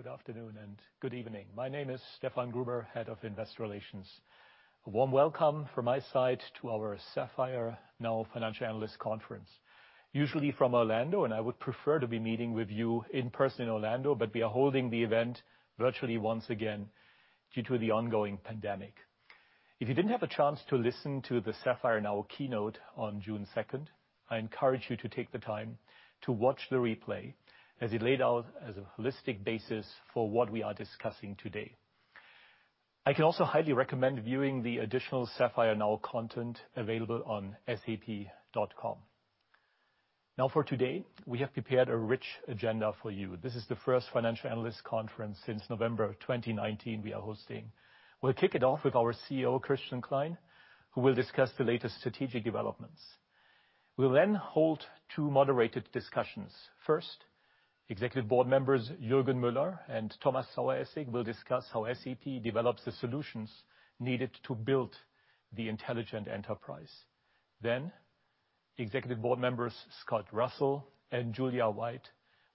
Good afternoon and good evening. My name is Stefan Gruber, head of Investor Relations. A warm welcome from my side to our SAPPHIRE NOW Financial Analyst Conference. Usually from Orlando, and I would prefer to be meeting with you in person in Orlando, but we are holding the event virtually once again due to the ongoing pandemic. If you didn't have a chance to listen to the SAPPHIRE NOW keynote on June 2nd, I encourage you to take the time to watch the replay, as it laid out as a holistic basis for what we are discussing today. I can also highly recommend viewing the additional SAPPHIRE NOW content available on sap.com. Now for today, we have prepared a rich agenda for you. This is the first financial analyst conference since November of 2019 we are hosting. We'll kick it off with our CEO, Christian Klein, who will discuss the latest strategic developments. We'll hold two moderated discussions. First, Executive Board Members Juergen Mueller and Thomas Saueressig will discuss how SAP develops the solutions needed to build the intelligent enterprise. Executive Board Members Scott Russell and Julia White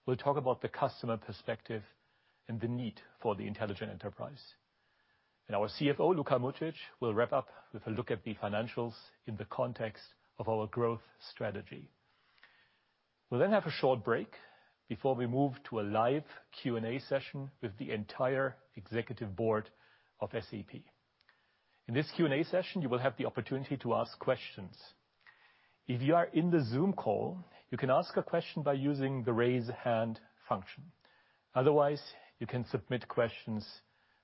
will talk about the customer perspective and the need for the intelligent enterprise. Our CFO, Luka Mucic, will wrap up with a look at the financials in the context of our growth strategy. We'll have a short break before we move to a live Q&A session with the entire Executive Board of SAP. In this Q&A session, you will have the opportunity to ask questions. If you are in the Zoom call, you can ask a question by using the raise hand function. Otherwise, you can submit questions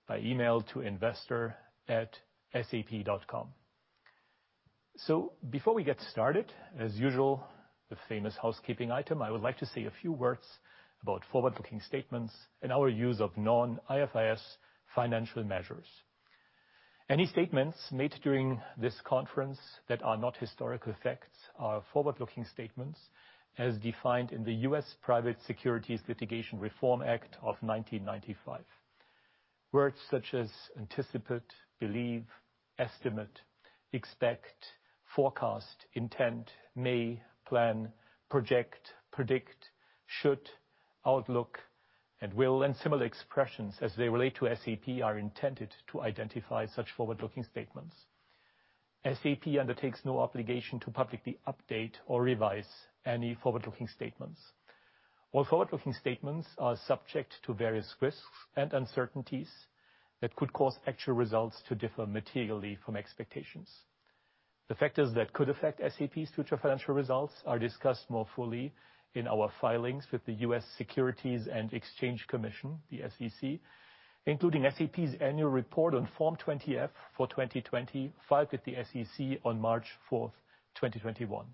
by email to investor@sap.com. Before we get started, as usual, the famous housekeeping item, I would like to say a few words about forward-looking statements and our use of non-IFRS financial measures. Any statements made during this conference that are not historical facts are forward-looking statements as defined in the U.S. Private Securities Litigation Reform Act of 1995. Words such as anticipate, believe, estimate, expect, forecast, intent, may, plan, project, predict, should, outlook, and will, and similar expressions as they relate to SAP are intended to identify such forward-looking statements. SAP undertakes no obligation to publicly update or revise any forward-looking statements. All forward-looking statements are subject to various risks and uncertainties that could cause actual results to differ materially from expectations. The factors that could affect SAP's future financial results are discussed more fully in our filings with the U.S. Securities and Exchange Commission, the SEC, including SAP's annual report on Form 20-F for 2020, filed with the SEC on March 4th, 2021.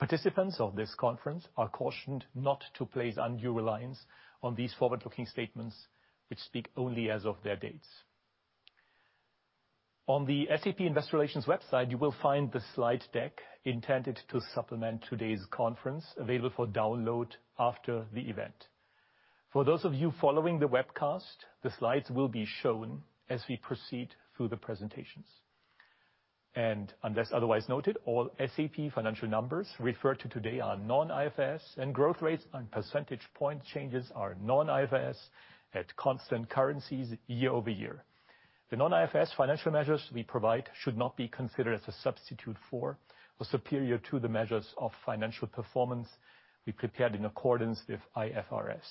Participants of this conference are cautioned not to place undue reliance on these forward-looking statements, which speak only as of their dates. On the SAP Investor Relations website, you will find the slide deck intended to supplement today's conference available for download after the event. For those of you following the webcast, the slides will be shown as we proceed through the presentations. Unless otherwise noted, all SAP financial numbers referred to today are non-IFRS, and growth rates and percentage point changes are non-IFRS at constant currencies year-over-year. The non-IFRS financial measures we provide should not be considered as a substitute for or superior to the measures of financial performance we prepared in accordance with IFRS.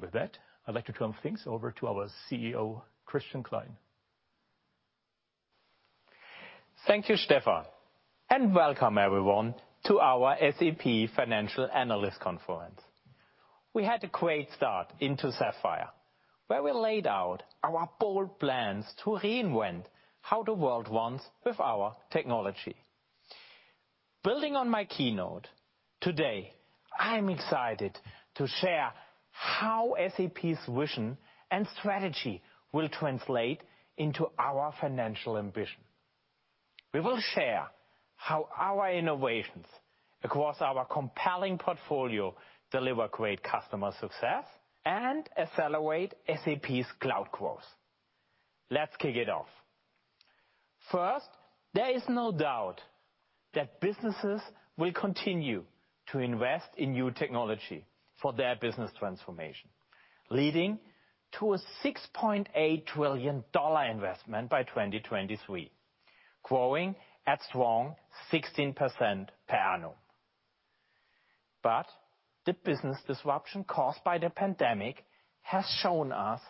With that, I'd like to turn things over to our CEO, Christian Klein. Thank you, Stefan, and welcome everyone to our SAP Financial Analyst Conference. We had a great start into Sapphire, where we laid out our bold plans to reinvent how the world runs with our technology. Building on my keynote, today I'm excited to share how SAP's vision and strategy will translate into our financial ambition. We will share how our innovations across our compelling portfolio deliver great customer success and accelerate SAP's cloud growth. Let's kick it off. There is no doubt that businesses will continue to invest in new technology for their business transformation, leading to a $6.8 trillion investment by 2023, growing at strong 16% per annum. The business disruption caused by the pandemic has shown us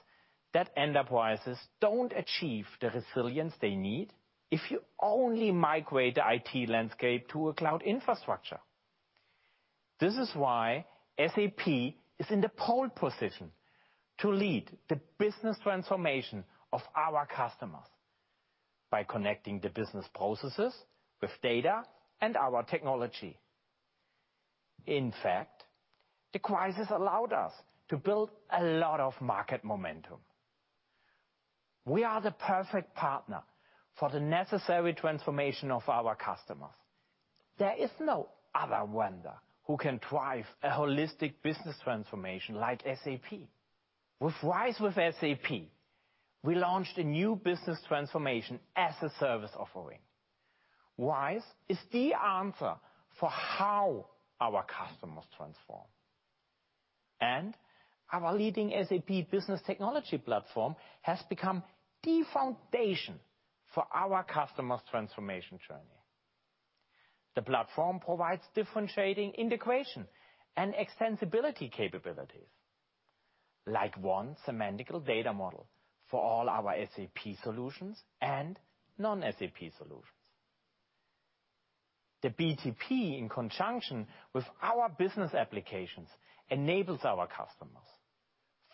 that enterprises don't achieve the resilience they need if you only migrate IT landscape to a cloud infrastructure. This is why SAP is in the pole position to lead the business transformation of our customers by connecting the business processes with data and our technology. In fact, the crisis allowed us to build a lot of market momentum. We are the perfect partner for the necessary transformation of our customers. There is no other vendor who can drive a holistic business transformation like SAP. With RISE with SAP, we launched a new business transformation as a service offering. RISE is the answer for how our customers transform. Our leading SAP Business Technology Platform has become the foundation for our customers' transformation journey. The platform provides differentiating integration and extensibility capabilities, like one semantical data model for all our SAP solutions and non-SAP solutions. The BTP, in conjunction with our business applications, enables our customers,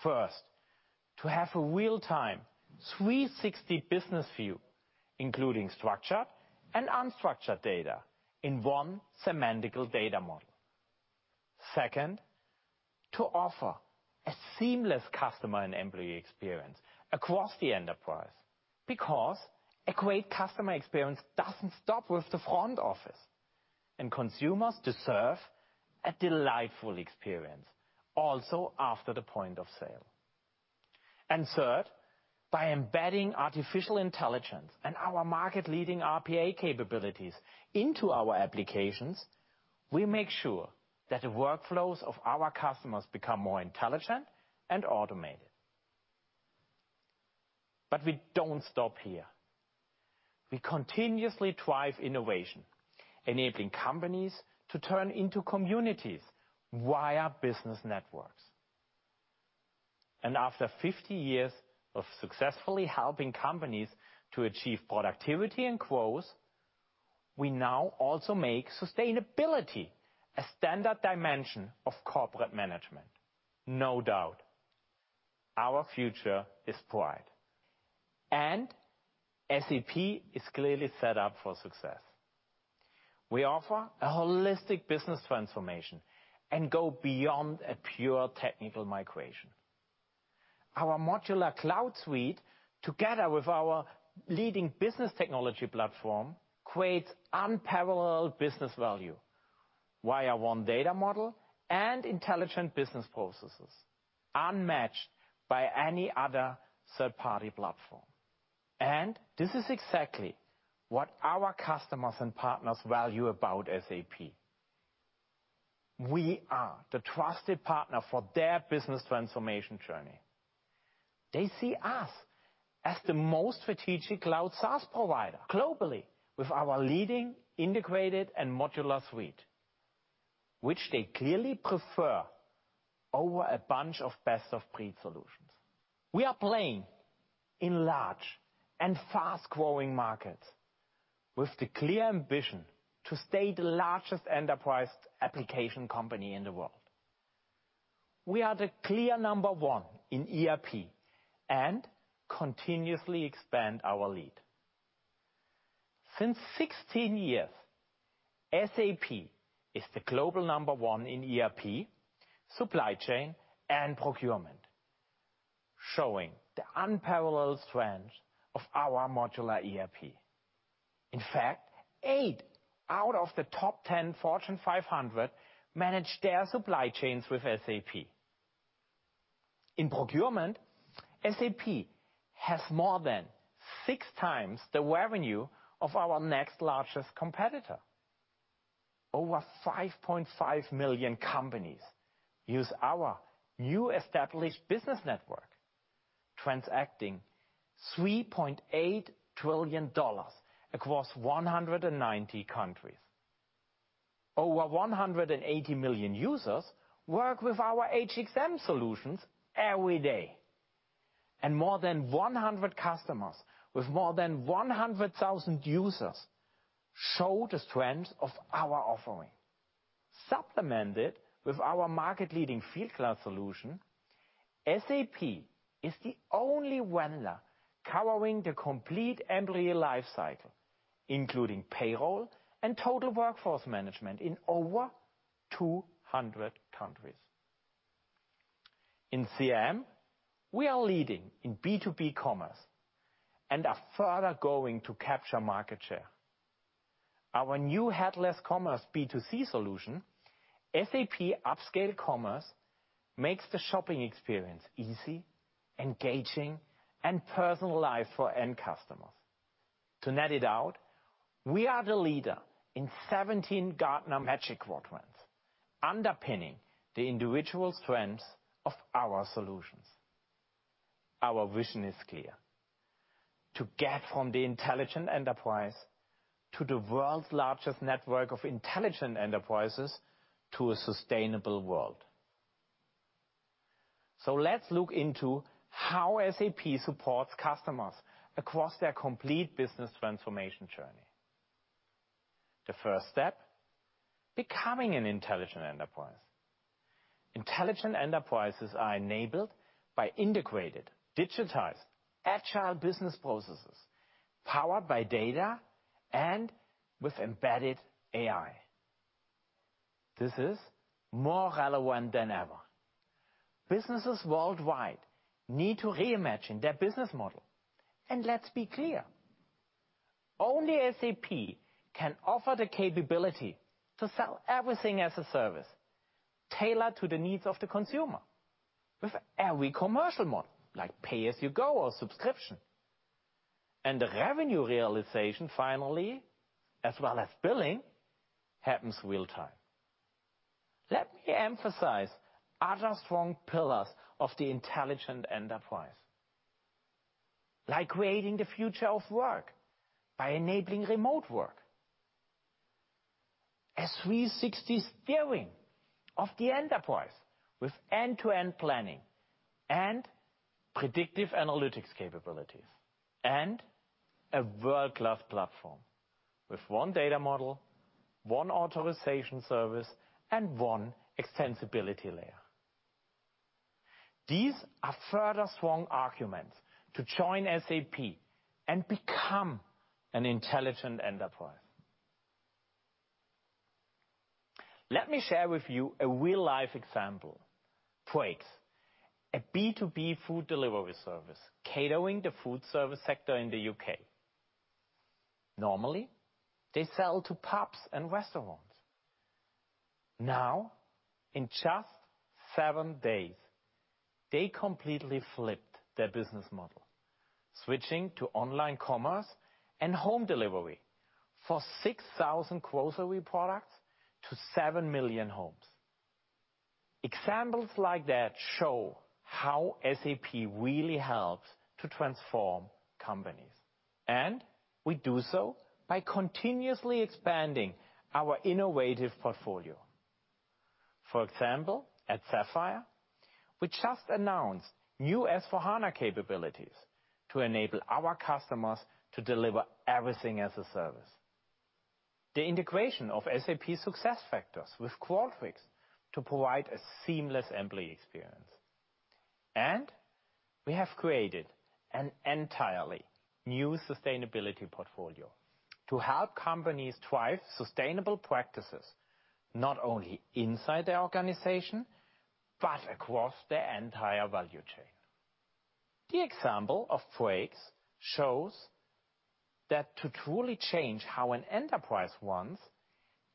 first, to have a real-time 360 business view, including structured and unstructured data in one semantical data model. Second, to offer a seamless customer and employee experience across the enterprise, because a great customer experience doesn't stop with the front office, and consumers deserve a delightful experience also after the point of sale. Third, by embedding artificial intelligence and our market-leading RPA capabilities into our applications, we make sure that the workflows of our customers become more intelligent and automated. We don't stop here. We continuously drive innovation, enabling companies to turn into communities via business networks. After 50 years of successfully helping companies to achieve productivity and growth, we now also make sustainability a standard dimension of corporate management. No doubt, our future is bright, and SAP is clearly set up for success. We offer a holistic business transformation and go beyond a pure technical migration. Our modular Cloud Suite, together with our leading SAP Business Technology Platform, creates unparalleled business value via one data model and intelligent business processes unmatched by any other third-party platform. This is exactly what our customers and partners value about SAP. We are the trusted partner for their business transformation journey. They see us as the most strategic cloud SaaS provider globally with our leading integrated and modular suite, which they clearly prefer over a bunch of best-of-breed solutions. We are playing in large and fast-growing markets with the clear ambition to stay the largest enterprise application company in the world. We are the clear number one in ERP and continuously expand our lead. Since 16 years, SAP is the global number one in ERP, supply chain, and procurement, showing the unparalleled strength of our modular ERP. In fact, eight out of the top 10 Fortune 500 manage their supply chains with SAP. In procurement, SAP has more than six times the revenue of our next largest competitor. Over 5.5 million companies use our new established business network, transacting EUR 3.8 trillion across 190 countries. Over 180 million users work with our HXM solutions every day, and more than 100 customers with more than 100,000 users show the strength of our offering. Supplemented with our market-leading Fieldglass solution, SAP is the only vendor covering the complete employee life cycle, including payroll and total workforce management in over 200 countries. In CM, we are leading in B2B commerce and are further going to capture market share. Our new headless commerce B2C solution, SAP Upscale Commerce, makes the shopping experience easy, engaging, and personalized for end customers. To net it out, we are the leader in 17 Gartner Magic Quadrants, underpinning the individual strengths of our solutions. Our vision is clear: to get from the intelligent enterprise to the world's largest network of intelligent enterprises to a sustainable world. Let's look into how SAP supports customers across their complete business transformation journey. The first step, becoming an intelligent enterprise. Intelligent enterprises are enabled by integrated, digitized, agile business processes, powered by data and with embedded AI. This is more relevant than ever. Businesses worldwide need to reimagine their business model. Let's be clear, only SAP can offer the capability to sell everything as a service. Tailored to the needs of the consumer with every commercial model, like pay-as-you-go or subscription. The revenue realization finally, as well as billing, happens real-time. Let me emphasize other strong pillars of the intelligent enterprise, like creating the future of work by enabling remote work, a 360 steering of the enterprise with end-to-end planning and predictive analytics capabilities, and a world-class platform with one data model, one authorization service, and one extensibility layer. These are further strong arguments to join SAP and become an intelligent enterprise. Let me share with you a real-life example. FRAYT, a B2B food delivery service catering to the food service sector in the U.K. Normally, they sell to pubs and restaurants. Now, in just seven days, they completely flipped their business model, switching to online commerce and home delivery for 6,000 grocery products to seven million homes. Examples like that show how SAP really helps to transform companies, and we do so by continuously expanding our innovative portfolio. For example, at Sapphire, we just announced new S/4HANA capabilities to enable our customers to deliver everything as a service. The integration of SAP SuccessFactors with Qualtrics to provide a seamless employee experience. We have created an entirely new sustainability portfolio to help companies drive sustainable practices, not only inside their organization, but across their entire value chain. The example of FRAYT shows that to truly change how an enterprise runs,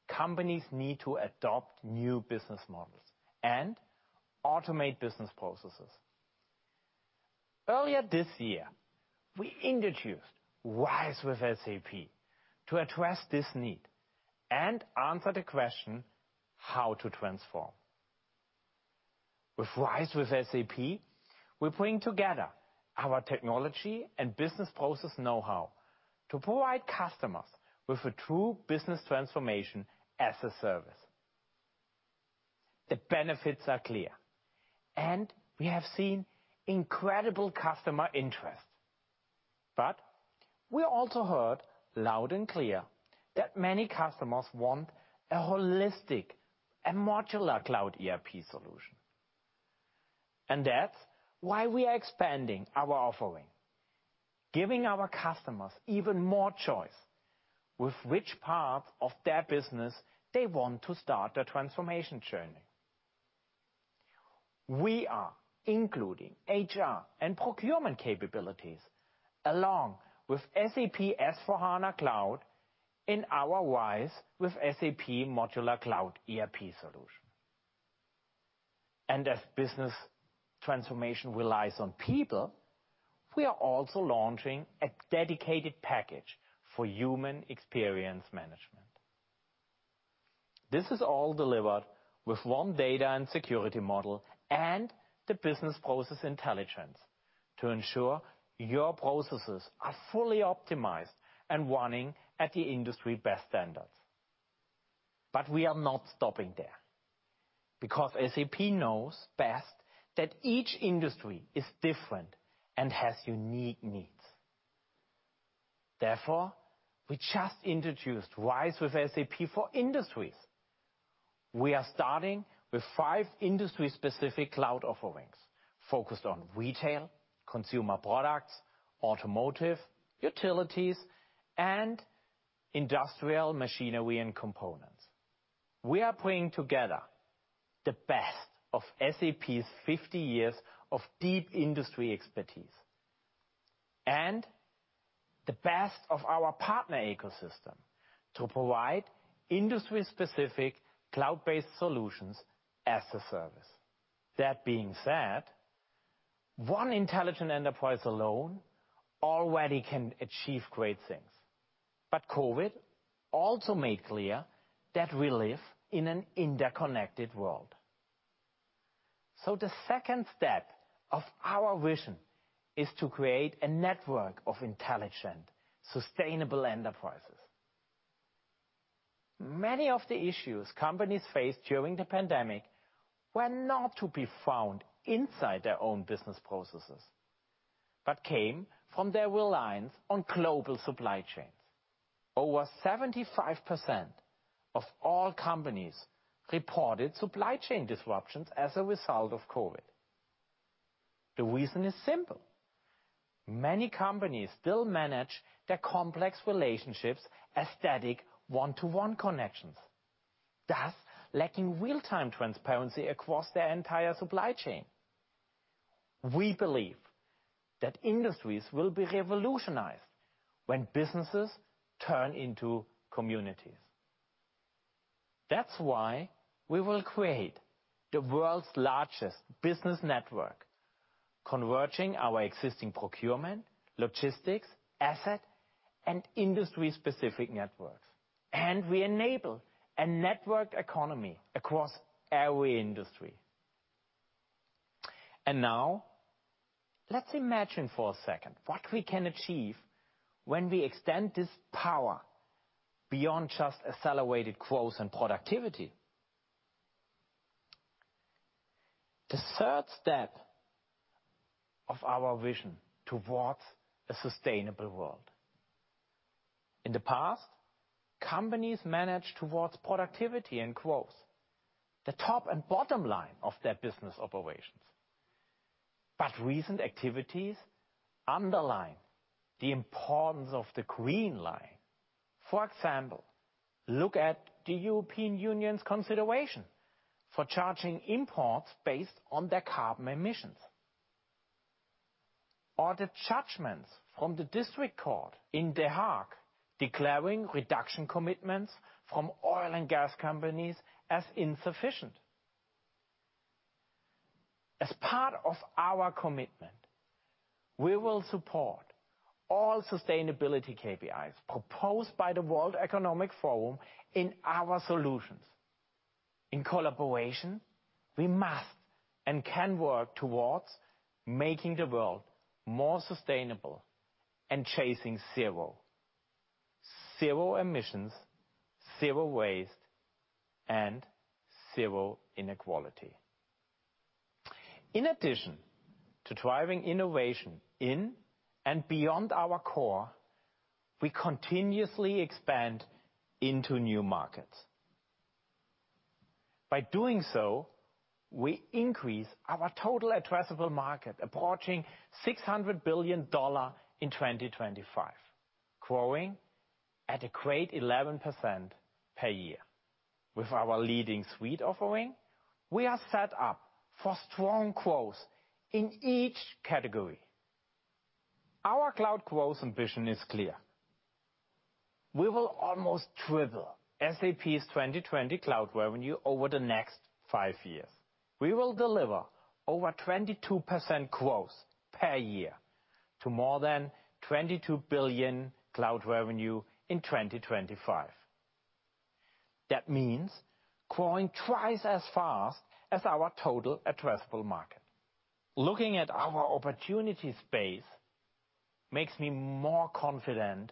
companies need to adopt new business models and automate business processes. Earlier this year, we introduced RISE with SAP to address this need and answer the question, how to transform. With RISE with SAP, we bring together our technology and business process know-how to provide customers with a true business transformation as a service. The benefits are clear. We have seen incredible customer interest. We also heard loud and clear that many customers want a holistic and modular cloud ERP solution. That's why we are expanding our offering, giving our customers even more choice with which part of their business they want to start their transformation journey. We are including HR and procurement capabilities along with SAP S/4HANA Cloud in our RISE with SAP modular cloud ERP solution. As business transformation relies on people, we are also launching a dedicated package for human experience management. This is all delivered with one data and security model and the business process intelligence to ensure your processes are fully optimized and running at the industry best standards. We are not stopping there, because SAP knows best that each industry is different and has unique needs. Therefore, we just introduced RISE with SAP for Industries. We are starting with five industry-specific cloud offerings focused on retail, consumer products, automotive, utilities, and industrial machinery and components. We are bringing together the best of SAP's 50 years of deep industry expertise and the best of our partner ecosystem to provide industry-specific cloud-based solutions as a service. That being said, one intelligent enterprise alone already can achieve great things. COVID also made clear that we live in an interconnected world. The second step of our vision is to create a network of intelligent, sustainable enterprises. Many of the issues companies faced during the pandemic were not to be found inside their own business processes, but came from their reliance on global supply chains. Over 75% of all companies reported supply chain disruptions as a result of COVID. The reason is simple. Many companies still manage their complex relationships as static one-to-one connections, thus lacking real-time transparency across their entire supply chain. We believe that industries will be revolutionized when businesses turn into communities. That's why we will create the world's largest business network, converging our existing procurement, logistics, asset, and industry-specific networks. We enable a network economy across every industry. Now let's imagine for a second what we can achieve when we extend this power beyond just accelerated growth and productivity. The third step of our vision towards a sustainable world. In the past, companies managed towards productivity and growth, the top and bottom line of their business operations. Recent activities underline the importance of the green line. For example, look at the European Union's consideration for charging imports based on their carbon emissions, or the judgments from the district court in The Hague declaring reduction commitments from oil and gas companies as insufficient. As part of our commitment, we will support all sustainability KPIs proposed by the World Economic Forum in our solutions. In collaboration, we must and can work towards making the world more sustainable and chasing zero. Zero emissions, zero waste, and zero inequality. In addition to driving innovation in and beyond our core, we continuously expand into new markets. By doing so, we increase our total addressable market, approaching EUR 600 billion in 2025, growing at a great 11% per year. With our leading suite offering, we are set up for strong growth in each category. Our cloud growth ambition is clear. We will almost triple SAP's 2020 cloud revenue over the next five years. We will deliver over 22% growth per year to more than 22 billion cloud revenue in 2025. That means growing twice as fast as our total addressable market. Looking at our opportunity space makes me more confident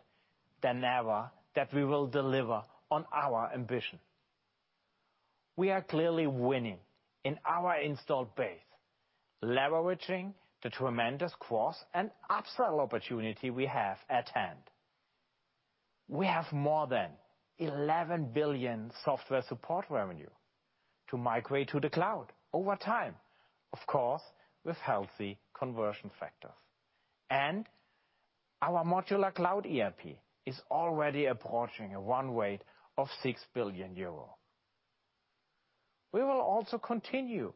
than ever that we will deliver on our ambition. We are clearly winning in our installed base, leveraging the tremendous cross and upsell opportunity we have at hand. We have more than 11 billion software support revenue to migrate to the cloud over time, of course, with healthy conversion factors. Our modular cloud ERP is already approaching a run rate of 6 billion euro. We will also continue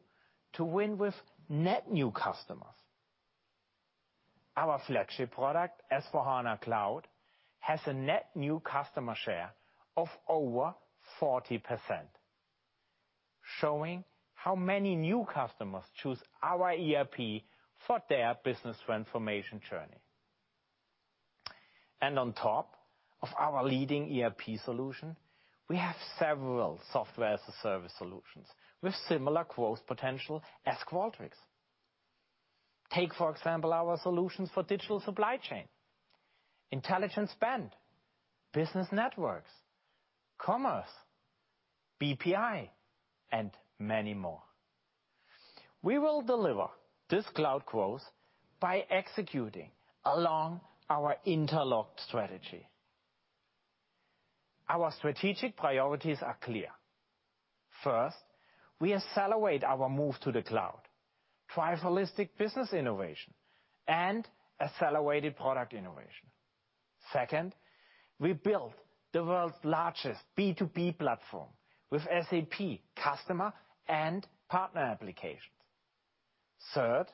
to win with net new customers. Our flagship product, S/4HANA Cloud, has a net new customer share of over 40%, showing how many new customers choose our ERP for their business transformation journey. On top of our leading ERP solution, we have several software as a service solutions with similar growth potential as Qualtrics. Take, for example, our solutions for digital supply chain, intelligent spend, business networks, commerce, BPI, and many more. We will deliver this cloud growth by executing along our interlocked strategy. Our strategic priorities are clear. First, we accelerate our move to the cloud, drive holistic business innovation, and accelerated product innovation. Second, we build the world's largest B2B platform with SAP customer and partner applications. Third,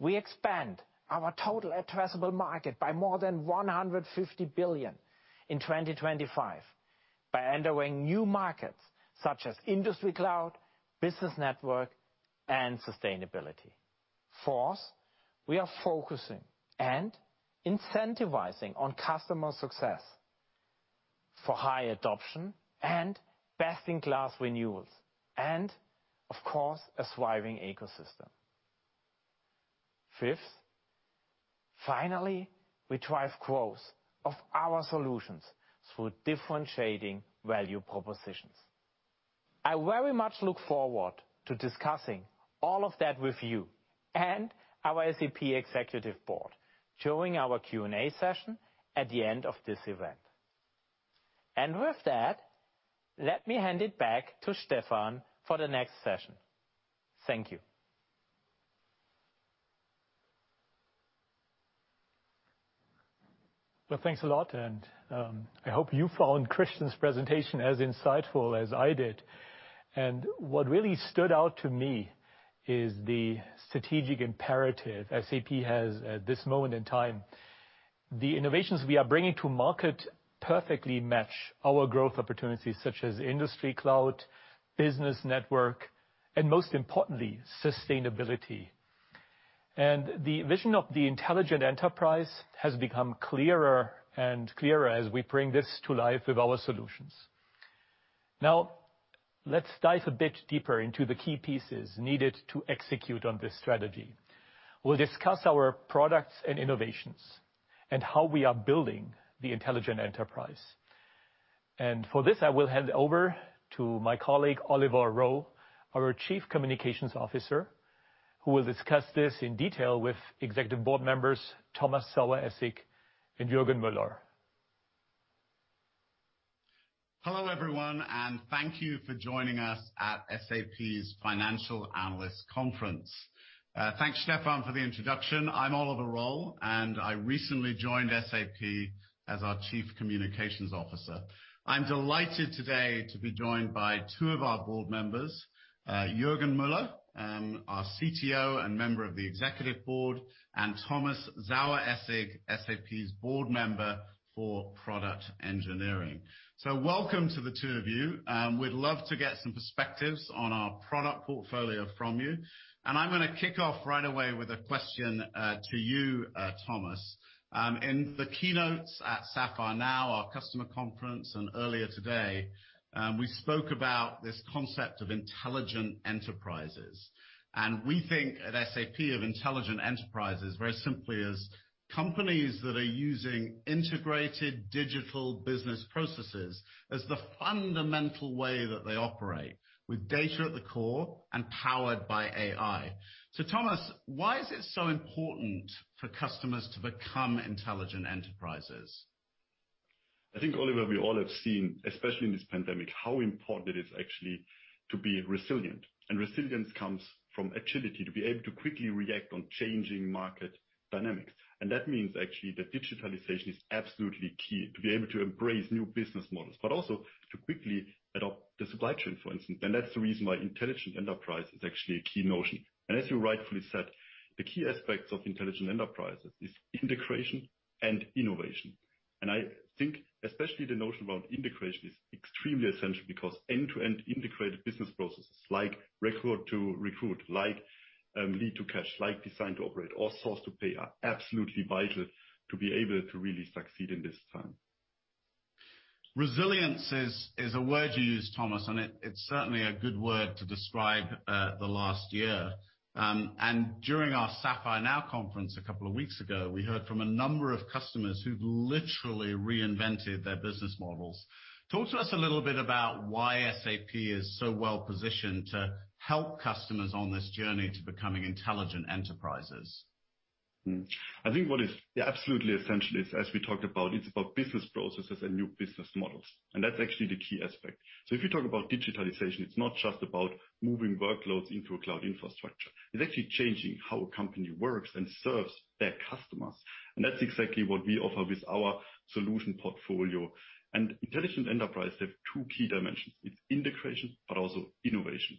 we expand our total addressable market by more than 150 billion in 2025 by entering new markets such as industry cloud, business network, and sustainability. Fourth, we are focusing and incentivizing on customer success for high adoption and best-in-class renewals, and of course, a thriving ecosystem. Fifth, finally, we drive growth of our solutions through differentiating value propositions. I very much look forward to discussing all of that with you and our SAP Executive Board during our Q&A session at the end of this event. With that, let me hand it back to Stefan for the next session. Thank you. Well, thanks a lot, and I hope you found Christian's presentation as insightful as I did. What really stood out to me is the strategic imperative SAP has at this moment in time. The innovations we are bringing to market perfectly match our growth opportunities, such as Industry Cloud, Business Network, and most importantly, sustainability. The vision of the intelligent enterprise has become clearer and clearer as we bring this to life with our solutions. Now, let's dive a bit deeper into the key pieces needed to execute on this strategy. We'll discuss our products and innovations and how we are building the intelligent enterprise. For this, I will hand over to my colleague, Oliver Roll, our Chief Communications Officer, who will discuss this in detail with Executive Board Members Thomas Saueressig and Juergen Mueller. Hello, everyone, and thank you for joining us at SAP's financial analyst conference. Thanks, Stefan, for the introduction. I'm Oliver Roll. I recently joined SAP as our Chief Communications Officer. I'm delighted today to be joined by two of our Board Members, Juergen Mueller, our CTO and Member of the Executive Board, Thomas Saueressig, SAP's Board Member for product engineering. Welcome to the two of you. We'd love to get some perspectives on our product portfolio from you. I'm going to kick off right away with a question to you, Thomas. In the keynotes at SAPPHIRE NOW, our customer conference, earlier today, we spoke about this concept of intelligent enterprises. We think at SAP of intelligent enterprises very simply as companies that are using integrated digital business processes as the fundamental way that they operate, with data at the core and powered by AI. Thomas, why is it so important for customers to become intelligent enterprises? I think, Oliver, we all have seen, especially in this pandemic, how important it is actually to be resilient. Resilience comes from agility, to be able to quickly react on changing market dynamics. That means actually that digitalization is absolutely key to be able to embrace new business models, but also to quickly adopt the supply chain, for instance. That's the reason why Intelligent Enterprise is actually a key notion. As you rightfully said, the key aspects of Intelligent Enterprise is integration and innovation. I think especially the notion around integration is extremely essential because end-to-end integrated business processes like Record to Recruit, like Lead to Cash, like Design to Operate, or Source to Pay, are absolutely vital to be able to really succeed in this time. Resilience is a word you used, Thomas, and it's certainly a good word to describe the last year. During our SAPPHIRE NOW conference a couple of weeks ago, we heard from a number of customers who've literally reinvented their business models. Talk to us a little bit about why SAP is so well-positioned to help customers on this journey to becoming intelligent enterprises. I think what is absolutely essential is, as we talked about, it's about business processes and new business models, and that's actually the key aspect. If you talk about digitalization, it's not just about moving workloads into a cloud infrastructure. It's actually changing how a company works and serves their customers. That's exactly what we offer with our solution portfolio. Intelligent enterprise have two key dimensions. It's integration, but also innovation.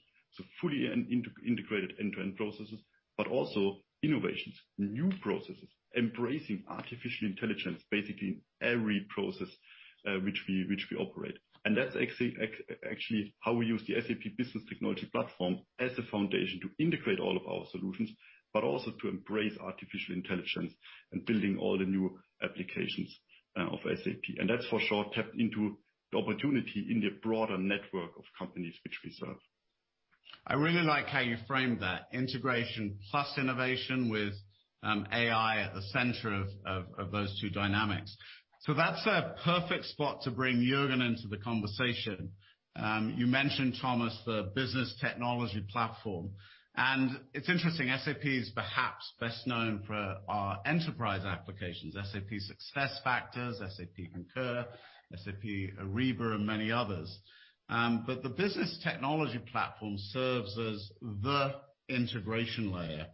Fully integrated end-to-end processes, but also innovations, new processes, embracing artificial intelligence, basically in every process which we operate. That's actually how we use the SAP Business Technology Platform as the foundation to integrate all of our solutions, but also to embrace artificial intelligence and building all the new applications of SAP. That for sure tap into the opportunity in the broader network of companies which we serve. I really like how you framed that, integration plus innovation with AI at the center of those two dynamics. That's a perfect spot to bring Juergen into the conversation. You mentioned, Thomas, the Business Technology Platform, and it's interesting, SAP is perhaps best known for our enterprise applications, SAP SuccessFactors, SAP Concur, SAP Ariba, and many others. The Business Technology Platform serves as the integration layer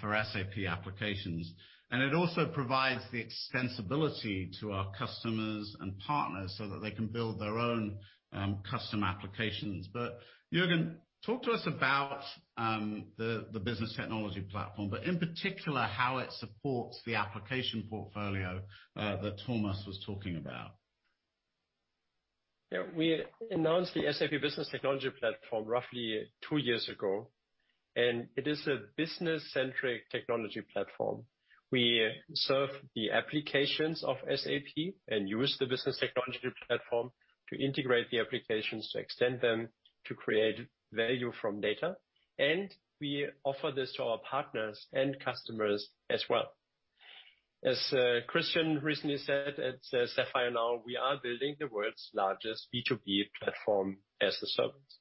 for SAP applications, and it also provides the extensibility to our customers and partners so that they can build their own custom applications. Juergen, talk to us about the Business Technology Platform, but in particular, how it supports the application portfolio that Thomas was talking about. Yeah. We announced the SAP Business Technology Platform roughly two years ago. It is a business-centric technology platform. We serve the applications of SAP and use the Business Technology Platform to integrate the applications, to extend them, to create value from data, and we offer this to our partners and customers as well. As Christian recently said at SAPPHIRE NOW, we are building the world's largest B2B platform as a service.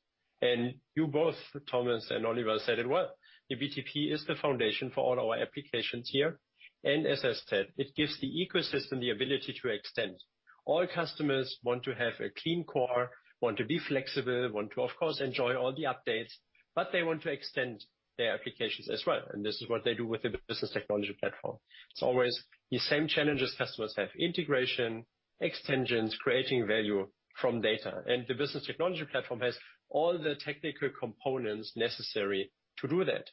You both, Thomas and Oliver, said it well, the BTP is the foundation for all our applications here. As I said, it gives the ecosystem the ability to extend. All customers want to have a clean core, want to be flexible, want to, of course, enjoy all the updates, but they want to extend their applications as well. This is what they do with the Business Technology Platform. It's always the same challenges customers have, integration, extensions, creating value from data, and the Business Technology Platform has all the technical components necessary to do that.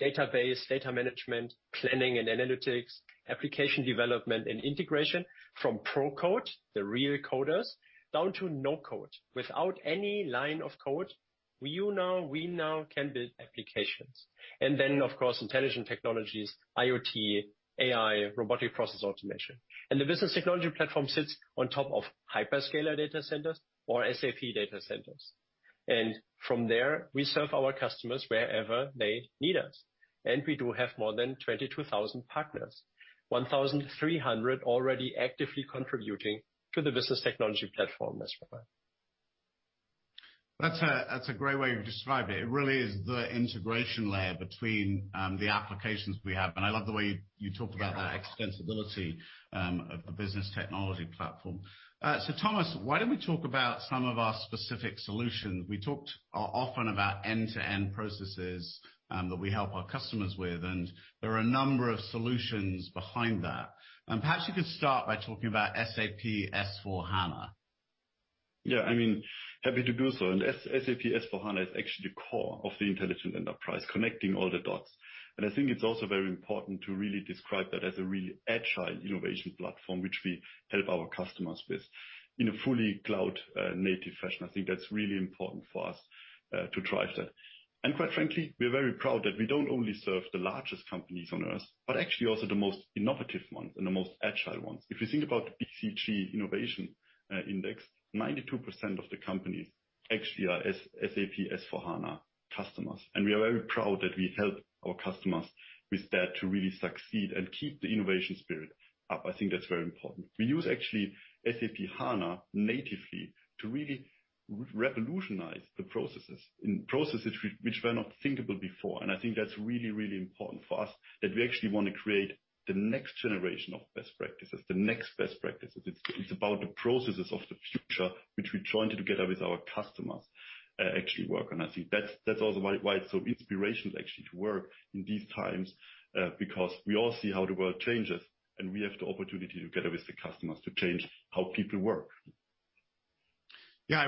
Database, data management, planning and analytics, application development, and integration from pro code, the real coders, down to no code. Without any line of code, we now can build applications. Then, of course, intelligent technologies, IoT, AI, robotic process automation. The Business Technology Platform sits on top of hyperscaler data centers or SAP data centers. From there, we serve our customers wherever they need us. We do have more than 22,000 partners, 1,300 already actively contributing to the Business Technology Platform as well. That's a great way of describing it. It really is the integration layer between the applications we have, and I love the way you talk about that extensibility of the Business Technology Platform. Thomas, why don't we talk about some of our specific solutions? We talked often about end-to-end processes that we help our customers with, and there are a number of solutions behind that. Perhaps you could start by talking about SAP S/4HANA. Yeah. Happy to do so. SAP S/4HANA is actually the core of the intelligent enterprise, connecting all the dots. I think it's also very important to really describe that as a really agile innovation platform, which we help our customers with in a fully cloud native fashion. I think that's really important for us to drive that. Quite frankly, we are very proud that we don't only serve the largest companies on Earth, but actually also the most innovative ones and the most agile ones. If you think about BCG Most Innovative Companies, 92% of the companies actually are SAP S/4HANA customers. We are very proud that we help our customers with that to really succeed and keep the innovation spirit up. I think that's very important. We use actually SAP HANA natively to really revolutionize the processes, and processes which were not thinkable before. I think that's really, really important for us, that we actually want to create the next generation of best practices, the next best practices. It's about the processes of the future, which we jointly together with our customers actually work on. I think that's also why it's so inspirational actually to work in these times, because we all see how the world changes, and we have the opportunity together with the customers to change how people work. Yeah,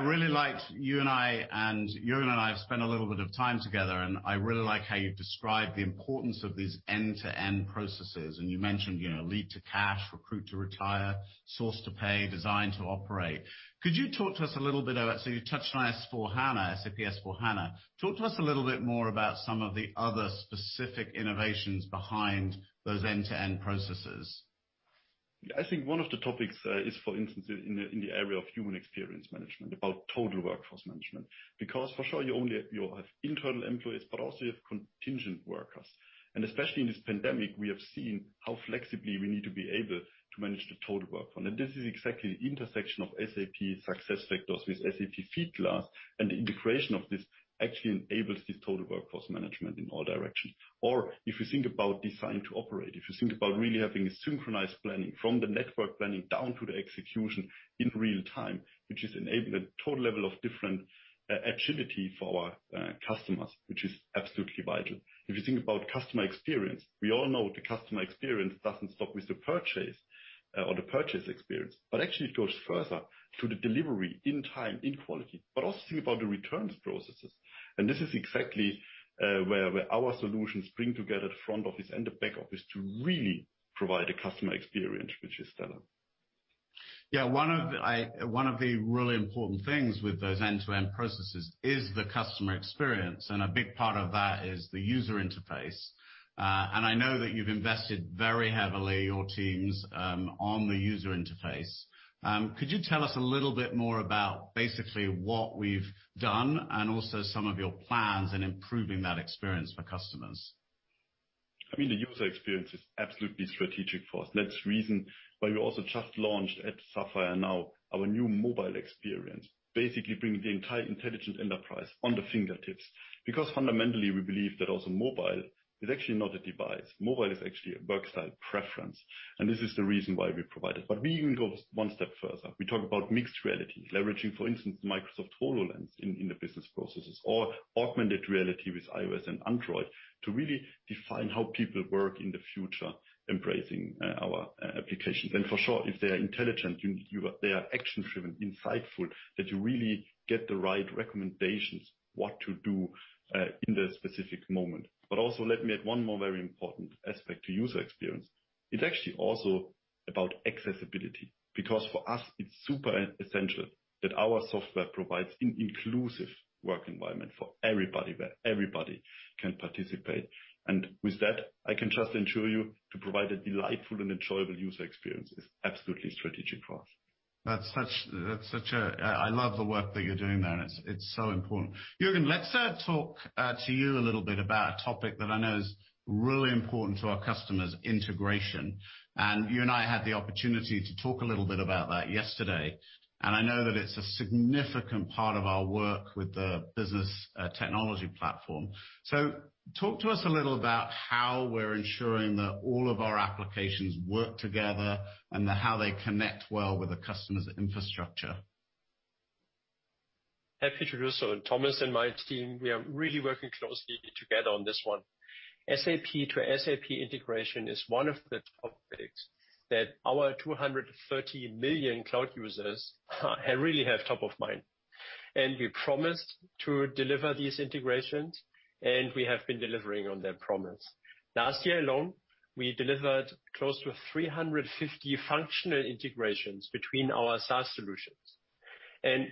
you and I have spent a little bit of time together. I really like how you described the importance of these end-to-end processes. You mentioned lead to cash, recruit to retire, source to pay, design to operate. You touched on S/4HANA, SAP S/4HANA. Talk to us a little bit more about some of the other specific innovations behind those end-to-end processes. I think one of the topics is, for instance, in the area of human experience management, about total workforce management. For sure, you have internal employees, but also you have contingent workers. Especially in this pandemic, we have seen how flexibly we need to be able to manage the total workforce. This is exactly the intersection of SAP SuccessFactors with SAP Fieldglass, and the integration of this actually enables this total workforce management in all directions. If you think about design to operate, if you think about really having synchronized planning from the network planning down to the execution in real time, which has enabled a total level of different agility for our customers, which is absolutely vital. If you think about customer experience, we all know the customer experience doesn't stop with the purchase or the purchase experience, but actually it goes further to the delivery in time, in quality. Also think about the returns processes, and this is exactly where our solutions bring together front office and the back office to really provide a customer experience which is stellar. Yeah. One of the really important things with those end-to-end processes is the customer experience, and a big part of that is the user interface. I know that you've invested very heavily, your teams, on the user interface. Could you tell us a little bit more about basically what we've done and also some of your plans in improving that experience for customers? The user experience is absolutely strategic for us, and that's the reason why we also just launched at SAPPHIRE NOW our new mobile experience, basically bringing the entire intelligent enterprise on the fingertips. Fundamentally, we believe that also mobile is actually not a device. Mobile is actually a work style preference, and this is the reason why we provide it. We even go one step further. We talk about mixed reality, leveraging, for instance, Microsoft HoloLens in the business processes or augmented reality with iOS and Android to really define how people work in the future embracing our applications. For sure, if they're intelligent, they are action driven, insightful, that you really get the right recommendations, what to do in that specific moment. Also let me add one more very important aspect to user experience. It's actually also about accessibility, because for us it's super essential that our software provides an inclusive work environment for everybody, where everybody can participate. With that, I can just assure you to provide a delightful and enjoyable user experience is absolutely strategic for us. I love the work that you're doing there. It's so important. Juergen, let's talk to you a little bit about a topic that I know is really important to our customers, integration. You and I had the opportunity to talk a little bit about that yesterday, and I know that it's a significant part of our work with the Business Technology Platform. Talk to us a little about how we're ensuring that all of our applications work together and how they connect well with a customer's infrastructure. Happy to do so. Thomas and my team, we are really working closely together on this one. SAP-to-SAP integration is one of the topics that our 230 million cloud users really have top of mind. We promised to deliver these integrations, and we have been delivering on that promise. Last year alone, we delivered close to 350 functional integrations between our SaaS solutions.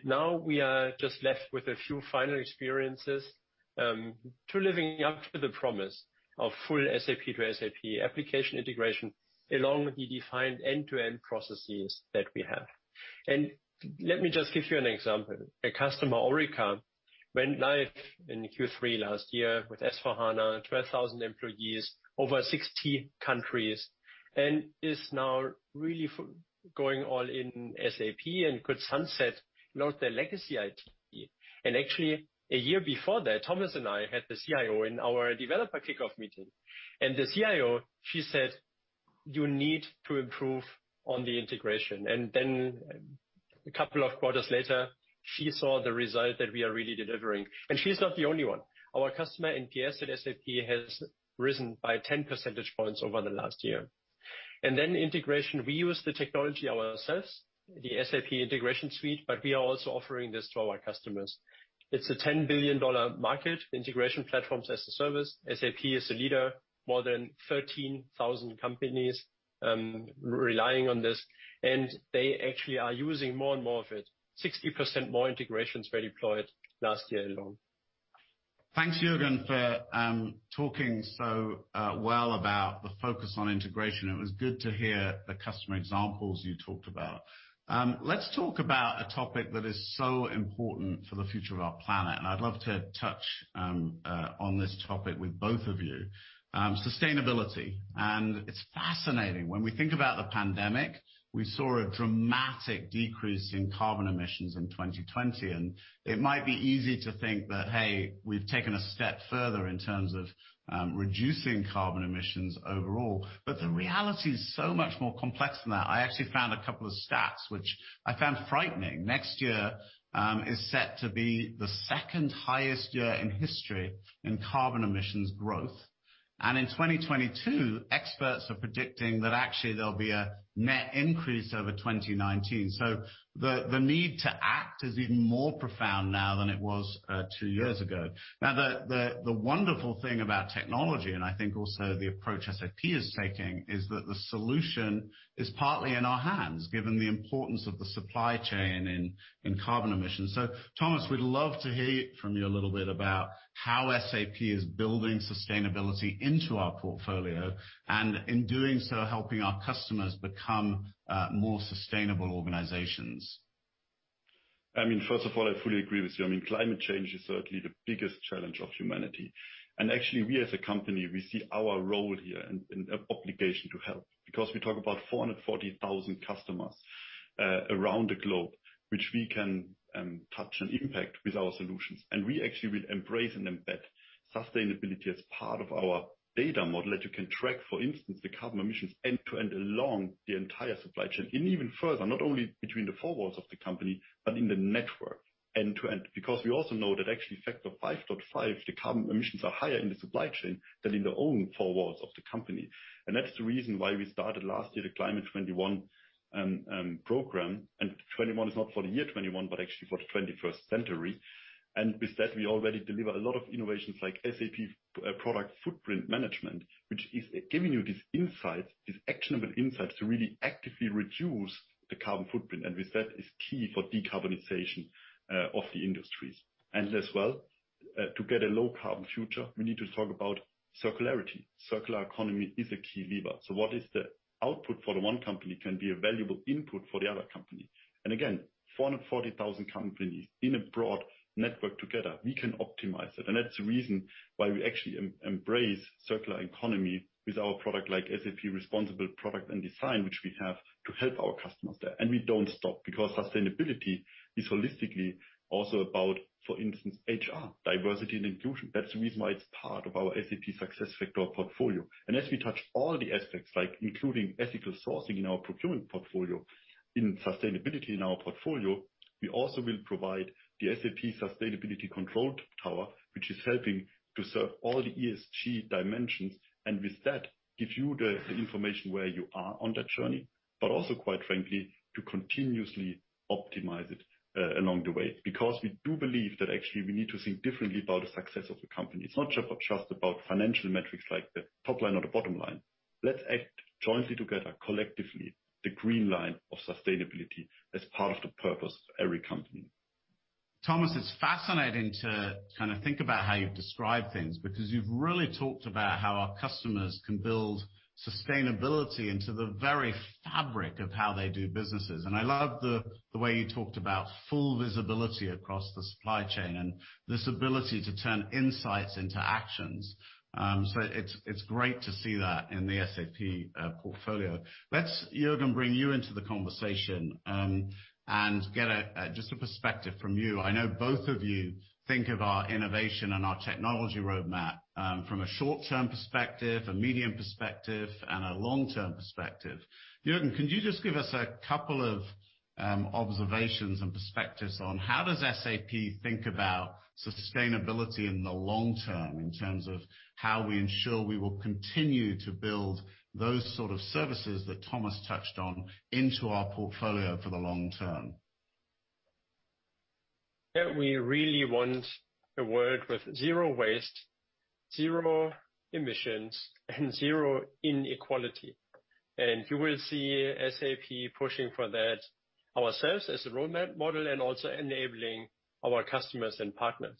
Now we are just left with a few final experiences to living up to the promise of full SAP-to-SAP application integration along with the defined end-to-end processes that we have. Let me just give you an example. A customer, Orica, went live in Q3 last year with S/4HANA, 12,000 employees, over 60 countries, and is now really going all-in SAP and could sunset a lot of their legacy IT. Actually, a year before that, Thomas and I had the CIO in our developer kickoff meeting. The CIO, she said, "You need to improve on the integration." A couple of quarters later, she saw the result that we are really delivering. She's not the only one. Our customer NPS at SAP has risen by 10 percentage points over the last year. Integration, we use the technology ourselves, the SAP Integration Suite, but we are also offering this to our customers. It's a $10 billion market, integration platform as a service. SAP is a leader. More than 13,000 companies relying on this, and they actually are using more and more of it. 60% more integrations were deployed last year alone. Thanks, Juergen, for talking so well about the focus on integration. It was good to hear the customer examples you talked about. Let's talk about a topic that is so important for the future of our planet, and I'd love to touch on this topic with both of you. Sustainability. It's fascinating. When we think about the pandemic, we saw a dramatic decrease in carbon emissions in 2020, and it might be easy to think that, hey, we've taken a step further in terms of reducing carbon emissions overall. The reality is so much more complex than that. I actually found a couple of stats, which I found frightening. Next year is set to be the second highest year in history in carbon emissions growth. In 2022, experts are predicting that actually there'll be a net increase over 2019. The need to act is even more profound now than it was two years ago. The wonderful thing about technology, and I think also the approach SAP is taking, is that the solution is partly in our hands, given the importance of the supply chain in carbon emissions. Thomas, we'd love to hear from you a little bit about how SAP is building sustainability into our portfolio, and in doing so, helping our customers become more sustainable organizations. First of all, I fully agree with you. Climate change is certainly the biggest challenge of humanity. Actually, we as a company, we see our role here and obligation to help, because we talk about 440,000 customers around the globe, which we can touch and impact with our solutions. We actually will embrace and embed sustainability as part of our data model that you can track, for instance, the carbon emissions end to end along the entire supply chain, and even further, not only between the four walls of the company, but in the network end to end. We also know that actually a factor of 5.5, the carbon emissions are higher in the supply chain than in their own four walls of the company. That's the reason why we started last year the Climate 21 program. 21 is not for the year 2021, but actually for the 21st century. With that, we already deliver a lot of innovations like SAP Product Footprint Management, which is giving you these insights, these actionable insights, to really actively reduce the carbon footprint. With that, it's key for decarbonization of the industries. As well, to get a low carbon future, we need to talk about circularity. Circular economy is a key lever. What is the output for the one company can be a valuable input for the other company. Again, 440,000 companies in a broad network together, we can optimize that. That's the reason why we actually embrace circular economy with our product like SAP Responsible Design and Production, which we have to help our customers there. We don't stop because sustainability is holistically also about, for instance, HR, diversity and inclusion. That's the reason why it's part of our SAP SuccessFactors portfolio. As we touch all the aspects, like including ethical sourcing in our procurement portfolio, in sustainability in our portfolio, we also will provide the SAP Sustainability Control Tower, which is helping to serve all the ESG dimensions, and with that, give you the information where you are on that journey, but also, quite frankly, to continuously optimize it along the way. We do believe that actually we need to think differently about the success of the company. It's not just about financial metrics like the top line or the bottom line. Let's act jointly together, collectively, the green line of sustainability as part of the purpose of every company. Thomas, it's fascinating to kind of think about how you've described things. You've really talked about how our customers can build sustainability into the very fabric of how they do businesses. I love the way you talked about full visibility across the supply chain and this ability to turn insights into actions. It's great to see that in the SAP portfolio. Let's, Juergen, bring you into the conversation and get just a perspective from you. I know both of you think of our innovation and our technology roadmap from a short-term perspective, a medium perspective, and a long-term perspective. Juergen, can you just give us a couple of observations and perspectives on how does SAP think about sustainability in the long term in terms of how we ensure we will continue to build those sort of services that Thomas touched on into our portfolio for the long term? We really want a world with zero waste, zero emissions, and zero inequality. You will see SAP pushing for that ourselves as a role model and also enabling our customers and partners.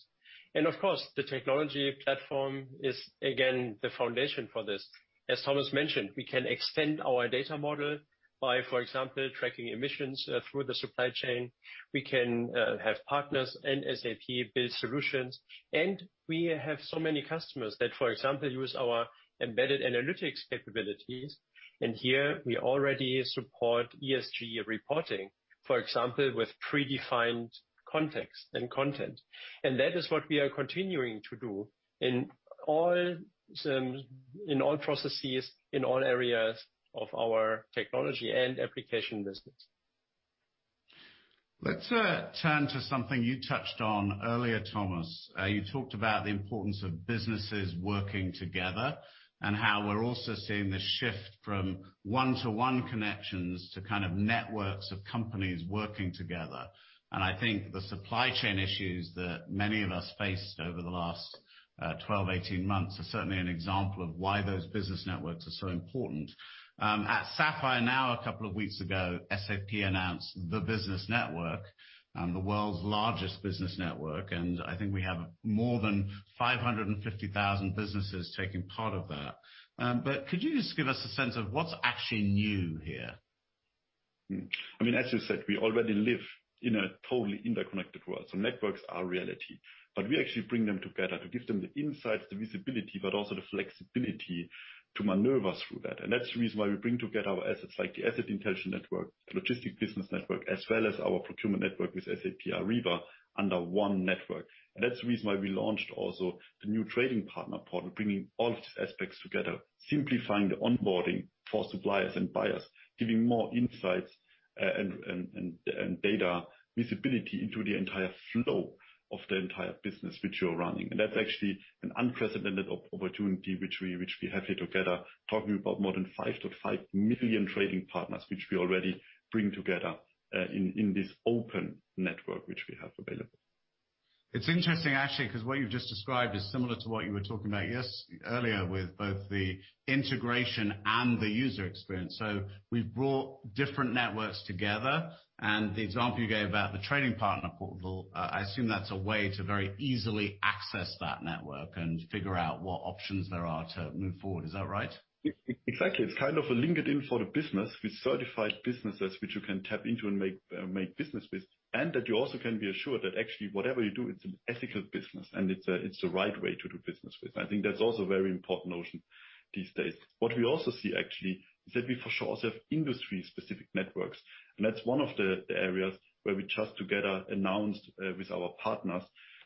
Of course, the technology platform is again, the foundation for this. As Thomas mentioned, we can extend our data model by, for example, tracking emissions through the supply chain. We can have partners and SAP build solutions, and we have so many customers that, for example, use our embedded analytics capabilities. Here we already support ESG reporting, for example, with predefined context and content. That is what we are continuing to do in all processes, in all areas of our technology and application business. Let's turn to something you touched on earlier, Thomas. You talked about the importance of businesses working together and how we're also seeing this shift from one-to-one connections to kind of networks of companies working together. I think the supply chain issues that many of us faced over the last 12, 18 months are certainly an example of why those business networks are so important. At SAPPHIRE NOW, a couple of weeks ago, SAP announced the Business Network, the world's largest business network, and I think we have more than 550,000 businesses taking part in that. Could you just give us a sense of what's actually new here? As you said, we already live in a totally interconnected world, so networks are reality, but we actually bring them together to give them the insights, the visibility, but also the flexibility to maneuver through that. That's the reason why we bring together our assets like the SAP Asset Intelligence Network, SAP Logistics Business Network, as well as our procurement network with SAP Ariba under one network. That's the reason why we launched also the new Trading Partner Portal, bringing all these aspects together, simplifying the onboarding for suppliers and buyers, giving more insights and data visibility into the entire flow of the entire business which you're running. That's actually an unprecedented opportunity which we have here together, talking about more than 5.5 million trading partners, which we already bring together in this open network which we have available. It's interesting actually, because what you've just described is similar to what you've talking about earlier with both the integration and the user experience. We've brought different networks together, and the example you gave about the Trading Partner Portal, I assume that's a way to very easily access that network and figure out what options there are to move forward. Is that right? Exactly. It's kind of a LinkedIn for the business with certified businesses which you can tap into and make business with, and that you also can be assured that actually whatever you do, it's an ethical business, and it's the right way to do business with. I think that's also a very important notion these days. What we also see actually is that we for sure also have industry-specific networks, that's one of the areas where we just together announced with our partners,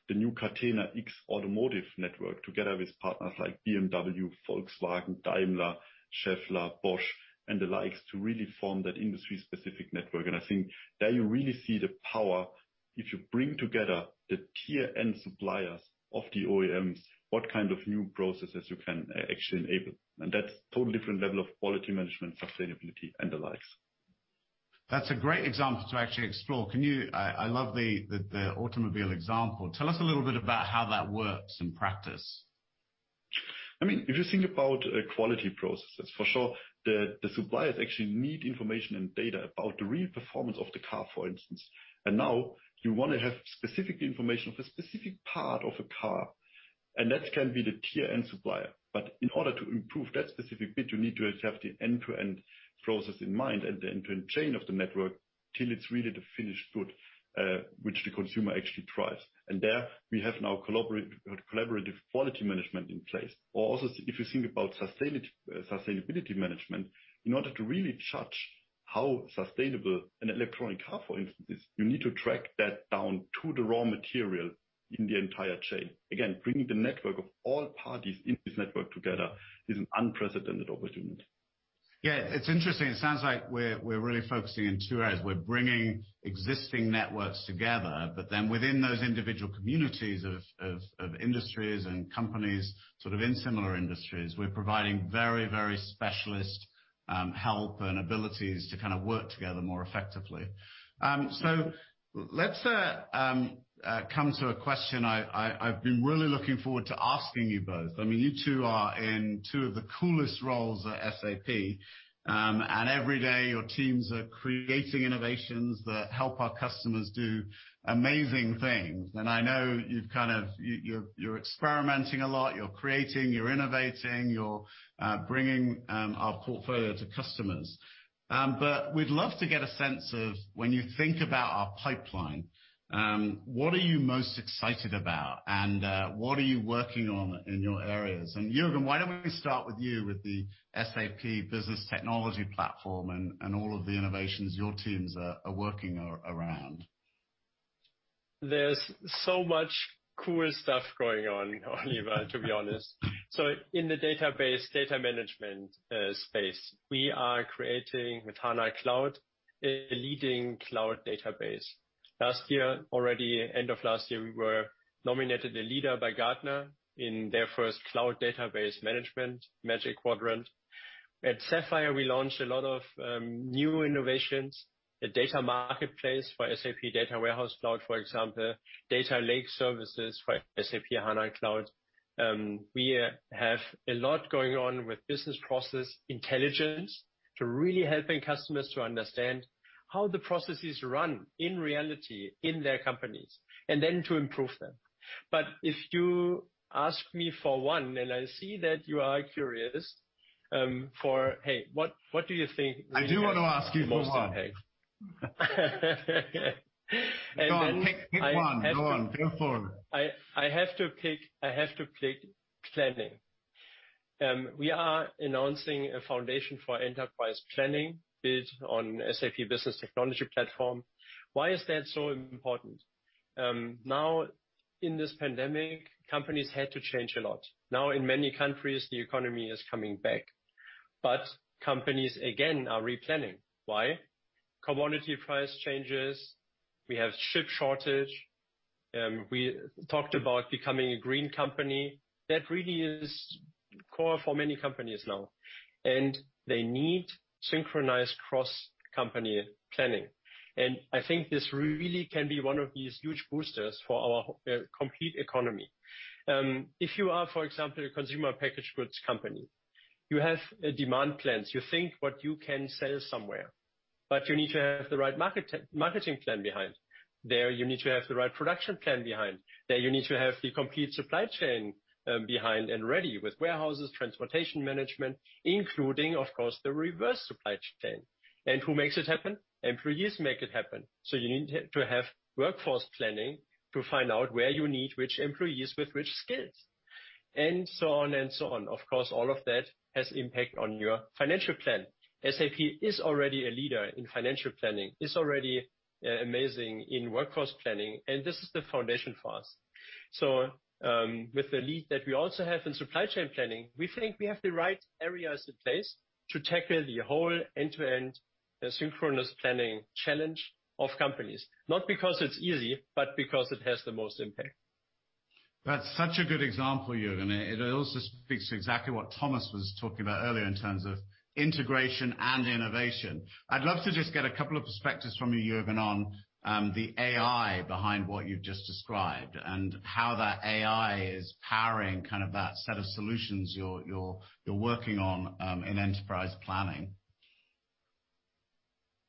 the new Catena-X Automotive Network, together with partners like BMW, Volkswagen, Daimler, Schaeffler, Bosch, and the likes to really form that industry-specific network. I think there you really see the power if you bring together the Tier 1 suppliers of the OEMs, what kind of new processes you can actually enable. That's a total different level of quality management, sustainability, and the like. That's a great example to actually explore. I love the automobile example. Tell us a little bit about how that works in practice. If you think about quality processes, for sure, the suppliers actually need information and data about the real performance of the car, for instance. Now you want to have specific information for a specific part of a car, and that can be the Tier 1 supplier. In order to improve that specific bit, you need to have the end-to-end process in mind and the end-to-end chain of the network till it's really the finished good, which the consumer actually tries. There we have now collaborative quality management in place. Also, if you think about sustainability management, in order to really judge how sustainable an electronic car, for instance, is, you need to track that down to the raw material in the entire chain. Again, bringing the network of all parties in this network together is an unprecedented opportunity. It's interesting. It sounds like we're really focusing in two areas. We're bringing existing networks together, but then within those individual communities of industries and companies sort of in similar industries, we're providing very specialist help and abilities to kind of work together more effectively. Let's come to a question I've been really looking forward to asking you both. You two are in two of the coolest roles at SAP, and every day your teams are creating innovations that help our customers do amazing things. I know you're experimenting a lot, you're creating, you're innovating, you're bringing our portfolio to customers. We'd love to get a sense of when you think about our pipeline, what are you most excited about and what are you working on in your areas? Juergen, why don't we start with you with the SAP Business Technology Platform and all of the innovations your teams are working around? There's so much cool stuff going on, Oliver, to be honest. In the database data management space, we are creating with HANA Cloud, a leading cloud database. End of last year, we were nominated a leader by Gartner in their first cloud database management, Gartner Magic Quadrant. At Sapphire, we launched a lot of new innovations, a data marketplace for SAP Data Warehouse Cloud, for example, data lake services for SAP HANA Cloud. We have a lot going on with business process intelligence to really helping customers to understand how the processes run in reality in their companies and then to improve them. If you ask me for one, and I see that you are curious, for, hey, what do you think is the most important? I do want to ask you for one. No, pick one. Go on. Pick one. I have to pick planning. We are announcing a foundation for enterprise planning built on SAP Business Technology Platform. Why is that so important? In this pandemic, companies had to change a lot. In many countries, the economy is coming back. Companies again are re-planning. Why? Commodity price changes. We have chip shortage. We talked about becoming a green company. That really is core for many companies now, and they need synchronized cross-company planning. I think this really can be one of these huge boosters for our complete economy. If you are, for example, a consumer packaged goods company, you have demand plans. You think what you can sell somewhere, but you need to have the right marketing plan behind. There, you need to have the right production plan behind. There, you need to have the complete supply chain behind and ready with warehouses, transportation management, including, of course, the reverse supply chain. Who makes it happen? Employees make it happen. You need to have workforce planning to find out where you need which employees with which skills, and so on. Of course, all of that has impact on your financial plan. SAP is already a leader in financial planning, is already amazing in workforce planning, and this is the foundation for us. With the lead that we also have in supply chain planning, we think we have the right areas in place to tackle the whole end-to-end synchronous planning challenge of companies. Not because it's easy, but because it has the most impact. That's such a good example, Juergen. It also speaks exactly what Thomas was talking about earlier in terms of integration and innovation. I'd love to just get a couple of perspectives from you, Juergen, on the AI behind what you've just described and how that AI is powering kind of that set of solutions you're working on in enterprise planning.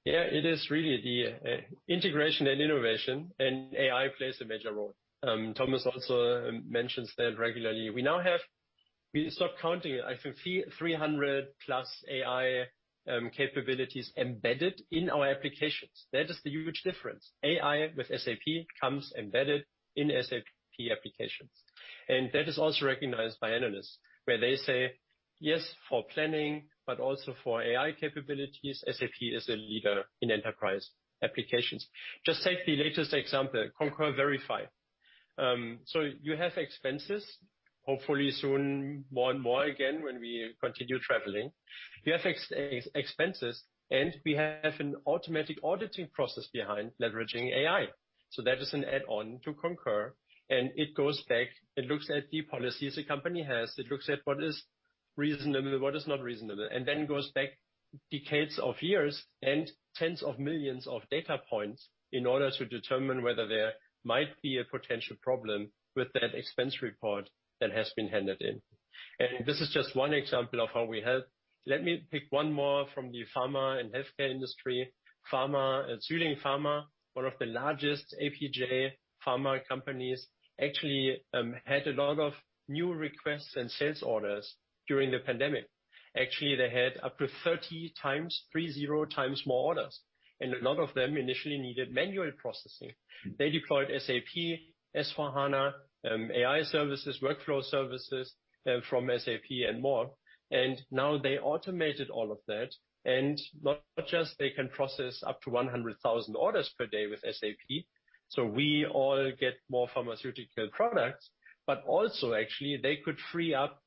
It is really the integration and innovation, AI plays a major role. Thomas also mentions that regularly. We stopped counting. 300+ AI capabilities embedded in our applications. That is the huge difference. AI with SAP comes embedded in SAP applications, that is also recognized by analysts, where they say, yes, for planning, but also for AI capabilities, SAP is a leader in enterprise applications. Take the latest example, Concur Verify. You have expenses, hopefully soon, more and more again when we continue traveling. We have expenses, we have an automatic auditing process behind leveraging AI. That is an add-on to Concur, it goes back, it looks at the policies the company has. It looks at what is reasonable, what is not reasonable, and then goes back decades of years and tens of millions of data points in order to determine whether there might be a potential problem with that expense report that has been handed in. This is just 1 example of how we help. Let me pick one more from the pharma and healthcare industry. Pharma, one of the largest APJ pharma companies, actually had a lot of new requests and sales orders during the pandemic. Actually, they had up to 30 times, 30 times more orders, and a lot of them initially needed manual processing. They deployed SAP S/4HANA, AI services, workflow services from SAP and more. Now they automated all of that, and not just they can process up to 100,000 orders per day with SAP, so we all get more pharmaceutical products, but also actually, they could free up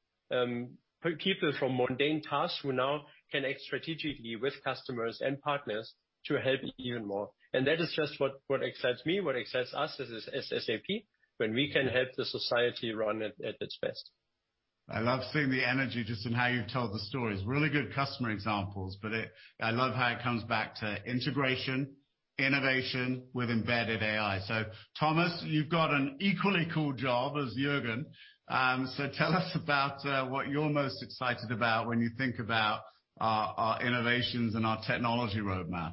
people from mundane tasks who now can act strategically with customers and partners to help even more. That is just what excites me, what excites us as SAP, when we can help the society run at its best. I love seeing the energy just in how you've told the stories, really good customer examples, but I love how it comes back to integration, innovation with embedded AI. Thomas, you've got an equally cool job as Juergen. Tell us about what you're most excited about when you think about our innovations and our technology roadmap.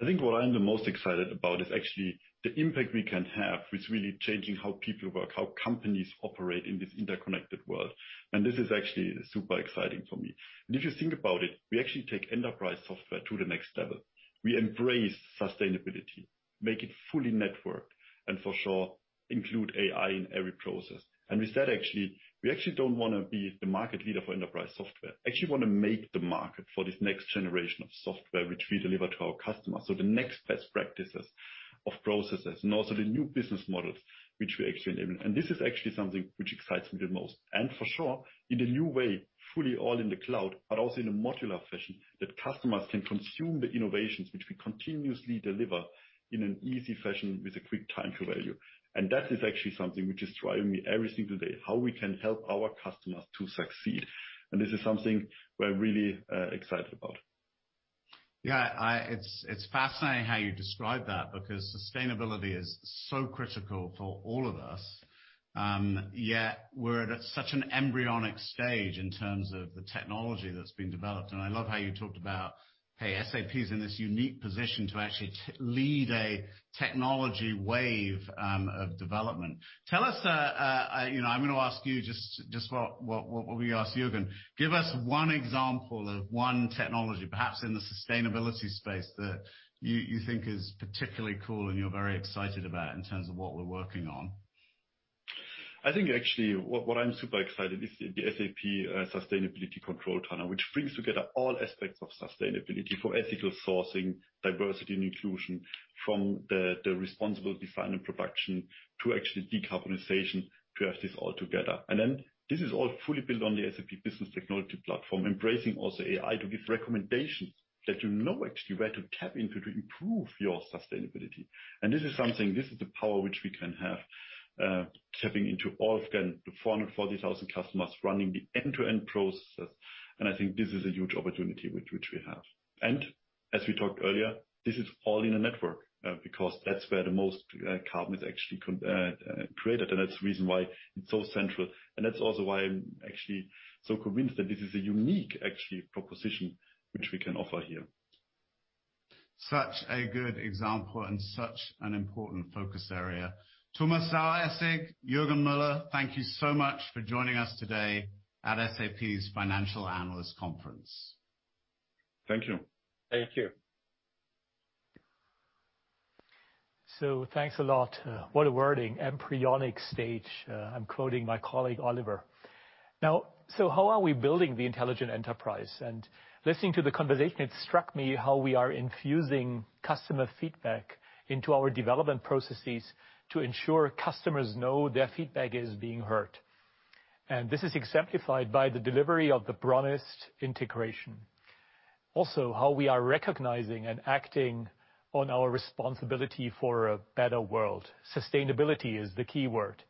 I think what I'm the most excited about is actually the impact we can have with really changing how people work, how companies operate in this interconnected world, and this is actually super exciting for me. If you think about it, we actually take enterprise software to the next level. We embrace sustainability, make it fully networked, and for sure, include AI in every process. With that, actually, we actually don't want to be the market leader for enterprise software. We actually want to make the market for this next generation of software, which we deliver to our customers, the next best practices of processes and also the new business models, which we actually enable. This is actually something which excites me the most. For sure, in a new way, fully all in the cloud, but also in a modular fashion that customers can consume the innovations which we continuously deliver in an easy fashion with a quick time to value. That is actually something which is driving me every single day, how we can help our customers to succeed. This is something we're really excited about. Yeah. It's fascinating how you describe that because sustainability is so critical for all of us, yet we're at such an embryonic stage in terms of the technology that's been developed. I love how you talked about how SAP's in this unique position to actually lead a technology wave of development. I'm going to ask you just what we asked Juergen, give us one example of one technology, perhaps in the sustainability space, that you think is particularly cool and you're very excited about in terms of what we're working on. I think actually, what I'm super excited is the SAP Sustainability Control Tower, which brings together all aspects of sustainability for ethical sourcing, diversity, and inclusion from the responsible design and production to actually decarbonization to have this all together. This is all fully built on the SAP Business Technology Platform, embracing also AI to give recommendations that you know actually where to tap into to improve your sustainability. This is something, this is the power which we can have, tapping into all of the 440,000 customers running the end-to-end processes. I think this is a huge opportunity which we have. As we talked earlier, this is all in the network because that's where the most carbon is actually created, and that's the reason why it's so central. That's also why I'm actually so convinced that this is a unique proposition which we can offer here. Such a good example and such an important focus area. Thomas Saueressig, Juergen Mueller, thank you so much for joining us today at SAP's Financial Analyst Conference. Thank you. Thank you. Thanks a lot. What a wording, embryonic stage, I'm quoting my colleague, Oliver. How are we building the intelligent enterprise? Listening to the conversation, it struck me how we are infusing customer feedback into our development processes to ensure customers know their feedback is being heard. This is exemplified by the delivery of the broadest integration. Also, how we are recognizing and acting on our responsibility for a better world. Sustainability is the keyword.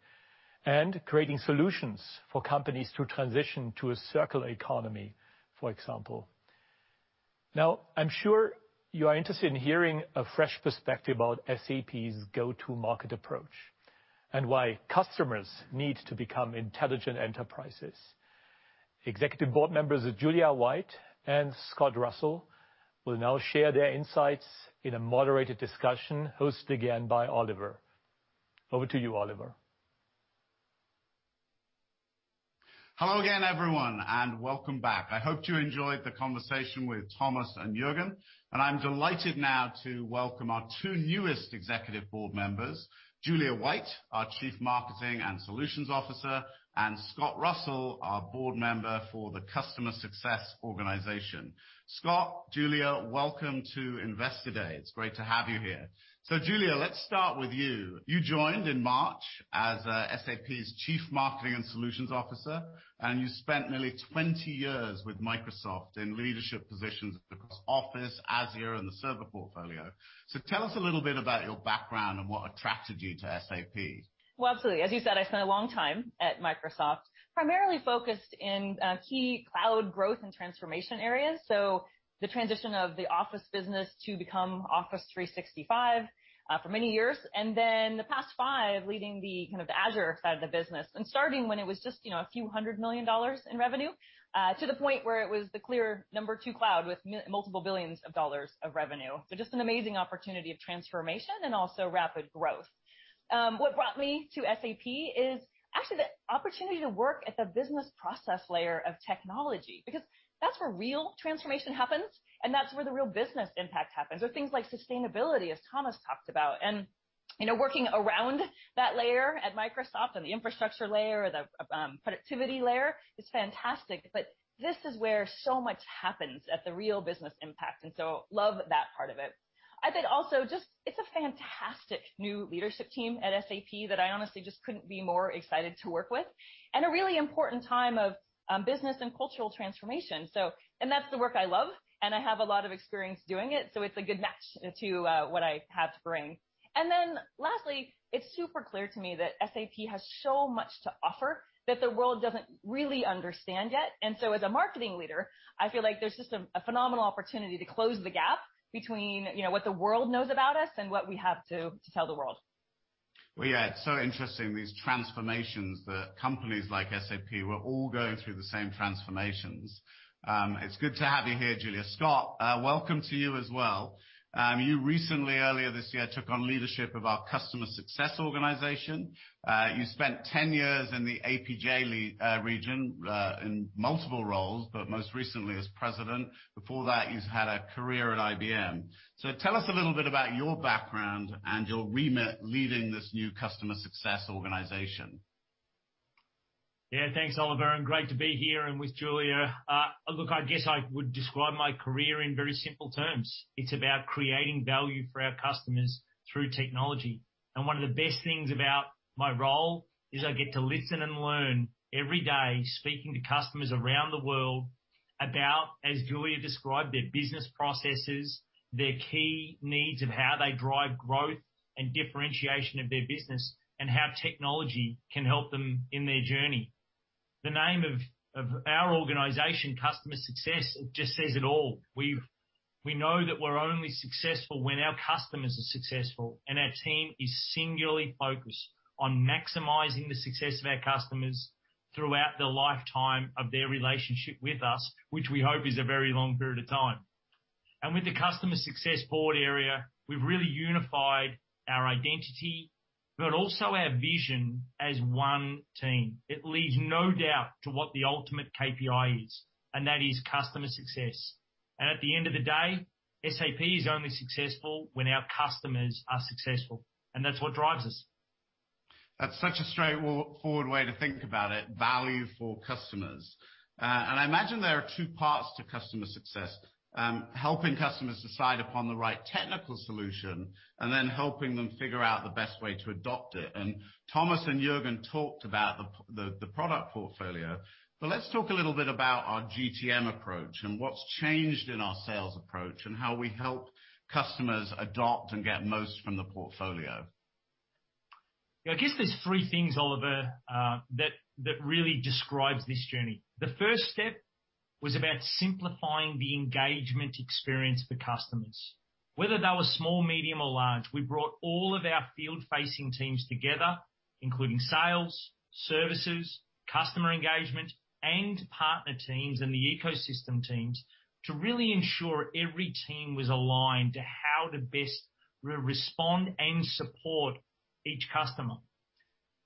Creating solutions for companies to transition to a circular economy, for example. I'm sure you are interested in hearing a fresh perspective on SAP's go-to-market approach and why customers need to become intelligent enterprises. Executive Board Members Julia White and Scott Russell will now share their insights in a moderated discussion hosted again by Oliver. Over to you, Oliver. Hello again, everyone, and welcome back. I hope you enjoyed the conversation with Thomas and Juergen. I'm delighted now to welcome our two newest executive board members, Julia White, our Chief Marketing and Solutions Officer, and Scott Russell, our board member for the Customer Success Organization. Scott, Julia, welcome to Investor Day. It's great to have you here. Julia, let's start with you. You joined in March as SAP's Chief Marketing and Solutions Officer, and you spent nearly 20 years with Microsoft in leadership positions across Office, Azure, and the server portfolio. Tell us a little bit about your background and what attracted you to SAP. Well, absolutely. As you said, I spent a long time at Microsoft, primarily focused in key cloud growth and transformation areas. The transition of the Office business to become Office 365 for many years, and then the past five leading the Azure side of the business. Starting when it was just a few EUR hundred million in revenue, to the point where it was the clear number two cloud with multiple EUR billion of revenue. Just an amazing opportunity of transformation and also rapid growth. What brought me to SAP is actually the opportunity to work at the business process layer of technology, because that's where real transformation happens, and that's where the real business impact happens, so things like sustainability, as Thomas talked about. Working around that layer at Microsoft, at the infrastructure layer, the productivity layer, is fantastic. This is where so much happens at the real business impact, love that part of it. I think also just it's a fantastic new leadership team at SAP that I honestly just couldn't be more excited to work with. A really important time of business and cultural transformation. That's the work I love, and I have a lot of experience doing it, so it's a good match to what I have to bring. Lastly, it's super clear to me that SAP has so much to offer that the world doesn't really understand yet. As a marketing leader, I feel like there's just a phenomenal opportunity to close the gap between what the world knows about us and what we have to tell the world. Yeah. It's so interesting, these transformations that companies like SAP, we're all going through the same transformations. It's good to have you here, Julia. Scott, welcome to you as well. You recently, earlier this year, took on leadership of our customer success organization. You spent 10 years in the APJ region in multiple roles, but most recently as president. Before that, you had a career at IBM. Tell us a little bit about your background and your leading this new customer success organization. Yeah. Thanks, Oliver Roll, great to be here and with Julia White. Look, I guess I would describe my career in very simple terms. It's about creating value for our customers through technology. One of the best things about my role is I get to listen and learn every day, speaking to customers around the world about, as Julia White described, their business processes, their key needs, and how they drive growth and differentiation of their business, and how technology can help them in their journey. The name of our organization, Customer Success, just says it all. We know that we're only successful when our customers are successful, and our team is singularly focused on maximizing the success of our customers throughout the lifetime of their relationship with us, which we hope is a very long period of time. With the Customer Success board area, we've really unified our identity, but also our vision as one team. It leaves no doubt to what the ultimate KPI is, and that is customer success. At the end of the day, SAP is only successful when our customers are successful, and that's what drives us. That's such a straightforward way to think about it, value for customers. I imagine there are two parts to customer success, helping customers decide upon the right technical solution, and then helping them figure out the best way to adopt it. Thomas and Juergen talked about the product portfolio, but let's talk a little bit about our GTM approach and what's changed in our sales approach, and how we help customers adopt and get the most from the portfolio. Yeah. I guess there's three things, Oliver, that really describes this journey. The first step was about simplifying the engagement experience for customers. Whether they were small, medium, or large, we brought all of our field-facing teams together, including sales, services, customer engagement, and partner teams and the ecosystem teams, to really ensure every team was aligned to how to best respond and support each customer.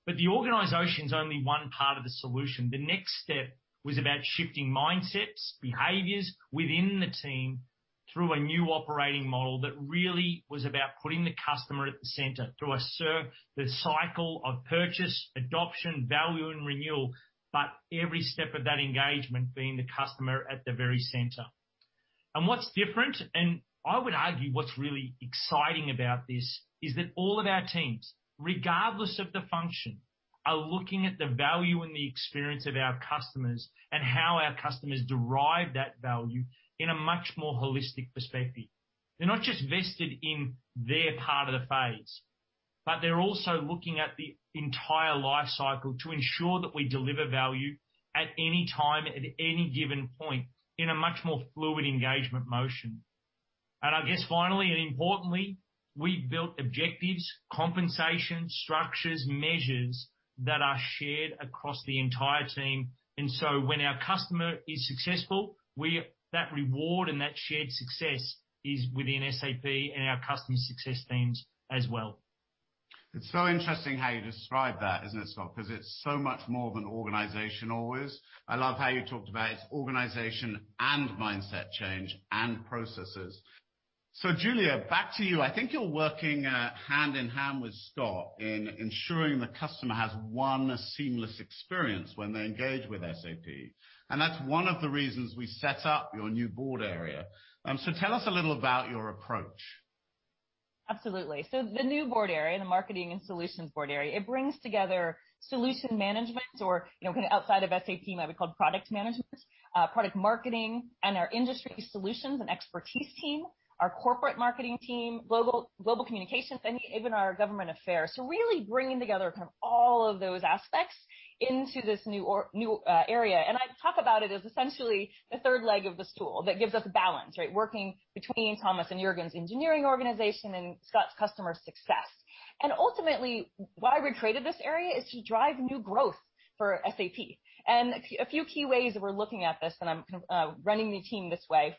The organization's only one part of the solution. The next step was about shifting mindsets, behaviors within the team through a new operating model that really was about putting the customer at the center through the cycle of purchase, adoption, value, and renewal, but every step of that engagement being the customer at the very center. What's different, and I would argue what's really exciting about this, is that all of our teams, regardless of the function, are looking at the value and the experience of our customers and how our customers derive that value in a much more holistic perspective. They're not just vested in their part of the phase, but they're also looking at the entire life cycle to ensure that we deliver value at any time, at any given point in a much more fluid engagement motion. I guess finally, and importantly, we built objectives, compensation structures, and measures that are shared across the entire team. When our customer is successful, that reward and that shared success is within SAP and our customer success teams as well. It's so interesting how you describe that, isn't it, Scott? It's so much more of an organization always. I love how you talked about organization and mindset change and processes. Julia, back to you. I think you're working hand in hand with Scott in ensuring the customer has one seamless experience when they engage with SAP, and that's one of the reasons we set up your new board area. Tell us a little about your approach. Absolutely. The new board area, the marketing and solutions board area, it brings together solution management or, outside of SAP might be called product management, product marketing, and our industry solutions and expertise team, our corporate marketing team, global communications, and even our government affairs. I talk about it as essentially the third leg of the stool that gives us balance, right? Working between Thomas and Juergen's engineering organization and Scott's customer success. Ultimately, why we created this area is to drive new growth for SAP. A few key ways we're looking at this, and I'm running the team this way.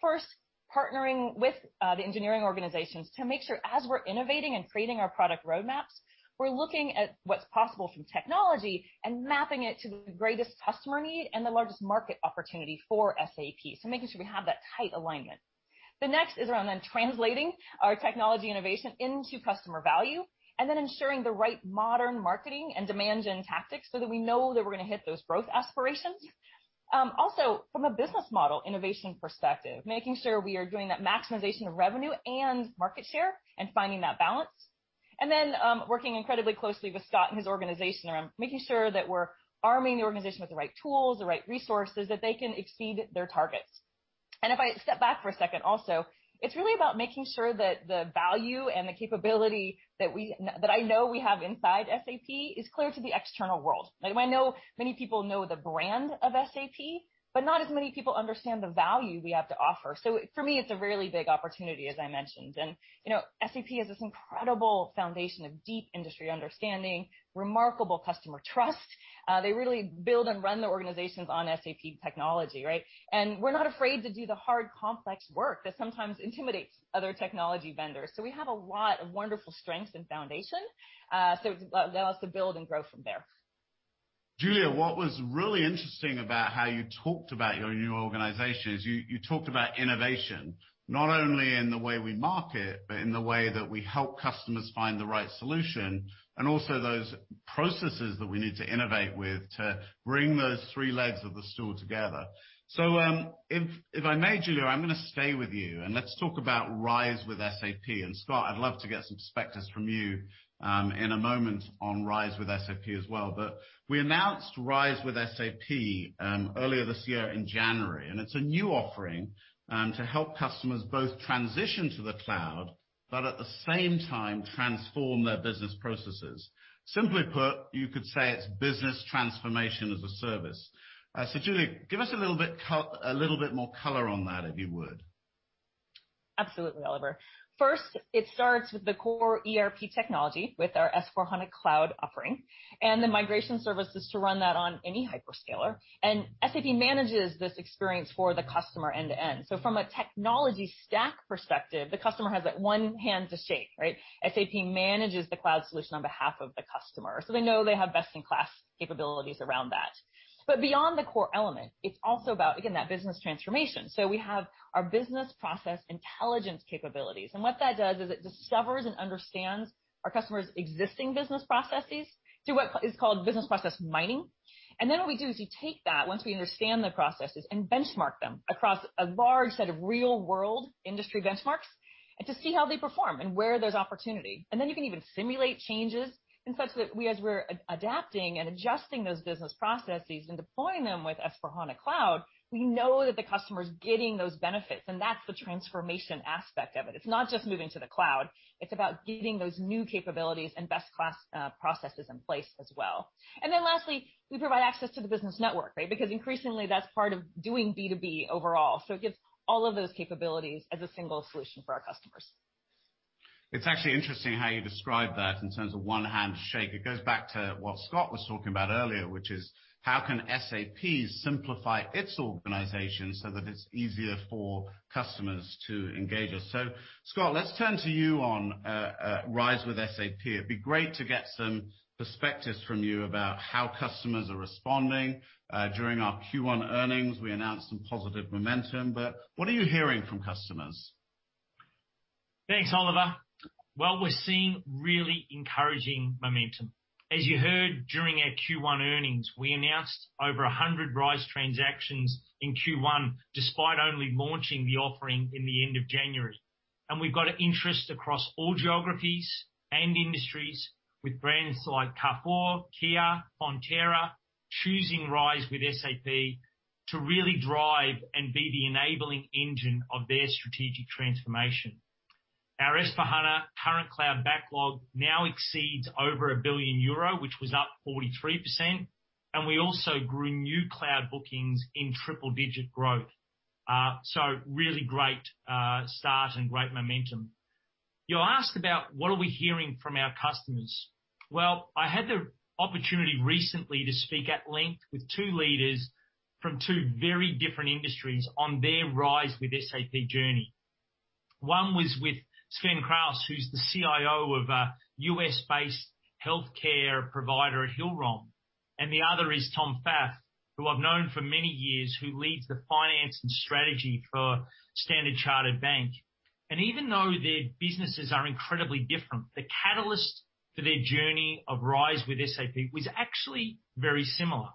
Partnering with the engineering organizations to make sure as we're innovating and creating our product roadmaps, we're looking at what's possible from technology and mapping it to the greatest customer need and the largest market opportunity for SAP, so making sure we have that tight alignment. The next is on then translating our technology innovation into customer value, and then ensuring the right modern marketing and demand gen tactics so that we know that we're going to hit those growth aspirations. From a business model innovation perspective, making sure we are doing that maximization of revenue and market share and finding that balance. Working incredibly closely with Scott and his organization, making sure that we're arming the organization with the right tools, the right resources, that they can exceed their targets. If I step back for a second also, it's really about making sure that the value and the capability that I know we have inside SAP is clear to the external world. I know many people know the brand of SAP, but not as many people understand the value we have to offer. For me, it's a really big opportunity, as I mentioned. SAP has this incredible foundation of deep industry understanding, remarkable customer trust. They really build and run their organizations on SAP technology, right? We're not afraid to do the hard, complex work that sometimes intimidates other technology vendors. We have a lot of wonderful strengths and foundation. It allows to build and grow from there. Julia, what was really interesting about how you talked about your new organization is you talked about innovation, not only in the way we market, but in the way that we help customers find the right solution, and also those processes that we need to innovate with to bring those three legs of the stool together. If I may, Julia, I'm going to stay with you, and let's talk about RISE with SAP. Scott, I'd love to get some perspectives from you in a moment on RISE with SAP as well. We announced RISE with SAP earlier this year in January, and it's a new offering to help customers both transition to the cloud, but at the same time transform their business processes. Simply put, you could say it's business transformation as a service. Julia, give us a little bit more color on that, if you would. Absolutely, Oliver. First, it starts with the core ERP technology with our S/4HANA Cloud offering and the migration services to run that on any hyperscaler. SAP manages this experience for the customer end to end. From a technology stack perspective, the customer has that one hand to shake, right? SAP manages the cloud solution on behalf of the customer, so they know they have best-in-class capabilities around that. Beyond the core elements, it's also about, again, that business transformation. We have our business process intelligence capabilities. What that does is it discovers and understands our customer's existing business processes through what is called business process mining. What we do is we take that, once we understand the processes, and benchmark them across a large set of real-world industry benchmarks to see how they perform and where there's opportunity. You can even simulate changes such that we, as we're adapting and adjusting those business processes and deploying them with S/4HANA Cloud, we know that the customer's getting those benefits, and that's the transformation aspect of it. It's not just moving to the cloud, it's about getting those new capabilities and best-class processes in place as well. Lastly, we provide access to the business network, right? Because increasingly, that's part of doing B2B overall. It gives all of those capabilities as a single solution for our customers. It's actually interesting how you describe that in terms of one hand to shake. It goes back to what Scott was talking about earlier, which is how can SAP simplify its organization so that it's easier for customers to engage us. Scott, let's turn to you on RISE with SAP. It'd be great to get some perspectives from you about how customers are responding. During our Q1 earnings, we announced some positive momentum, but what are you hearing from customers? Thanks, Oliver. Well, we're seeing really encouraging momentum. As you heard, during our Q1 earnings, we announced over 100 RISE transactions in Q1, despite only launching the offering in the end of January. We've got interest across all geographies and industries with brands like Carrefour, Kia, Fonterra, choosing RISE with SAP to really drive and be the enabling engine of their strategic transformation. Our S/4HANA current cloud backlog now exceeds over 1 billion euro, which was up 43%, we also grew new cloud bookings in triple-digit growth. Really great start and great momentum. You asked about what are we hearing from our customers. Well, I had the opportunity recently to speak at length with two leaders from two very different industries on their RISE with SAP journey. One was with Sven Krause, who's the CIO of a U.S.-based healthcare provider at Hillrom, and the other is Tom Pfaff, who I've known for many years, who leads the finance and strategy for Standard Chartered Bank. Even though their businesses are incredibly different, the catalyst for their journey of RISE with SAP was actually very similar.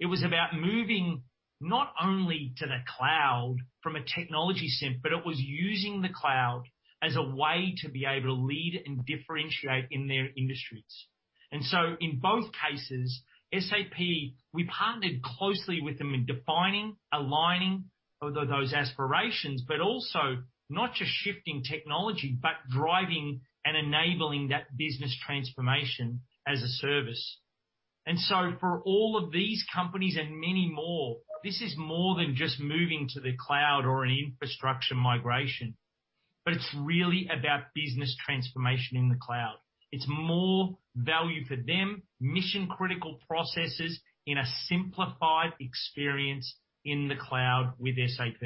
It was about moving not only to the cloud from a technology sense, but it was using the cloud as a way to be able to lead and differentiate in their industries. In both cases, SAP, we've partnered closely with them in defining, aligning those aspirations, but also not just shifting technology, but driving and enabling that business transformation as a service. For all of these companies and many more, this is more than just moving to the cloud or an infrastructure migration. It's really about business transformation in the cloud. It's more value for them, mission-critical processes in a simplified experience in the cloud with SAP.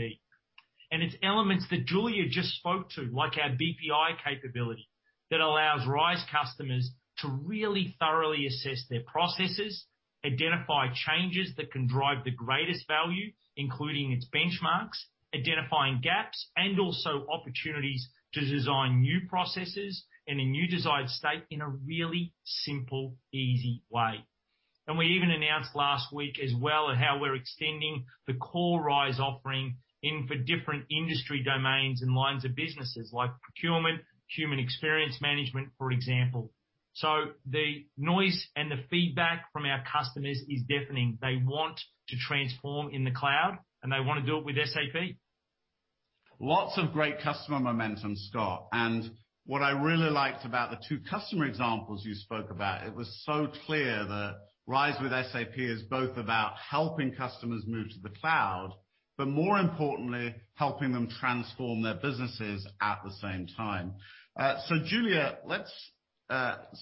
It's elements that Julia just spoke to, like our BPI capability, that allows RISE customers to really thoroughly assess their processes, identify changes that can drive the greatest value, including its benchmarks, identifying gaps, and also opportunities to design new processes in a new desired state in a really simple, easy way. We even announced last week as well at how we're extending the core RISE offering even for different industry domains and lines of businesses like procurement, human experience management, for example. The noise and the feedback from our customers is deafening. They want to transform in the cloud, and they want to do it with SAP. Lots of great customer momentum, Scott. What I really liked about the two customer examples you spoke about, it was so clear that RISE with SAP is both about helping customers move to the cloud, but more importantly, helping them transform their businesses at the same time. Julia, let's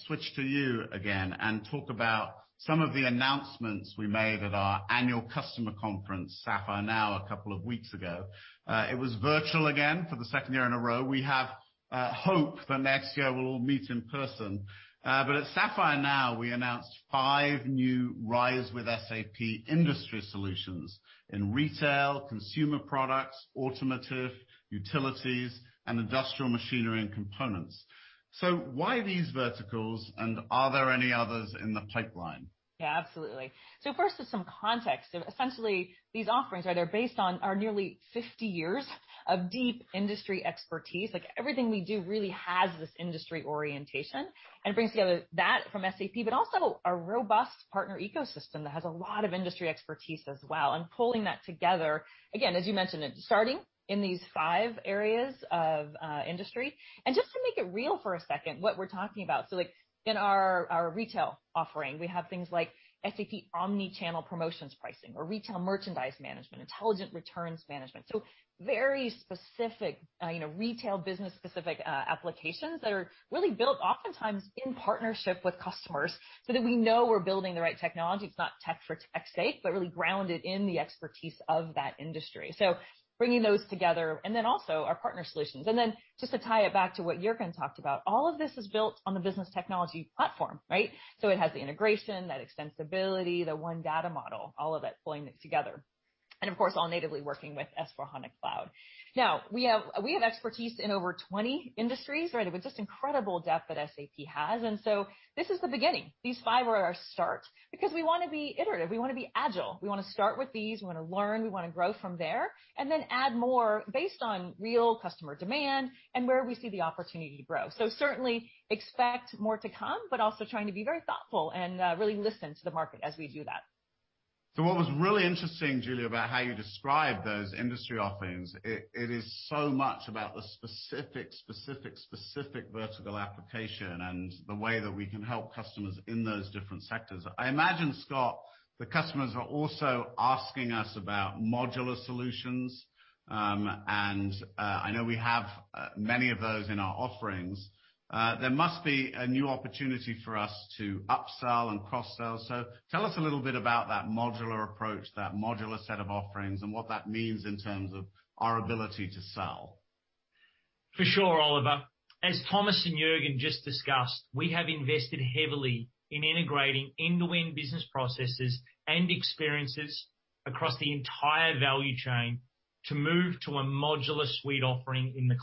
switch to you again and talk about some of the announcements we made at our annual customer conference, SAP Sapphire, a couple of weeks ago. It was virtual again for the second year in a row. We have hope that next year we'll all meet in person. At SAPPHIRE NOW, we announced five new RISE with SAP industry solutions in retail, consumer products, automotive, utilities, and industrial machinery and components. Why these verticals and are there any others in the pipeline? Absolutely. First is some context. Essentially, these offerings are based on our nearly 50 years of deep industry expertise. Everything we do really has this industry orientation, and basically that from SAP, but also a robust partner ecosystem that has a lot of industry expertise as well, and pulling that together. Again, as you mentioned, starting in these five areas of industry. Just to make it real for a second, what we're talking about. In our retail offering, we have things like SAP Omnichannel Promotion Pricing or Retail Merchandise Management, Intelligent Returns Management. Very specific retail business specific applications that are really built oftentimes in partnership with customers so that we know we're building the right technology. It's not tech for tech's sake, but really grounded in the expertise of that industry. Bringing those together and then also our partner solutions. Then just to tie it back to what Juergen talked about, all of this is built on the Business Technology Platform, right? It has the integration, that extensibility, the one data model, all of it pulling it together, of course, all natively working with S/4HANA Cloud. We have expertise in over 20 industries, right? With this incredible depth that SAP has. This is the beginning. These five are our start because we want to be iterative, we want to be agile. We want to start with these. We want to learn, we want to grow from there, and then add more based on real customer demand and where we see the opportunity to grow. Certainly expect more to come, but also trying to be very thoughtful and really listen to the market as we do that. What was really interesting, Julia, about how you described those industry offerings, it is so much about the specific vertical application and the way that we can help customers in those different sectors. I imagine, Scott, the customers are also asking us about modular solutions. I know we have many of those in our offerings. There must be a new opportunity for us to upsell and cross-sell. Tell us a little bit about that modular approach, that modular set of offerings, and what that means in terms of our ability to sell. For sure, Oliver. As Thomas and Juergen just discussed, we have invested heavily in integrating end-to-end business processes and experiences across the entire value chain to move to a modular suite offering in the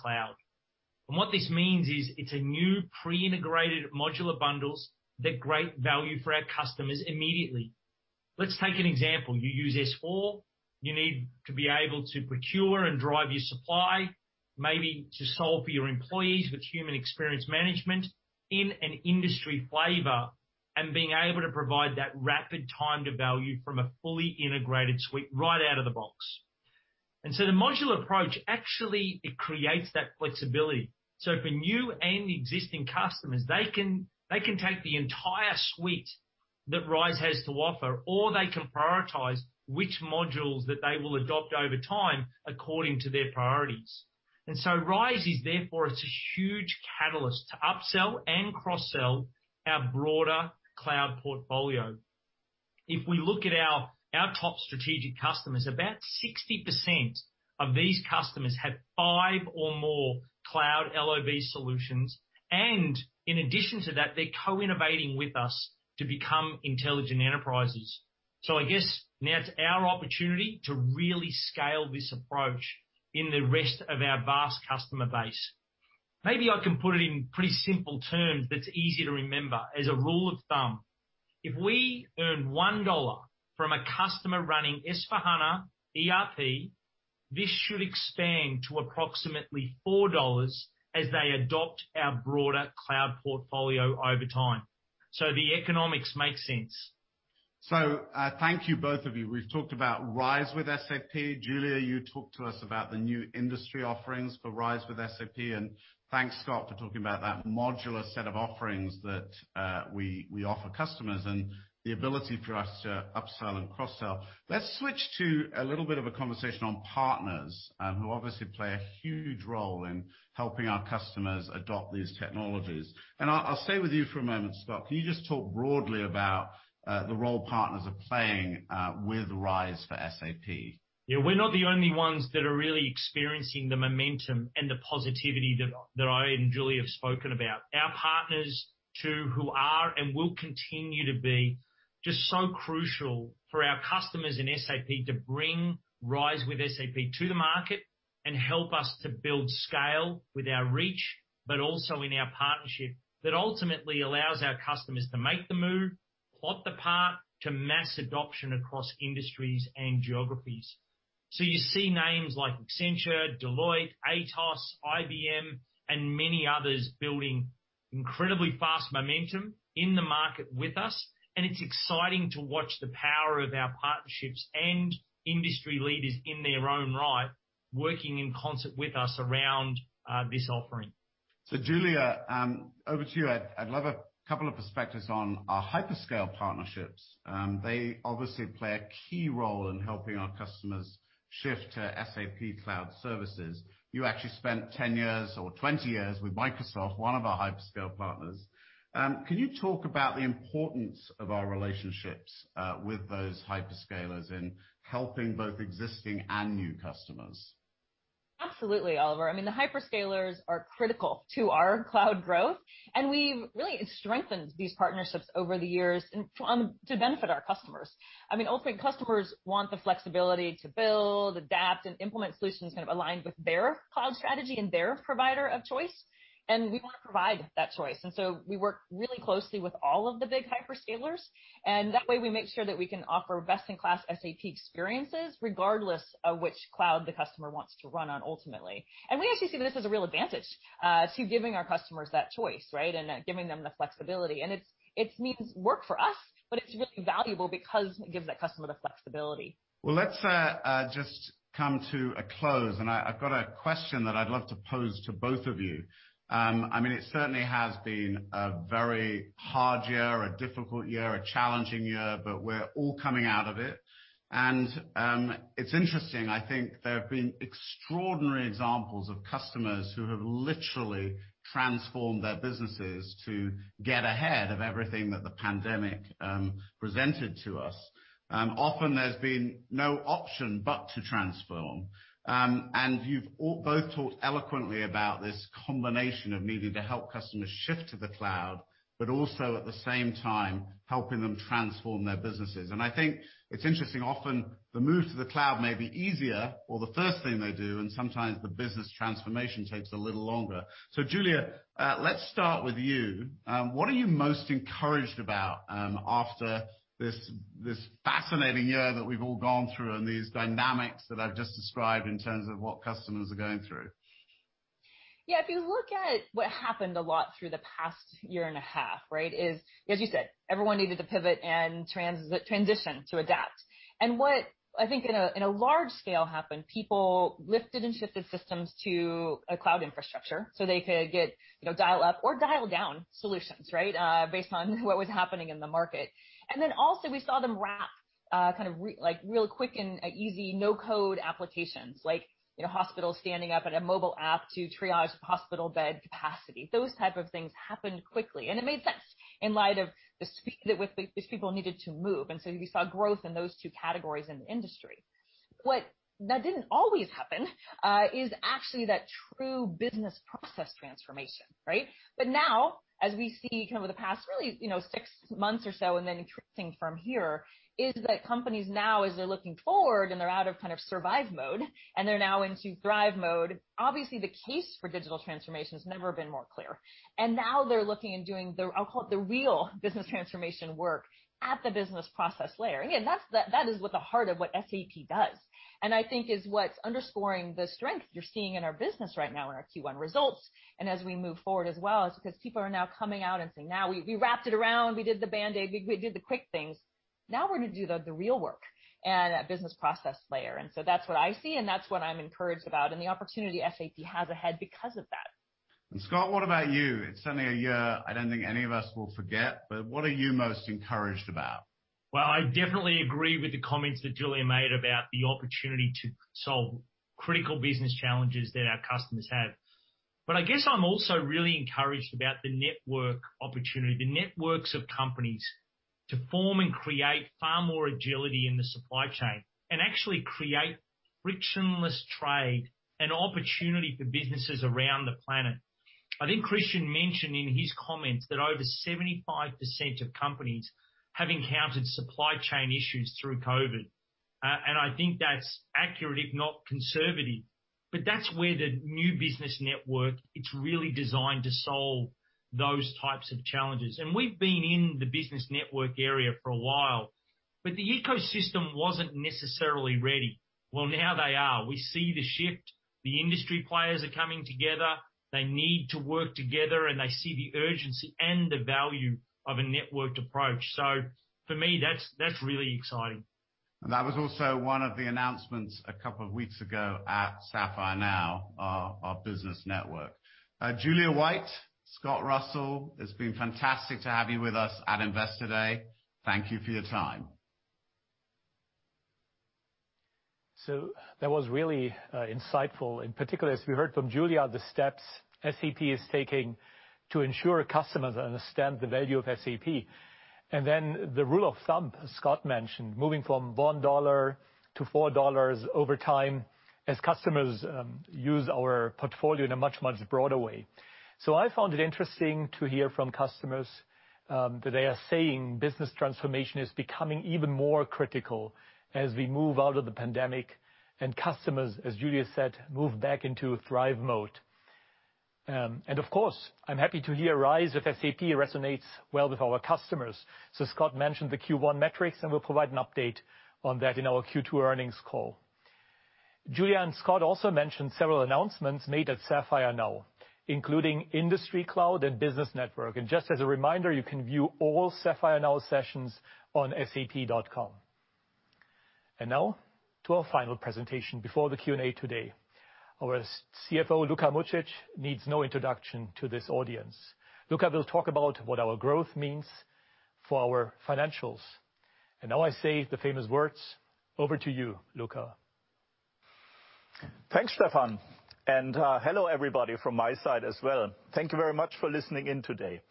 cloud. What this means is it's a new pre-integrated modular bundles that create value for our customers immediately. Let's take an example. You use S/4. You need to be able to procure and drive your supply, maybe to solve for your employees with human experience management in an industry flavor, and being able to provide that rapid time to value from a fully integrated suite right out of the box. The modular approach actually it creates that flexibility. For new and existing customers, they can take the entire suite that RISE has to offer, or they can prioritize which modules that they will adopt over time according to their priorities. RISE is therefore it's a huge catalyst to upsell and cross-sell our broader cloud portfolio. If we look at our top strategic customers, about 60% of these customers had five or more cloud LoB solutions. In addition to that, they're co-innovating with us to become intelligent enterprises. I guess now it's our opportunity to really scale this approach in the rest of our vast customer base. Maybe I can put it in pretty simple terms that's easy to remember as a rule of thumb. If we earn EUR 1 from a customer running S/4HANA ERP, this should expand to approximately EUR 4 as they adopt our broader cloud portfolio over time. The economics make sense. Thank you both of you. We've talked about RISE with SAP. Julia, you talked to us about the new industry offerings for RISE with SAP, and thanks, Scott, for talking about that modular set of offerings that we offer customers and the ability for us to upsell and cross-sell. Let's switch to a little bit of a conversation on partners who obviously play a huge role in helping our customers adopt these technologies. I'll stay with you for a moment, Scott. Can you just talk broadly about the role partners are playing with RISE with SAP? Yeah. We're not the only ones that are really experiencing the momentum and the positivity that I and Julia have spoken about. Our partners, too, who are and will continue to be just so crucial for our customers and SAP to bring RISE with SAP to the market and help us to build scale with our reach, but also in our partnership that ultimately allows our customers to make the move, plot the path to mass adoption across industries and geographies. You see names like Accenture, Deloitte, Atos, IBM, and many others building incredibly fast momentum in the market with us, and it's exciting to watch the power of our partnerships and industry leaders in their own right working in concert with us around this offering. Julia, over to you. I'd love a couple of perspectives on our hyperscale partnerships. They obviously play a key role in helping our customers shift to SAP cloud services. You actually spent 10 years or 20 years with Microsoft, one of our hyperscale partners. Can you talk about the importance of our relationships with those hyperscalers in helping both existing and new customers? Absolutely, Oliver. I mean, the hyperscalers are critical to our cloud growth, and we've really strengthened these partnerships over the years to benefit our customers. I mean, ultimately, customers want the flexibility to build, adapt, and implement solutions that align with their cloud strategy and their provider of choice, and we want to provide that choice. We work really closely with all of the big hyperscalers, and that way we make sure that we can offer best-in-class SAP experiences regardless of which cloud the customer wants to run on ultimately. We actually see this as a real advantage to giving our customers that choice, right, and giving them the flexibility. It's work for us, but it's valuable because it gives that customer the flexibility. Well, let's just come to a close, and I've got a question that I'd love to pose to both of you. It certainly has been a very hard year, a difficult year, a challenging year, but we're all coming out of it. It's interesting, I think there have been extraordinary examples of customers who have literally transformed their businesses to get ahead of everything that the pandemic presented to us. Often there's been no option but to transform. You've both talked eloquently about this combination of needing to help customers shift to the cloud, but also at the same time, helping them transform their businesses. I think it's interesting, often the move to the cloud may be easier, or the first thing they do, and sometimes the business transformation takes a little longer. Julia, let's start with you. What are you most encouraged about after this fascinating year that we've all gone through and these dynamics that I've just described in terms of what customers are going through? Yeah. If you look at what happened a lot through the past year and a half, right, is, as you said, everyone needed to pivot and transition to adapt. What I think in a large scale happened, people lifted and shifted systems to a cloud infrastructure so they could get dial up or dial down solutions, right, based on what was happening in the market. Also we saw them wrap real quick and easy no-code applications, like a hospital standing up in a mobile app to triage hospital bed capacity. Those type of things happened quickly, and it made sense in light of the speed at which these people needed to move. You saw growth in those two categories in the industry. What that didn't always happen is actually that true business process transformation, right? Now, as we see over the past really six months or so, and then interesting from here, is that companies now, as they're looking forward and they're out of survive mode, and they're now into thrive mode. Obviously, the case for digital transformation has never been more clear. Now they're looking at doing the, I'll call it, the real business transformation work at the business process layer. Again, that is at the heart of what SAP does, and I think is what's underscoring the strength you're seeing in our business right now in our Q1 results. As we move forward as well is because people are now coming out and saying, "Now we've wrapped it around, we did the band-aid, we did the quick things. Now we're going to do the real work and at business process layer. That's what I see and that's what I'm encouraged about and the opportunity SAP has ahead because of that. Scott, what about you? It's certainly a year I don't think any of us will forget, but what are you most encouraged about? Well, I definitely agree with the comments that Julia made about the opportunity to solve critical business challenges that our customers have. I guess I'm also really encouraged about the network opportunity, networks of companies to form and create far more agility in the supply chain and actually create frictionless trade and opportunity for businesses around the planet. I think Christian mentioned in his comments that over 75% of companies have encountered supply chain issues through COVID, and I think that's accurate, if not conservative. That's where the new Business Network, it's really designed to solve those types of challenges. We've been in the Business Network area for a while, but the ecosystem wasn't necessarily ready. Well, now they are. We see the shift. The industry players are coming together. They need to work together, and they see the urgency and the value of a networked approach. For me, that's really exciting. That was also one of the announcements a couple of weeks ago at SAP Sapphire, our Business Network. Julia White, Scott Russell, it has been fantastic to have you with us at Investor Day. Thank you for your time. That was really insightful. In particular, as we heard from Julia White, the steps SAP is taking to ensure customers understand the value of SAP. The rule of thumb, as Scott Russell mentioned, moving from $1 to $4 over time as customers use our portfolio in a much, much broader way. I found it interesting to hear from customers that they are saying business transformation is becoming even more critical as we move out of the pandemic and customers, as Julia White said, move back into thrive mode. Of course, I'm happy to hear RISE with SAP resonates well with our customers. Scott Russell mentioned the Q1 metrics, and we'll provide an update on that in our Q2 earnings call. Julia White and Scott Russell also mentioned several announcements made at SAP Sapphire, including Industry Cloud and Business Network. Just as a reminder, you can view all SAP Sapphire sessions on sap.com. Now to our final presentation before the Q&A today. Our CFO, Luka Mucic, needs no introduction to this audience. Luka will talk about what our growth means for our financials. Now I say the famous words, over to you, Luka. Thanks, Stefan, and hello everybody from my side as well. Thank you very much for listening in today.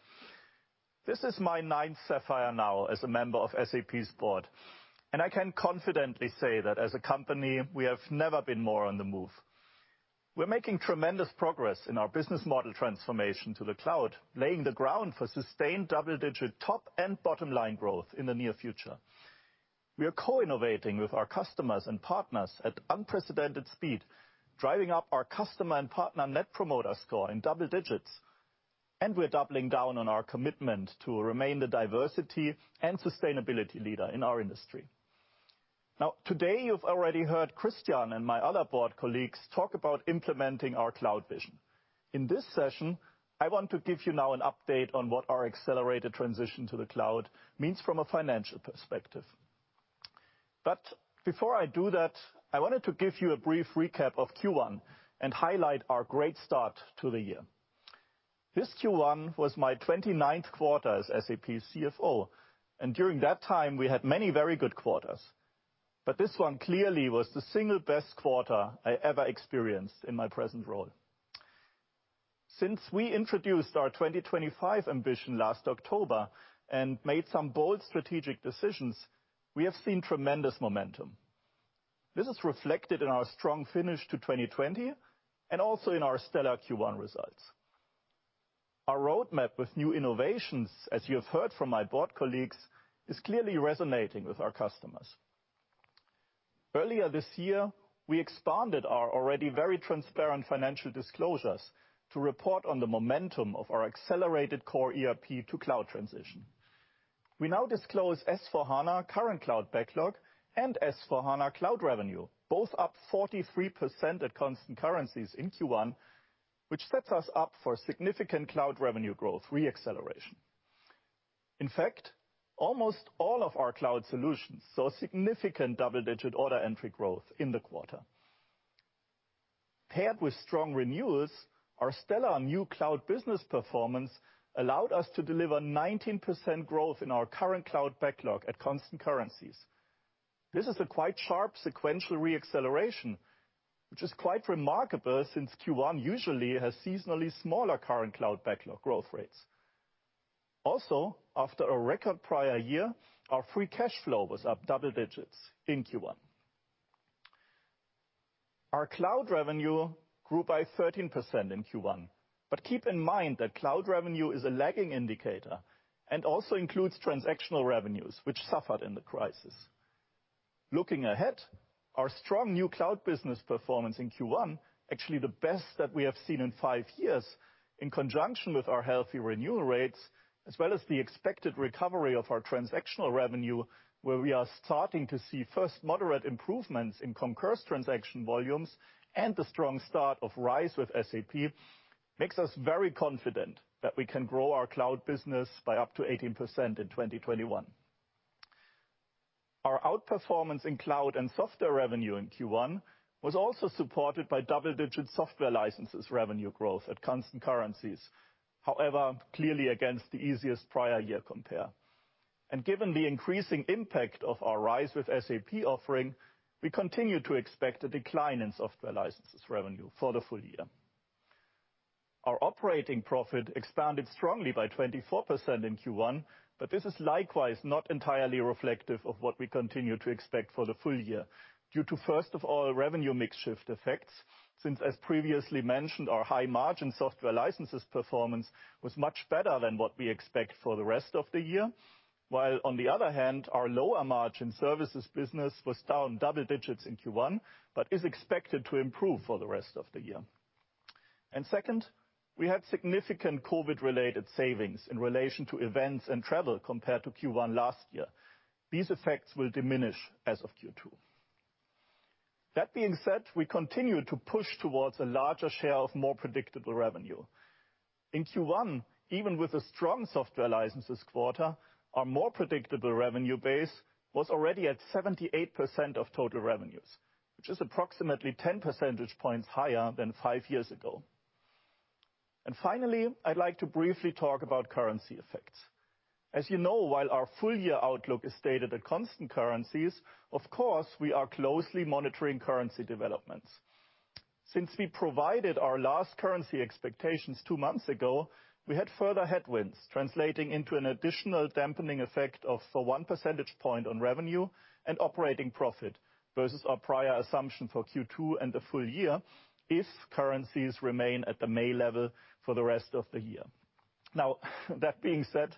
This is my ninth SAPPHIRE NOW as a member of SAP's board, and I can confidently say that as a company, we have never been more on the move. We're making tremendous progress in our business model transformation to the cloud, laying the ground for sustained double-digit top and bottom-line growth in the near future. We are co-innovating with our customers and partners at unprecedented speed, driving up our customer and partner net promoter score in double digits, and we're doubling down on our commitment to remain the diversity and sustainability leader in our industry. Now, today, you've already heard Christian and my other board colleagues talk about implementing our cloud vision. In this session, I want to give you now an update on what our accelerated transition to the cloud means from a financial perspective. Before I do that, I wanted to give you a brief recap of Q1 and highlight our great start to the year. This Q1 was my 29th quarter as SAP CFO, and during that time, we had many very good quarters. This one clearly was the single best quarter I ever experienced in my present role. Since we introduced our 2025 ambition last October and made some bold strategic decisions, we have seen tremendous momentum. This is reflected in our strong finish to 2020 and also in our stellar Q1 results. Our roadmap with new innovations, as you have heard from my board colleagues, is clearly resonating with our customers. Earlier this year, we expanded our already very transparent financial disclosures to report on the momentum of our accelerated core ERP to cloud transition. We now disclose S/4HANA current cloud backlog and S/4HANA cloud revenue, both up 43% at constant currencies in Q1, which sets us up for significant cloud revenue growth re-acceleration. In fact, almost all of our cloud solutions saw significant double-digit order entry growth in the quarter. Paired with strong renewals, our stellar new cloud business performance allowed us to deliver 19% growth in our current cloud backlog at constant currencies. This is a quite sharp sequential re-acceleration, which is quite remarkable since Q1 usually has seasonally smaller current cloud backlog growth rates. Also, after a record prior year, our free cash flow was up double digits in Q1. Our cloud revenue grew by 13% in Q1. Keep in mind that cloud revenue is a lagging indicator and also includes transactional revenues, which suffered in the crisis. Looking ahead, our strong new cloud business performance in Q1, actually the best that we have seen in five years, in conjunction with our healthy renewal rates, as well as the expected recovery of our transactional revenue, where we are starting to see first moderate improvements in Concur transaction volumes and the strong start of RISE with SAP, makes us very confident that we can grow our cloud business by up to 18% in 2021. Our outperformance in cloud and software revenue in Q1 was also supported by double-digit software licenses revenue growth at constant currencies. Clearly against the easiest prior year compare. Given the increasing impact of our RISE with SAP offering, we continue to expect a decline in software licenses revenue for the full year. Our operating profit expanded strongly by 24% in Q1, this is likewise not entirely reflective of what we continue to expect for the full year due to, first of all, revenue mix shift effects, since, as previously mentioned, our high-margin software licenses performance was much better than what we expect for the rest of the year, while on the other hand, our lower-margin services business was down double digits in Q1 but is expected to improve for the rest of the year. Second, we had significant COVID-related savings in relation to events and travel compared to Q1 last year. These effects will diminish as of Q2. That being said, we continue to push towards a larger share of more predictable revenue. In Q1, even with a strong software licenses quarter, our more predictable revenue base was already at 78% of total revenues, which is approximately 10 percentage points higher than five years ago. Finally, I'd like to briefly talk about currency effects. As you know, while our full-year outlook is stated at constant currencies, of course, we are closely monitoring currency developments. Since we provided our last currency expectations two months ago, we had further headwinds translating into an additional dampening effect of 1 percentage point on revenue and operating profit versus our prior assumption for Q2 and the full year if currencies remain at the May level for the rest of the year. That being said,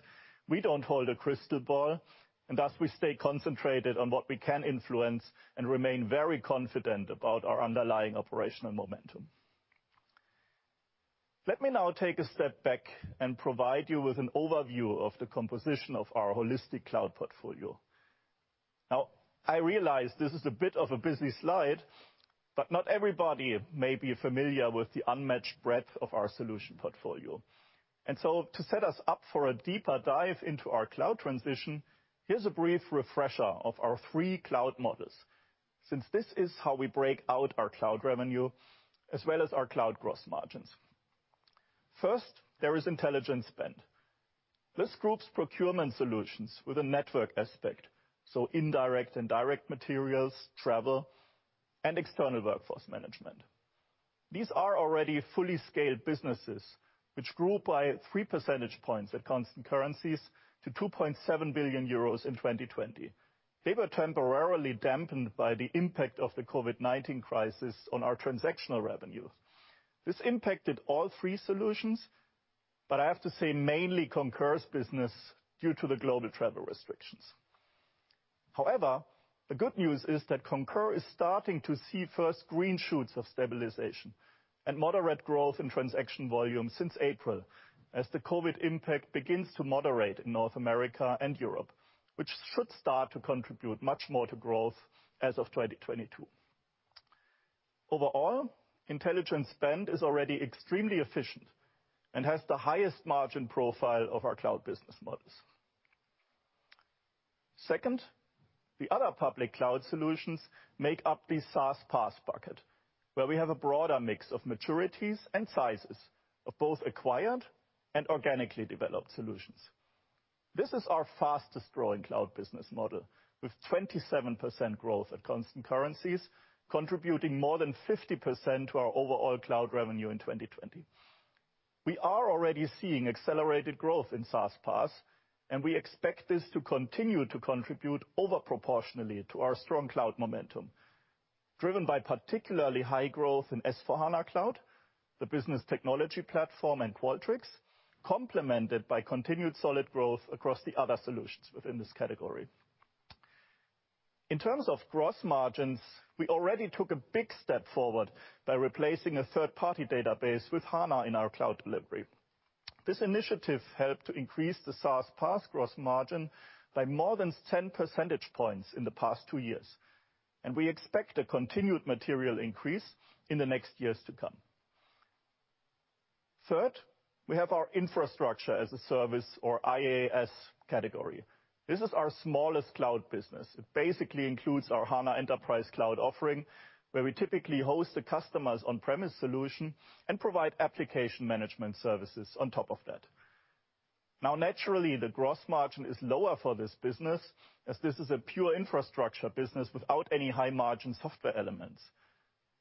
we don't hold a crystal ball, and thus we stay concentrated on what we can influence and remain very confident about our underlying operational momentum. Let me now take a step back and provide you with an overview of the composition of our holistic cloud portfolio. I realize this is a bit of a busy slide. Not everybody may be familiar with the unmatched breadth of our solution portfolio. To set us up for a deeper dive into our cloud transition, here's a brief refresher of our three cloud models, since this is how we break out our cloud revenue as well as our cloud gross margins. First, there is Intelligent Spend. This groups procurement solutions with a network aspect, so indirect and direct materials, travel, and external workforce management. These are already fully scaled businesses, which grew by 3 percentage points at constant currencies to 2.7 billion euros in 2020. They were temporarily dampened by the impact of the COVID-19 crisis on our transactional revenue. This impacted all 3 solutions, but I have to say mainly Concur's business due to the global travel restrictions. The good news is that Concur is starting to see first green shoots of stabilization and moderate growth in transaction volume since April, as the COVID impact begins to moderate in North America and Europe, which should start to contribute much more to growth as of 2022. Overall, Intelligent Spend is already extremely efficient and has the highest margin profile of our cloud business models. The other public cloud solutions make up the SaaS/PaaS bucket, where we have a broader mix of maturities and sizes of both acquired and organically developed solutions. This is our fastest growing cloud business model, with 27% growth at constant currencies, contributing more than 50% to our overall cloud revenue in 2020. We are already seeing accelerated growth in SaaS/PaaS, and we expect this to continue to contribute overproportionally to our strong cloud momentum, driven by particularly high growth in S/4HANA Cloud, the Business Technology Platform, and Qualtrics, complemented by continued solid growth across the other solutions within this category. In terms of gross margins, we already took a big step forward by replacing a third-party database with HANA in our cloud delivery. This initiative helped increase the SaaS/PaaS gross margin by more than 10 percentage points in the past two years, and we expect a continued material increase in the next years to come. Third, we have our infrastructure as a service or IaaS category. This is our smallest cloud business. It basically includes our HANA Enterprise Cloud offering, where we typically host a customer's on-premise solution and provide application management services on top of that. Now, naturally, the gross margin is lower for this business as this is a pure infrastructure business without any high-margin software elements.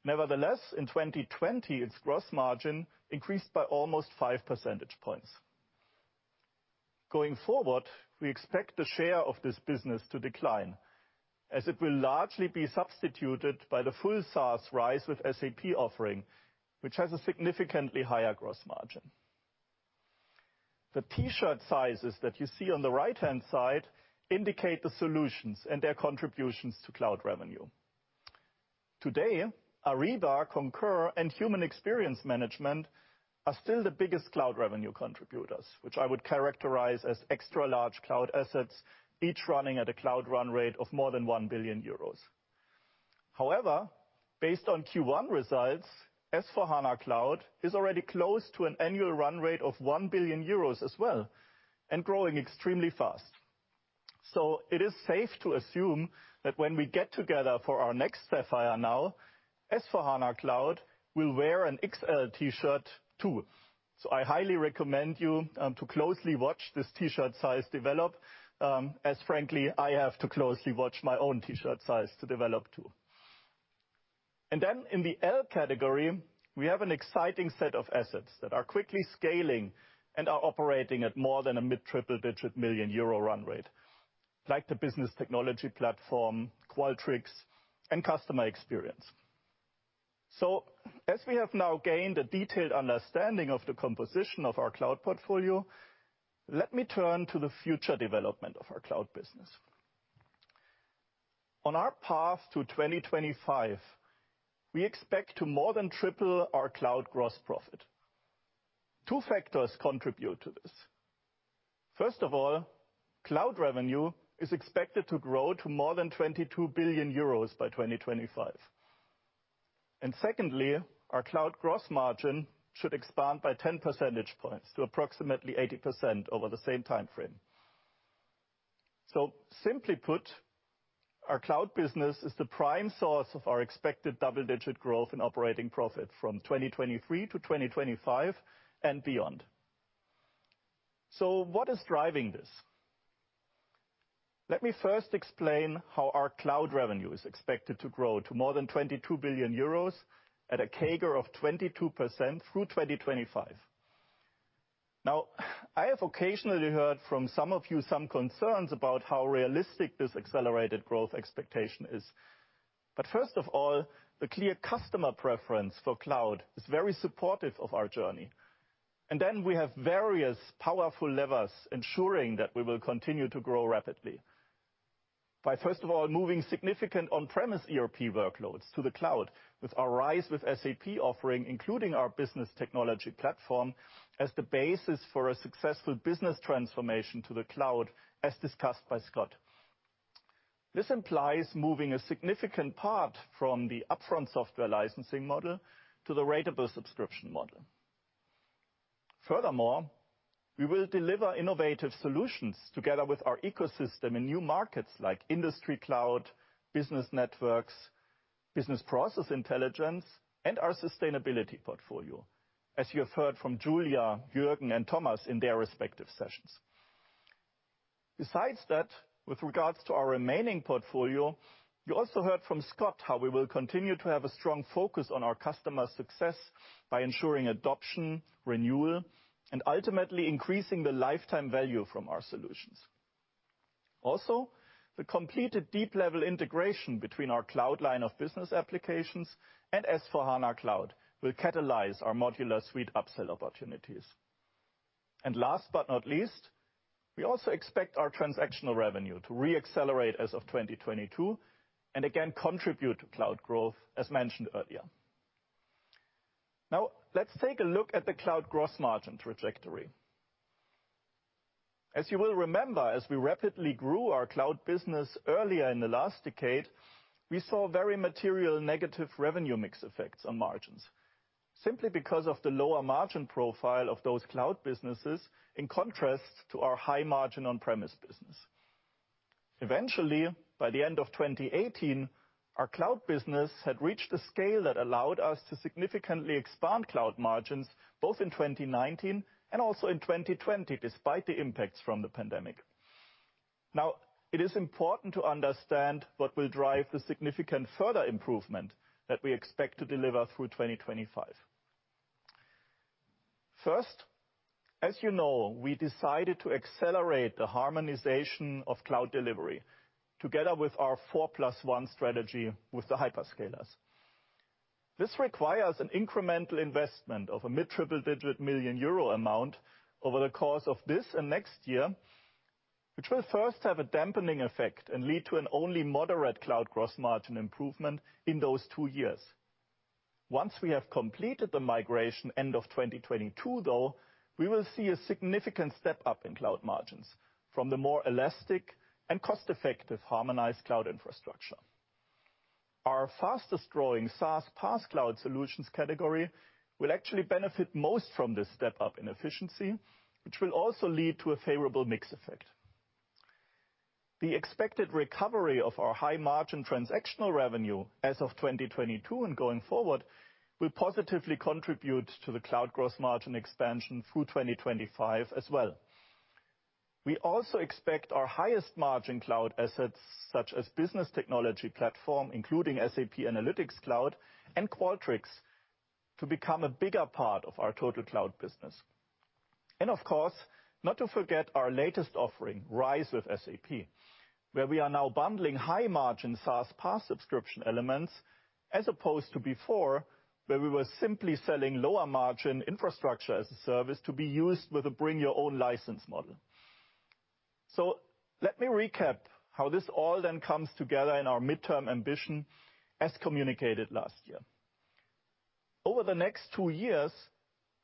Nevertheless, in 2020, its gross margin increased by almost five percentage points. Going forward, we expect the share of this business to decline, as it will largely be substituted by the full SaaS RISE with SAP offering, which has a significantly higher gross margin. The T-shirt sizes that you see on the right-hand side indicate the solutions and their contributions to cloud revenue. Today, Ariba, Concur, and Human Experience Management are still the biggest cloud revenue contributors, which I would characterize as extra large cloud assets, each running at a cloud run rate of more than 1 billion euros. However, based on Q1 results, S/4HANA Cloud is already close to an annual run rate of 1 billion euros as well and growing extremely fast. It is safe to assume that when we get together for our next SAPPHIRE NOW, S/4HANA Cloud will wear an XL T-shirt too. I highly recommend you to closely watch this T-shirt size develop, as frankly, I have to closely watch my own T-shirt size to develop too. In the L category, we have an exciting set of assets that are quickly scaling and are operating at more than a mid-triple digit million EUR run rate, like the Business Technology Platform, Qualtrics, and Customer Experience. As we have now gained a detailed understanding of the composition of our cloud portfolio, let me turn to the future development of our cloud business. On our path to 2025, we expect to more than triple our cloud gross profit. Two factors contribute to this. First of all, cloud revenue is expected to grow to more than 22 billion euros by 2025. Secondly, our cloud gross margin should expand by 10 percentage points to approximately 80% over the same time frame. Simply put, our cloud business is the prime source of our expected double-digit growth in operating profit from 2023 to 2025 and beyond. What is driving this? Let me first explain how our cloud revenue is expected to grow to more than 22 billion euros at a CAGR of 22% through 2025. I have occasionally heard from some of you some concerns about how realistic this accelerated growth expectation is. First of all, the clear customer preference for cloud is very supportive of our journey. We have various powerful levers ensuring that we will continue to grow rapidly. By first of all, moving significant on-premise ERP workloads to the cloud with our RISE with SAP offering, including our Business Technology Platform, as the basis for a successful business transformation to the cloud, as discussed by Scott. This implies moving a significant part from the upfront software licensing model to the ratable subscription model. We will deliver innovative solutions together with our ecosystem in new markets like industry cloud, business networks, business process intelligence, and our sustainability portfolio, as you have heard from Julia, Juergen, and Thomas in their respective sessions. Besides that, with regards to our remaining portfolio, you also heard from Scott how we will continue to have a strong focus on our Customer Success by ensuring adoption, renewal, and ultimately increasing the lifetime value from our solutions. The completed deep-level integration between our cloud line of business applications and S/4HANA Cloud will catalyze our modular suite upsell opportunities. Last but not least, we also expect our transactional revenue to re-accelerate as of 2022, and again contribute to cloud growth as mentioned earlier. Let's take a look at the cloud gross margin trajectory. As you will remember, as we rapidly grew our cloud business earlier in the last decade, we saw very material negative revenue mix effects on margins, simply because of the lower margin profile of those cloud businesses in contrast to our high margin on-premise business. Eventually, by the end of 2018, our cloud business had reached a scale that allowed us to significantly expand cloud margins both in 2019 and also in 2020, despite the impacts from the pandemic. It is important to understand what will drive the significant further improvement that we expect to deliver through 2025. First, as you know, we decided to accelerate the harmonization of cloud delivery together with our 4+1 strategy with the hyperscalers. This requires an incremental investment of a mid-triple digit million EUR amount over the course of this and next year, which will first have a dampening effect and lead to an only moderate cloud gross margin improvement in those two years. Once we have completed the migration end of 2022, though, we will see a significant step up in cloud margins from the more elastic and cost-effective harmonized cloud infrastructure. Our fastest-growing SaaS/PaaS cloud solutions category will actually benefit most from this step up in efficiency, which will also lead to a favorable mix effect. The expected recovery of our high margin transactional revenue as of 2022 and going forward, will positively contribute to the cloud gross margin expansion through 2025 as well. We also expect our highest margin cloud assets, such as Business Technology Platform, including SAP Analytics Cloud and Qualtrics, to become a bigger part of our total cloud business. Not to forget our latest offering, RISE with SAP, where we are now bundling high-margin SaaS/PaaS subscription elements, as opposed to before, where we were simply selling lower margin infrastructure as a service to be used with a bring your own license model. Let me recap how this all then comes together in our midterm ambition, as communicated last year. Over the next two years,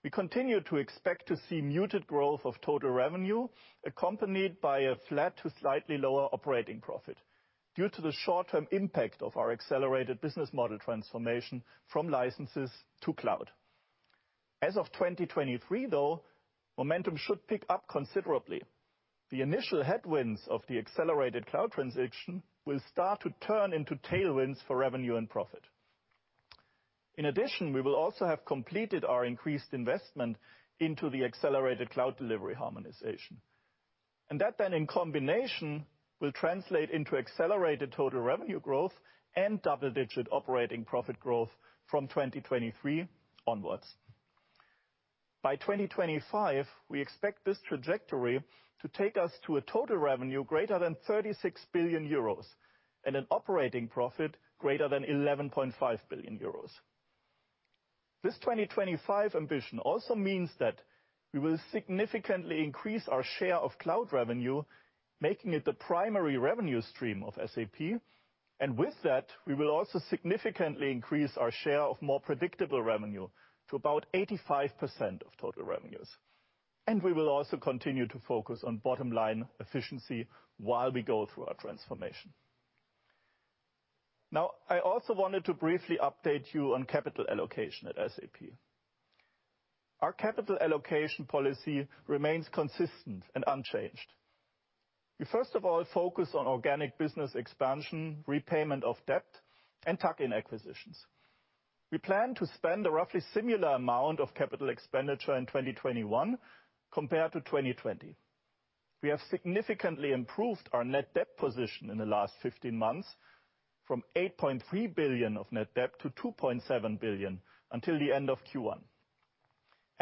we continue to expect to see muted growth of total revenue accompanied by a flat to slightly lower operating profit due to the short-term impact of our accelerated business model transformation from licenses to cloud. As of 2023, though, momentum should pick up considerably. The initial headwinds of the accelerated cloud transaction will start to turn into tailwinds for revenue and profit. In addition, we will also have completed our increased investment into the accelerated cloud delivery harmonization. That then in combination, will translate into accelerated total revenue growth and double-digit operating profit growth from 2023 onwards. By 2025, we expect this trajectory to take us to a total revenue greater than 36 billion euros and an operating profit greater than 11.5 billion euros. This 2025 ambition also means that we will significantly increase our share of cloud revenue, making it the primary revenue stream of SAP. With that, we will also significantly increase our share of more predictable revenue to about 85% of total revenues. We will also continue to focus on bottom-line efficiency while we go through our transformation. Now, I also wanted to briefly update you on capital allocation at SAP. Our capital allocation policy remains consistent and unchanged. We first of all, focus on organic business expansion, repayment of debt, and tuck-in acquisitions. We plan to spend a roughly similar amount of capital expenditure in 2021 compared to 2020. We have significantly improved our net debt position in the last 15 months, from 8.3 billion of net debt to 2.7 billion until the end of Q1.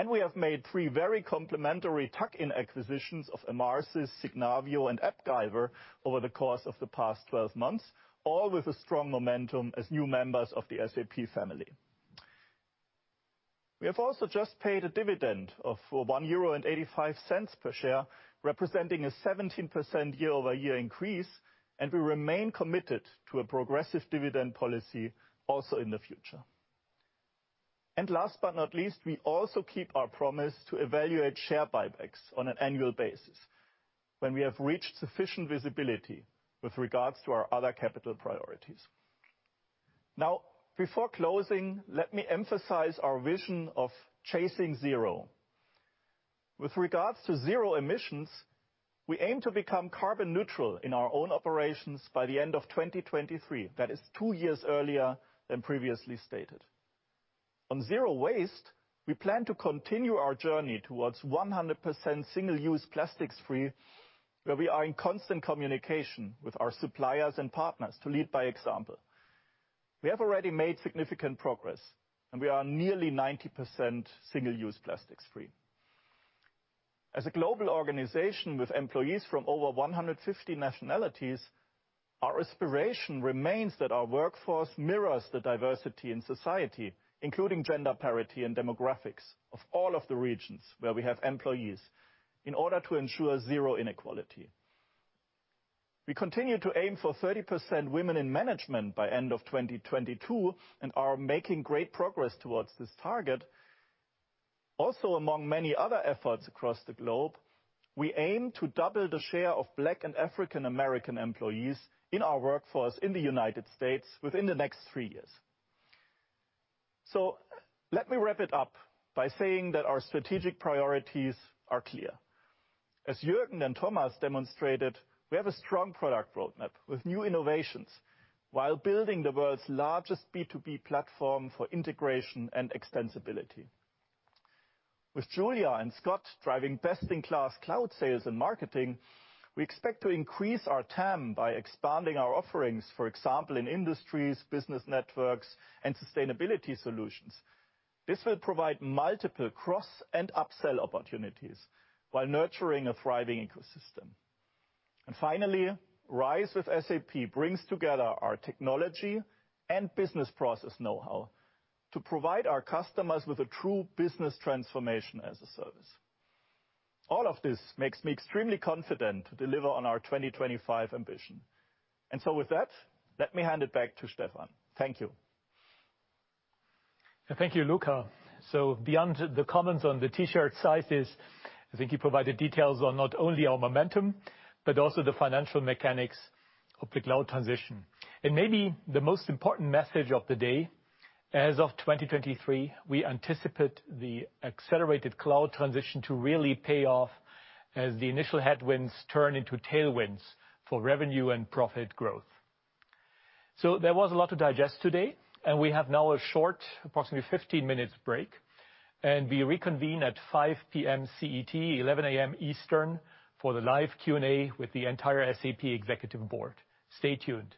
We have made three very complementary tuck-in acquisitions of Emarsys, Signavio, and AppGyver over the course of the past 12 months, all with a strong momentum as new members of the SAP family. We have also just paid a dividend of 1.85 euro per share, representing a 17% year-over-year increase. We remain committed to a progressive dividend policy also in the future. Last but not least, we also keep our promise to evaluate share buybacks on an annual basis when we have reached sufficient visibility with regards to our other capital priorities. Now, before closing, let me emphasize our vision of chasing zero. With regards to zero emissions, we aim to become carbon neutral in our own operations by the end of 2023. That is two years earlier than previously stated. On zero waste, we plan to continue our journey towards 100% single-use plastics free, where we are in constant communication with our suppliers and partners to lead by example. We have already made significant progress, and we are nearly 90% single-use plastics free. As a global organization with employees from over 150 nationalities, our aspiration remains that our workforce mirrors the diversity in society, including gender parity and demographics of all of the regions where we have employees in order to ensure zero inequality. We continue to aim for 30% women in management by the end of 2022 and are making great progress towards this target. Also, among many other efforts across the globe, we aim to double the share of Black and African American employees in our workforce in the United States within the next three years. Let me wrap it up by saying that our strategic priorities are clear. As Juergen and Thomas demonstrated, we have a strong product roadmap with new innovations while building the world's largest B2B platform for integration and extensibility. With Julia and Scott driving best-in-class cloud sales and marketing, we expect to increase our TAM by expanding our offerings, for example, in industries, business networks, and sustainability solutions. This will provide multiple cross and upsell opportunities while nurturing a thriving ecosystem. Finally, RISE with SAP brings together our technology and business process know-how to provide our customers with a true business transformation as a service. All of this makes me extremely confident to deliver on our 2025 ambition. With that, let me hand it back to Stefan. Thank you. Thank you, Luka. Beyond the comments on the T-shirt sizes, I think you provided details on not only our momentum, but also the financial mechanics of the cloud transition. Maybe the most important message of the day, as of 2023, we anticipate the accelerated cloud transition to really pay off as the initial headwinds turn into tailwinds for revenue and profit growth. There was a lot to digest today, and we have now a short, approximately 15 minutes break, and we reconvene at 5:00 P.M. CET, 11:00 A.M. Eastern for the live Q&A with the entire SAP Executive Board. Stay tuned.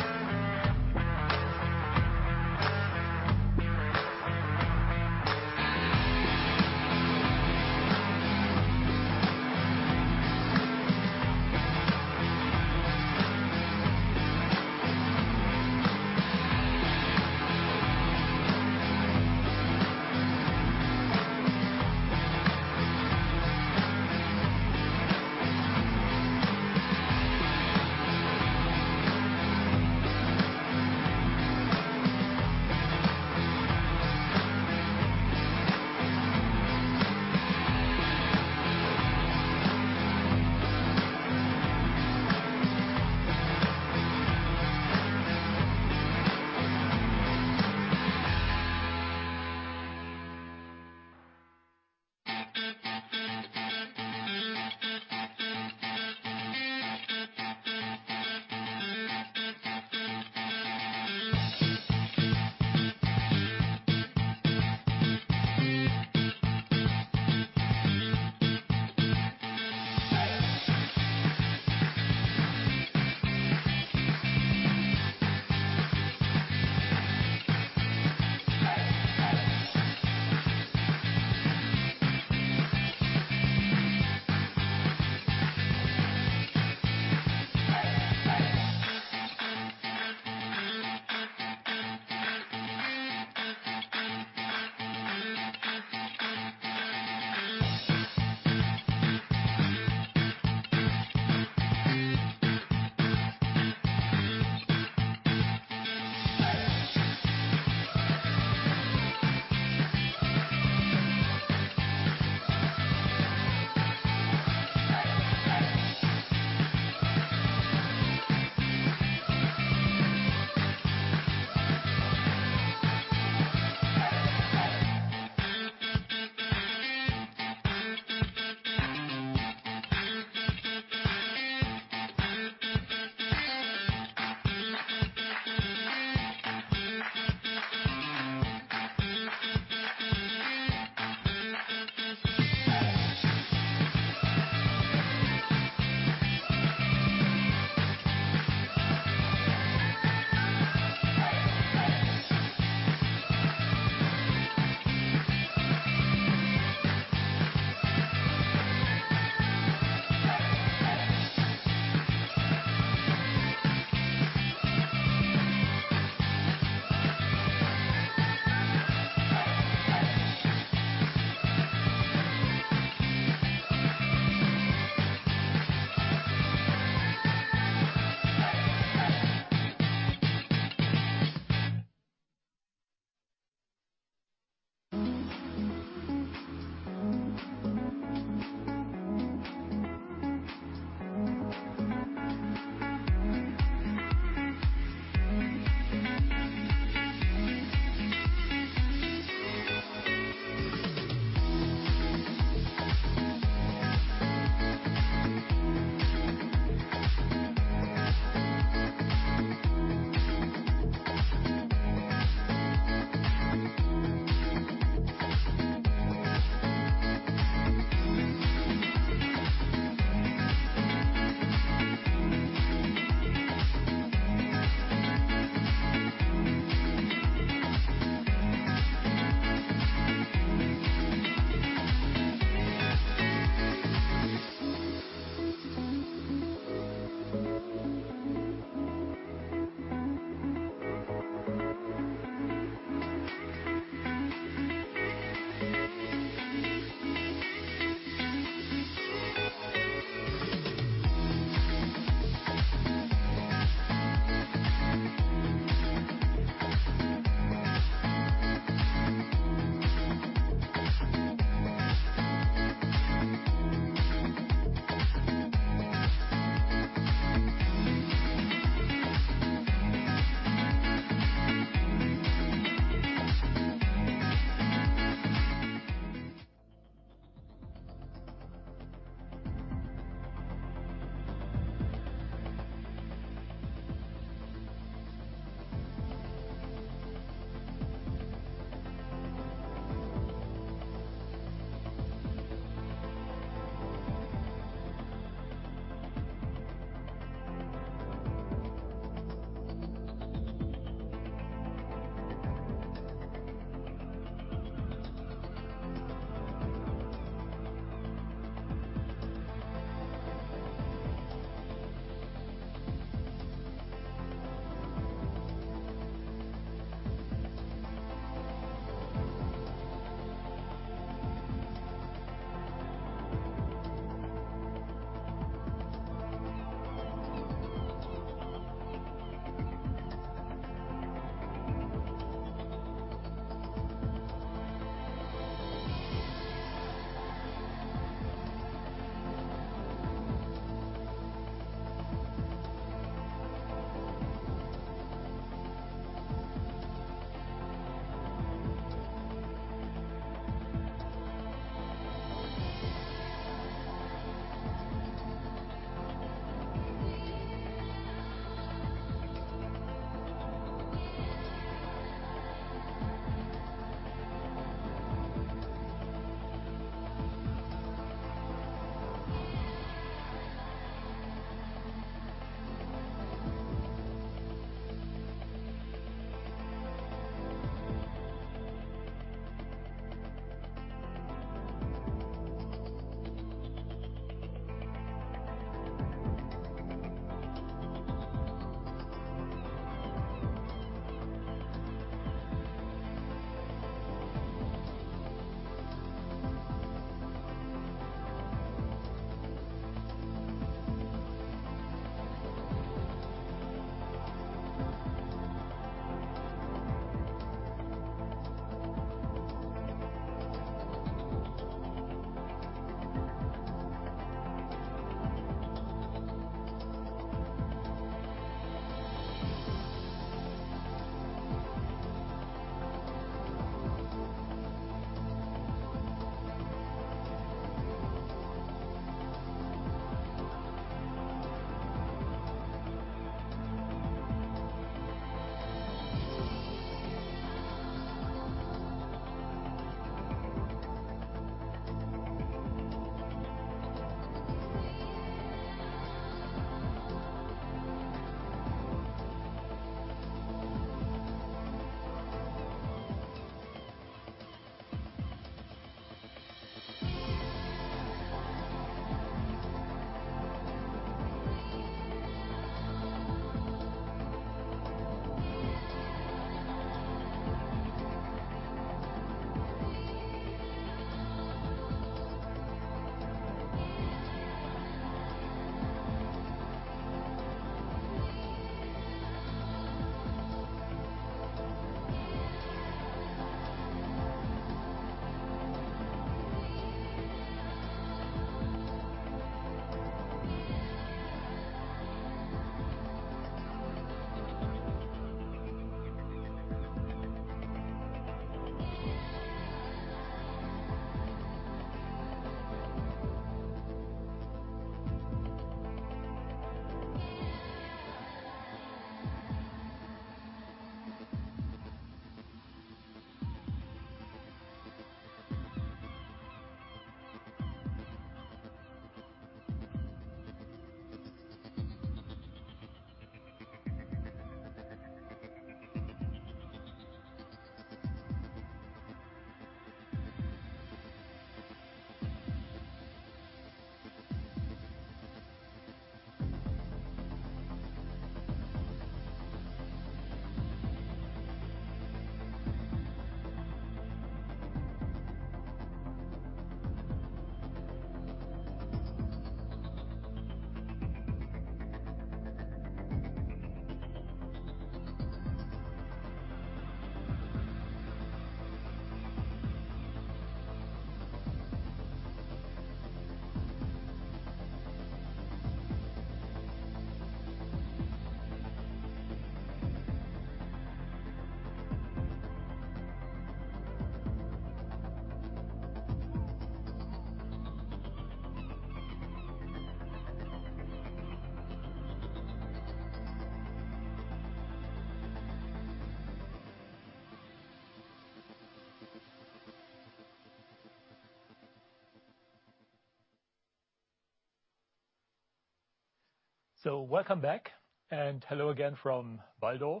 Welcome back, and hello again from Walldorf.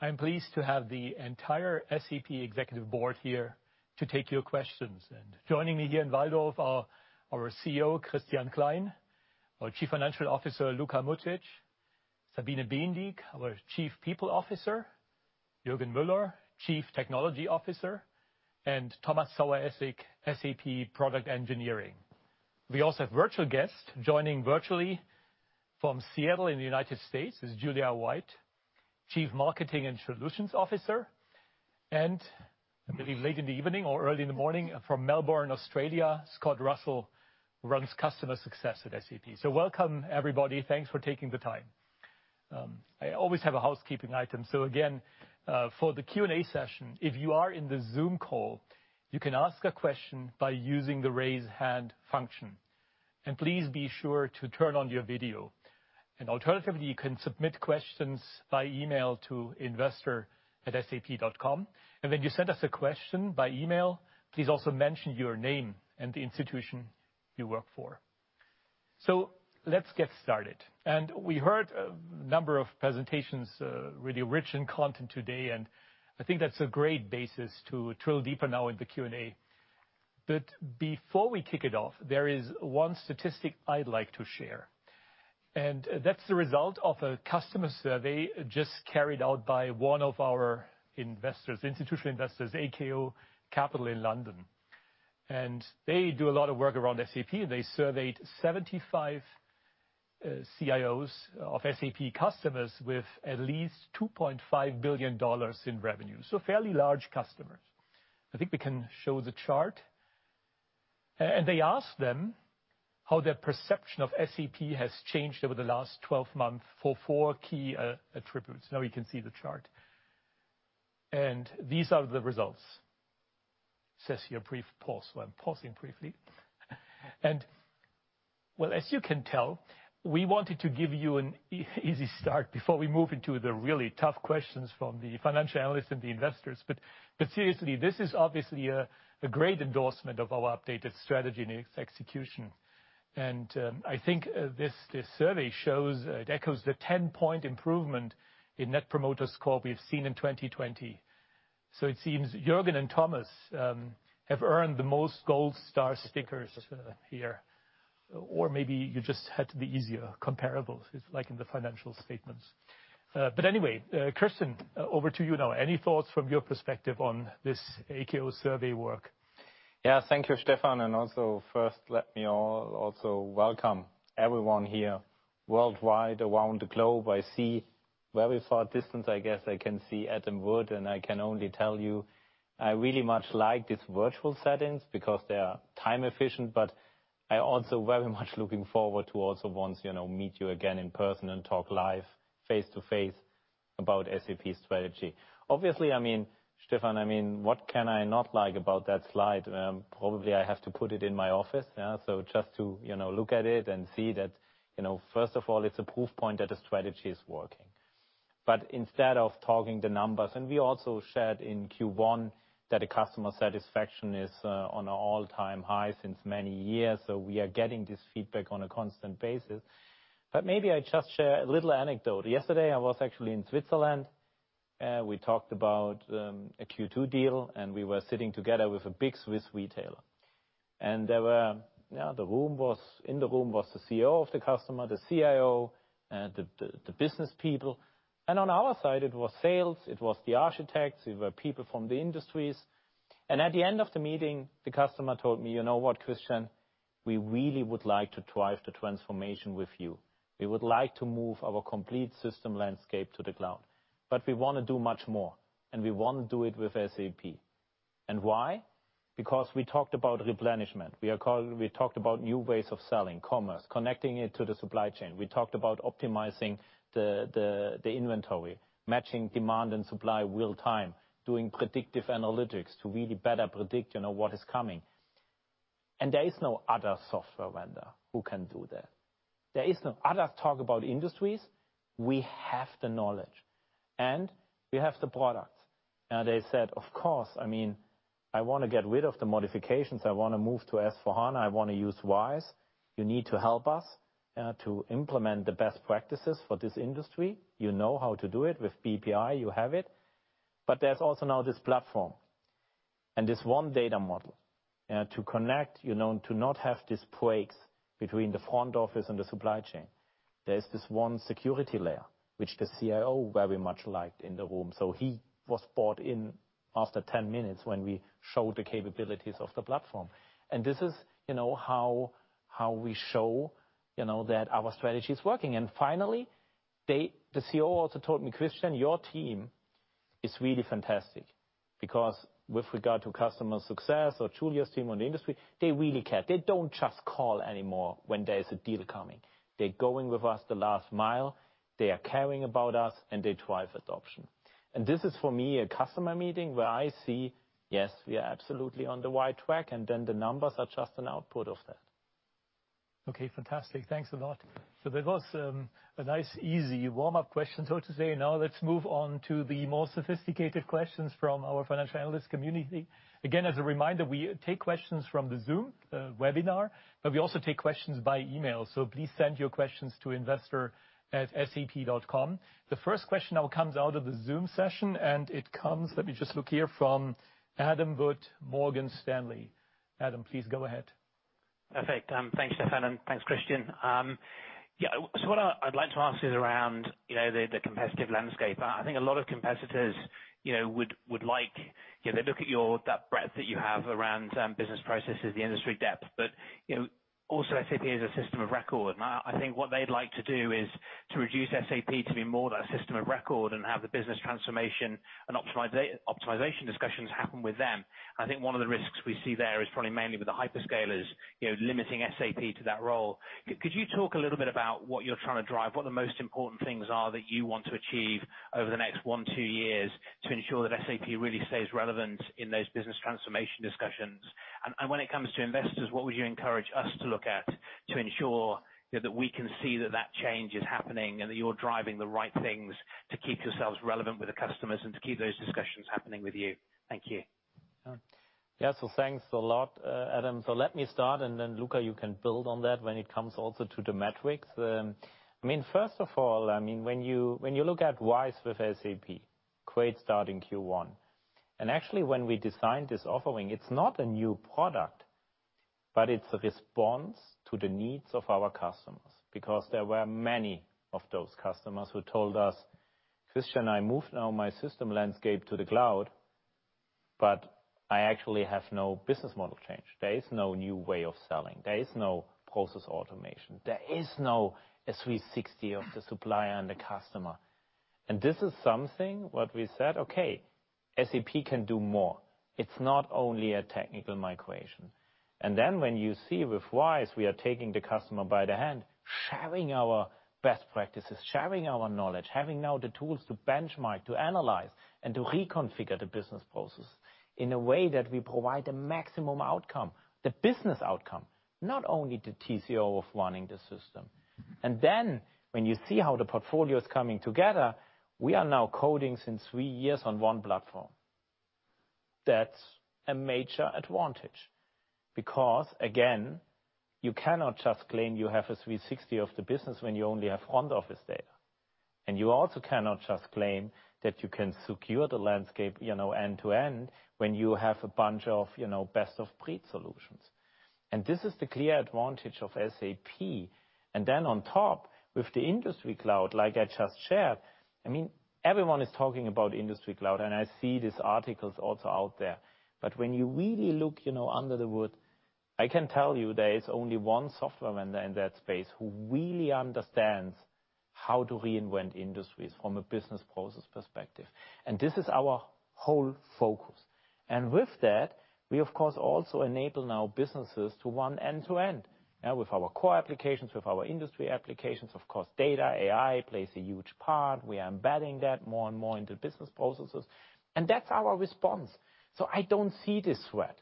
I'm pleased to have the entire SAP Executive Board here to take your questions. Joining me here in Walldorf are our CEO, Christian Klein; our Chief Financial Officer, Luka Mucic; Sabine Bendiek, our Chief People Officer; Juergen Mueller, Chief Technology Officer; and Thomas Saueressig, SAP Product Engineering. We also have virtual guests. Joining virtually from Seattle in the U.S. is Julia White, Chief Marketing and Solutions Officer. A bit late in the evening or early in the morning from Melbourne, Australia, Scott Russell, who runs Customer Success at SAP. Welcome, everybody. Thanks for taking the time. I always have a housekeeping item. Again, for the Q&A session, if you are in the Zoom call, you can ask a question by using the raise hand function. Please be sure to turn on your video. Alternatively, you can submit questions by email to investor@sap.com. When you send us a question by email, please also mention your name and the institution you work for. Let's get started. We heard a number of presentations, really rich in content today, and I think that's a great basis to drill deeper now in the Q&A. Before we kick it off, there is one statistic I'd like to share, and that's the result of a customer survey just carried out by one of our institutional investors, AKO Capital in London. They do a lot of work around SAP, and they surveyed 75 CIOs of SAP customers with at least EUR 2.5 billion in revenue. Fairly large customers. I think we can show the chart. They asked them how their perception of SAP has changed over the last 12 months for four key attributes. Now we can see the chart. These are the results. Says here a brief pause, so I'm pausing briefly. Well, as you can tell, we wanted to give you an easy start before we move into the really tough questions from the financial analysts and the investors. Seriously, this is obviously a great endorsement of our updated strategy and its execution. I think this survey shows, it echoes the 10-point improvement in net promoter score we've seen in 2020. It seems Juergen and Thomas have earned the most gold star stickers here. Maybe you just had to be easier, comparable, like in the financial statements. Anyway, Christian, over to you now. Any thoughts from your perspective on this AKO survey work? Thank you, Stefan. Also first, let me also welcome everyone here worldwide, around the globe. I see very far distance, I guess I can see Adam Wood. I can only tell you, I really much like these virtual settings because they are time efficient. I also very much looking forward to also once meet you again in person and talk live face-to-face about SAP strategy. Obviously, Stefan, what can I not like about that slide? Probably I have to put it in my office. Just to look at it and see that, first of all, it's a proof point that the strategy is working. Instead of talking the numbers, we also shared in Q1 that the customer satisfaction is on an all-time high since many years. We are getting this feedback on a constant basis. Maybe I just share a little anecdote. Yesterday, I was actually in Switzerland. We talked about a Q2 deal, and we were sitting together with a big Swiss retailer. In the room was the CEO of the customer, the CIO, the business people. On our side, it was sales, it was the architects, it were people from the industries. At the end of the meeting, the customer told me, "You know what, Christian? We really would like to drive the transformation with you. We would like to move our complete system landscape to the cloud. We want to do much more, and we want to do it with SAP. Why? Because we talked about replenishment. We talked about new ways of selling, commerce, connecting it to the supply chain. We talked about optimizing the inventory, matching demand and supply real-time, doing predictive analytics to really better predict what is coming. There is no other software vendor who can do that. There is no other talk about industries. We have the knowledge and we have the product." They said, "Of course, I want to get rid of the modifications. I want to move to S/4HANA. I want to use RISE with SAP. You need to help us to implement the best practices for this industry. You know how to do it with BPI, you have it." There's also now this platform, and this one data model to connect, to not have these breaks between the front office and the supply chain. There's this one security layer, which the CIO very much liked in the room. He was bought in after 10 minutes when we showed the capabilities of the platform. This is how we show that our strategy is working. Finally, the CEO also told me, "Christian, your team is really fantastic because with regard to customer success or Julia's team on the industry, they really care. They don't just call anymore when there's a deal coming. They're going with us the last mile. They are caring about us, and they drive adoption." This is for me, a customer meeting where I see, yes, we are absolutely on the right track, and the numbers are just an output of that. Okay, fantastic. Thanks a lot. That was a nice easy warm-up question. Today, now let's move on to the more sophisticated questions from our financial analyst community. Again, as a reminder, we take questions from the Zoom webinar, but we also take questions by email. Please send your questions to investor@sap.com. The first question now comes out of the Zoom session, and it comes, let me just look here, from Adam Wood, Morgan Stanley. Adam, please go ahead. Perfect. Thanks, Stefan. Thanks, Christian. Yeah, what I'd like to ask is around the competitive landscape. I think a lot of competitors would like to look at that breadth that you have around business processes, the industry depth, but also SAP as a system of record. I think what they'd like to do is to reduce SAP to be more that system of record and have the business transformation and optimization discussions happen with them. I think one of the risks we see there is probably mainly with the hyperscalers limiting SAP to that role. Could you talk a little bit about what you're trying to drive, what the most important things are that you want to achieve over the next one, two years to ensure that SAP really stays relevant in those business transformation discussions? When it comes to investors, what would you encourage us to look at to ensure that we can see that change is happening and that you're driving the right things to keep yourselves relevant with the customers and to keep those discussions happening with you? Thank you. Yeah. Thanks a lot, Adam. Let me start, and then Luka, you can build on that when it comes also to the metrics. First of all, when you look at RISE with SAP, great start in Q1. Actually, when we designed this offering, it's not a new product, but it's a response to the needs of our customers because there were many of those customers who told us, "Christian, I moved now my system landscape to the cloud, but I actually have no business model change. There is no new way of selling. There is no process automation. There is no a 360 of the supplier and the customer." This is something what we said, okay, SAP can do more. It's not only a technical migration. When you see with RISE, we are taking the customer by the hand, sharing our best practices, sharing our knowledge, having now the tools to benchmark, to analyze, and to reconfigure the business process in a way that we provide the maximum outcome, the business outcome, not only the TCO of running the system. When you see how the portfolio is coming together, we are now coding since three years on one platform. That's a major advantage. Because, again, you cannot just claim you have a 360 of the business when you only have front office data. You also cannot just claim that you can secure the landscape end-to-end when you have a bunch of best-of-breed solutions. This is the clear advantage of SAP. On top, with the Industry Cloud, like I just shared, everyone is talking about Industry Cloud, and I see these articles also out there. When you really look under the hood, I can tell you there is only one software vendor in that space who really understands how to reinvent industries from a business process perspective. This is our whole focus. With that, we of course, also enable now businesses to run end-to-end. With our core applications, with our industry applications, of course, data, AI plays a huge part. We are embedding that more and more into business processes, and that's our response. I don't see this threat.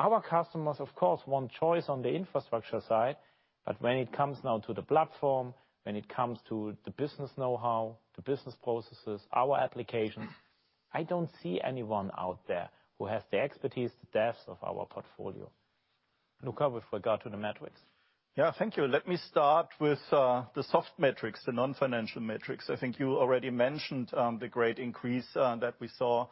Our customers, of course, want choice on the infrastructure side, but when it comes now to the platform, when it comes to the business know-how, the business processes, our applications, I don't see anyone out there who has the expertise, the depth of our portfolio. Luka, with regard to the metrics. Yeah, thank you. Let me start with the soft metrics, the non-financial metrics. I think you already mentioned the great increase that we saw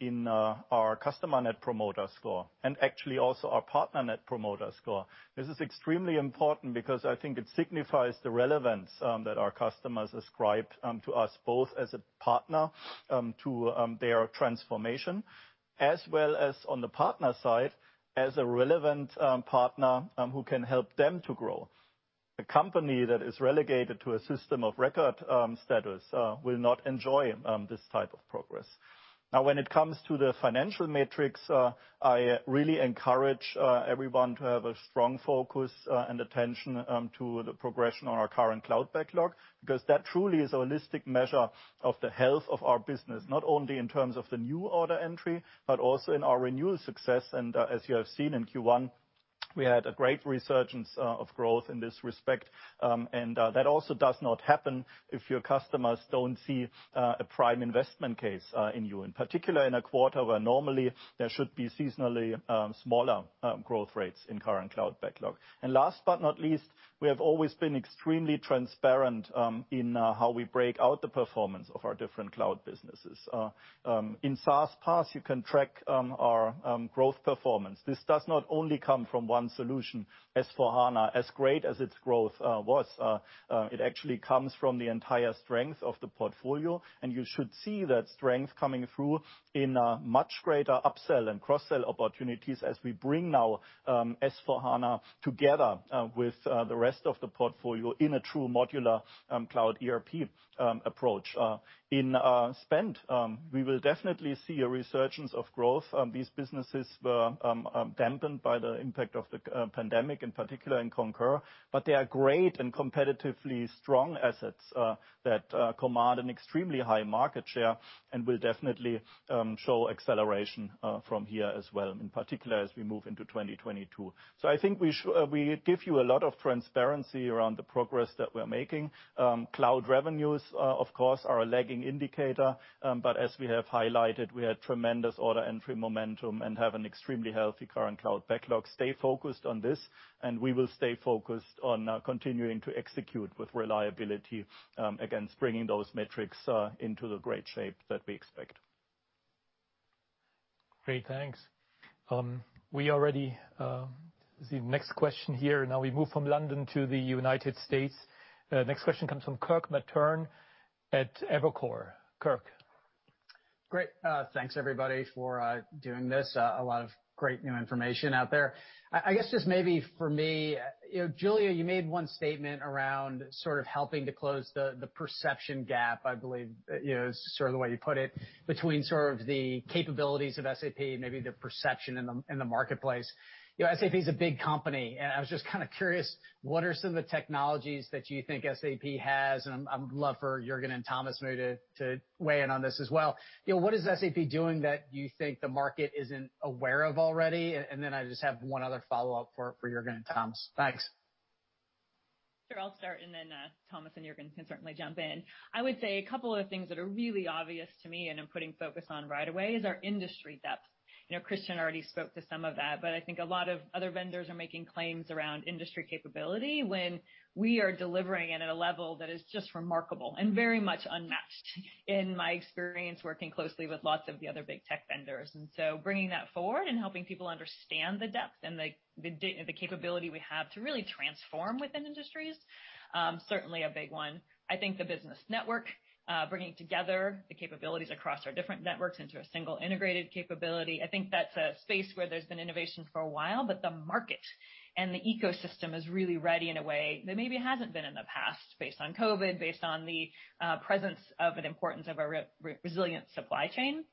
in our customer net promoter score and actually also our partner net promoter score. This is extremely important because I think it signifies the relevance that our customers ascribe to us both as a partner to their transformation, as well as on the partner side, as a relevant partner who can help them to grow. A company that is relegated to a system of record status will not enjoy this type of progress. Now, when it comes to the financial metrics, I really encourage everyone to have a strong focus and attention to the progression of our current cloud backlog because that truly is a holistic measure of the health of our business, not only in terms of the new order entry, but also in our renewal success. As you have seen in Q1, we had a great resurgence of growth in this respect. That also does not happen if your customers don't see a prime investment case in you, in particular, in a quarter where normally there should be seasonally smaller growth rates in current cloud backlog. Last but not least, we have always been extremely transparent in how we break out the performance of our different cloud businesses. In SaaS/PaaS, you can track our growth performance. This does not only come from one solution, S/4HANA, as great as its growth was. It actually comes from the entire strength of the portfolio, and you should see that strength coming through in a much greater upsell and cross-sell opportunities as we bring now S/4HANA together with the rest of the portfolio in a true modular cloud ERP approach. In spend, we will definitely see a resurgence of growth. These businesses were dampened by the impact of the pandemic, in particular in Concur. They are great and competitively strong assets that command an extremely high market share and will definitely show acceleration from here as well, in particular as we move into 2022. I think we give you a lot of transparency around the progress that we're making. Cloud revenues, of course, are a lagging indicator. As we have highlighted, we had tremendous order entry momentum and have an extremely healthy current cloud backlog. Stay focused on this, and we will stay focused on continuing to execute with reliability against bringing those metrics into the great shape that we expect. Great. Thanks. The next question here. Now we move from London to the U.S. Next question comes from Kirk Materne at Evercore. Kirk. Great. Thanks everybody for doing this. A lot of great new information out there. I guess just maybe for me, Julia, you made one statement around sort of helping to close the perception gap, I believe is the way you put it, between sort of the capabilities of SAP and maybe the perception in the marketplace. SAP's a big company, and I was just kind of curious, what are some of the technologies that you think SAP has? I'd love for Juergen and Thomas maybe to weigh in on this as well. What is SAP doing that you think the market isn't aware of already? Then I just have one other follow-up for Juergen and Thomas. Thanks. Sure. I'll start. Then Thomas and Juergen can certainly jump in. I would say a couple of things that are really obvious to me and I'm putting focus on right away is our industry depth. Christian already spoke to some of that. I think a lot of other vendors are making claims around industry capability when we are delivering at a level that is just remarkable and very much unmatched in my experience, working closely with lots of the other big tech vendors. So bringing that forward and helping people understand the depth and the capability we have to really transform within industries, certainly a big one. I think the business network, bringing together the capabilities across our different networks into a single integrated capability. I think that's a space where there's been innovation for a while, but the market and the ecosystem is really ready in a way that maybe hasn't been in the past, based on COVID, based on the presence of an importance of a resilient supply chain,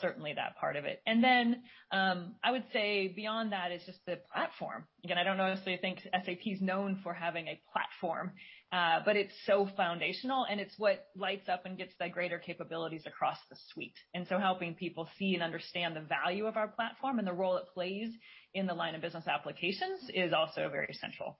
certainly that part of it. I would say beyond that is just the platform. I don't necessarily think SAP's known for having a platform, but it's so foundational, and it's what lights up and gives the greater capabilities across the suite. Helping people see and understand the value of our platform and the role it plays in the line of business applications is also very central.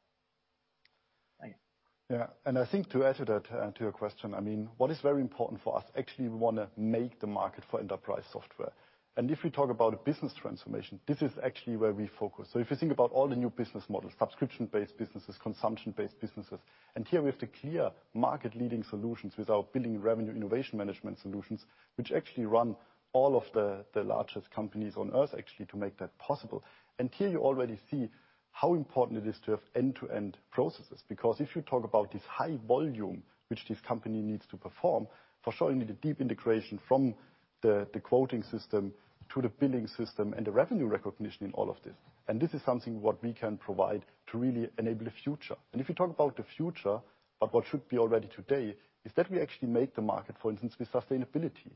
Yeah. I think to add to that and to your question, what is very important for us, actually, we want to make the market for enterprise software. If we talk about a business transformation, this is actually where we focus. If you think about all the new business models, subscription-based businesses, consumption-based businesses, and here we have the clear market-leading solutions with our Billing and Revenue Innovation Management solutions, which actually run all of the largest companies on Earth actually to make that possible. Here you already see how important it is to have end-to-end processes. Because if you talk about this high volume which this company needs to perform, for sure you need a deep integration from the quoting system to the billing system and the revenue recognition in all of this. This is something what we can provide to really enable the future. If you talk about the future, but what should be already today, is that we actually make the market, for instance, with sustainability.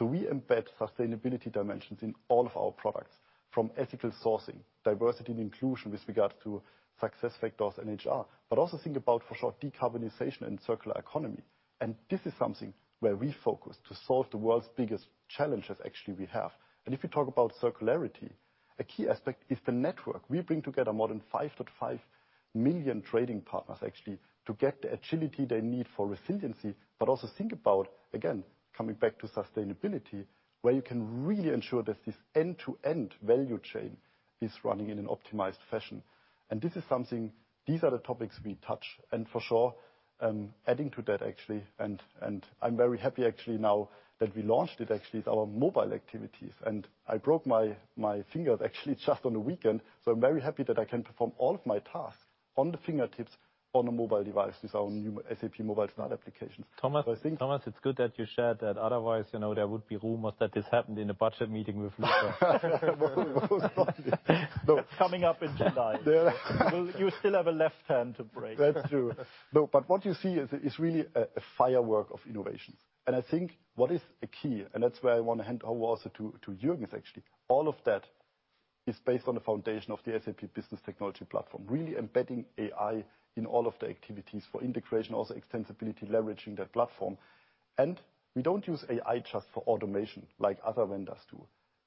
We embed sustainability dimensions in all of our products, from ethical sourcing, diversity and inclusion with regard to SuccessFactors in HR, but also think about, for sure, decarbonization and circular economy. This is something where we focus to solve the world's biggest challenges actually we have. If you talk about circularity, a key aspect is the network. We bring together more than 5.5 million trading partners actually to get the agility they need for resiliency, but also think about, again, coming back to sustainability, where you can really ensure that this end-to-end value chain is running in an optimized fashion. These are the topics we touch. For sure, adding to that actually, and I'm very happy actually now that we launched it actually with our mobile activities, and I broke my fingers actually just on the weekend, so I'm very happy that I can perform all of my tasks on the fingertips on a mobile device with our new SAP Mobile Start application. Thomas, it's good that you shared that. Otherwise, there would be rumors that this happened in a budget meeting with Luka. Coming up in July. You still have a left hand to break. That's true. What you see is really a firework of innovations. I think what is a key, and that's where I want to hand over also to Juergen is actually all of that is based on the foundation of the SAP Business Technology Platform, really embedding AI in all of the activities for integration, also extensibility, leveraging that platform. We don't use AI just for automation like other vendors do.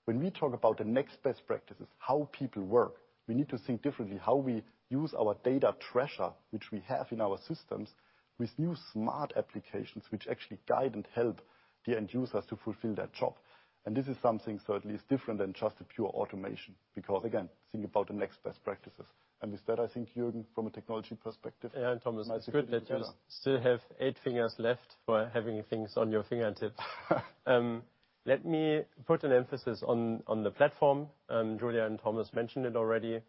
When we talk about the next best practices, how people work, we need to think differently how we use our data treasure, which we have in our systems, with new smart applications, which actually guide and help the end users to fulfill their job. This is something certainly is different than just the pure automation, because, again, think about the next best practices. With that, I think Juergen, from a technology perspective might say a bit more. Yeah, Thomas, it's good that you still have eight fingers left for having things on your fingertips. Let me put an emphasis on the platform. Julia and Thomas mentioned it already.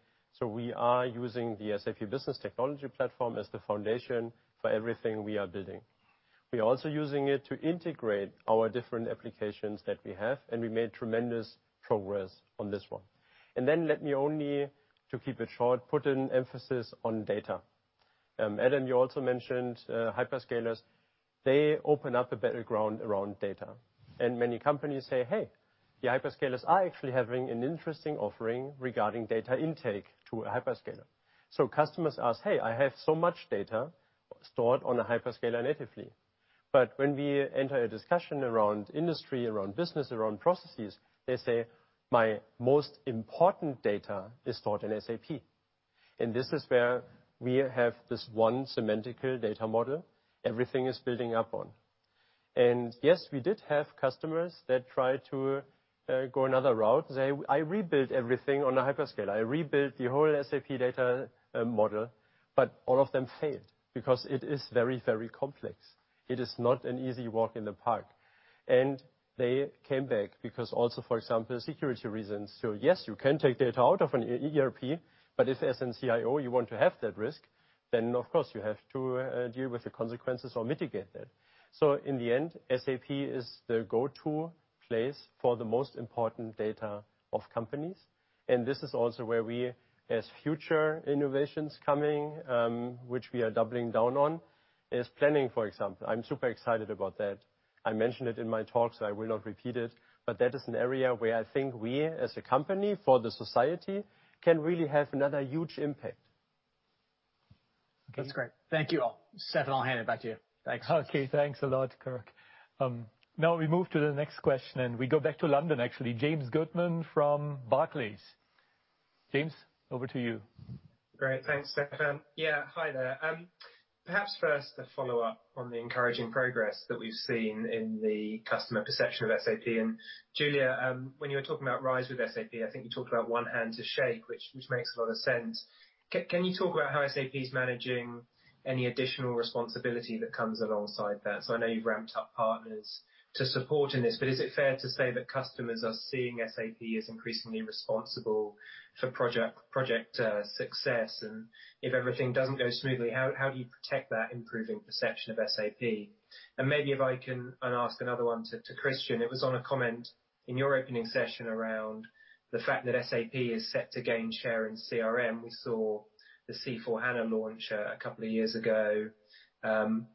We are using the SAP Business Technology Platform as the foundation for everything we are building. We are also using it to integrate our different applications that we have, and we made tremendous progress on this one. Let me only, to keep it short, put an emphasis on data. Adam, you also mentioned hyperscalers. They open up the battleground around data. Many companies say, "Hey, the hyperscalers are actually having an interesting offering regarding data intake to a hyperscaler." Customers ask, "Hey, I have so much data stored on a hyperscaler natively." When we enter a discussion around industry, around business, around processes, they say, "My most important data is stored in SAP." This is where we have this one semantical data model everything is building upon. Yes, we did have customers that tried to go another route and say, "I rebuilt everything on a hyperscaler. I rebuilt the whole SAP data model," but all of them failed because it is very, very complex. It is not an easy walk in the park. They came back because also, for example, security reasons. Yes, you can take data out of an ERP, but as a CIO, you want to have that risk, then, of course, you have to deal with the consequences or mitigate that. In the end, SAP is the go-to place for the most important data of companies, and this is also where we, as future innovations coming, which we are doubling down on, is planning, for example. I'm super excited about that. I mentioned it in my talk, I will not repeat it, that is an area where I think we, as a company for the society, can really have another huge impact. That's great. Thank you all. Stefan, I'll hand it back to you. Thanks. Okay, thanks a lot, Kirk. Now we move to the next question, and we go back to London, actually. James Goodman from Barclays. James, over to you. Thanks, Stefan. Hi there. First a follow-up on the encouraging progress that we've seen in the customer perception of SAP. Julia, when you were talking about RISE with SAP, I think you talked about one hand to shake, which makes a lot of sense. Can you talk about how SAP's managing any additional responsibility that comes alongside that? I know you ramped up partners to support in this, is it fair to say that customers are seeing SAP as increasingly responsible for project success? If everything doesn't go smoothly, how do you protect that improving perception of SAP? Maybe if I can ask another one to Christian, it was on a comment in your opening session around the fact that SAP is set to gain share in CRM. We saw the C/4HANA launch a couple of years ago.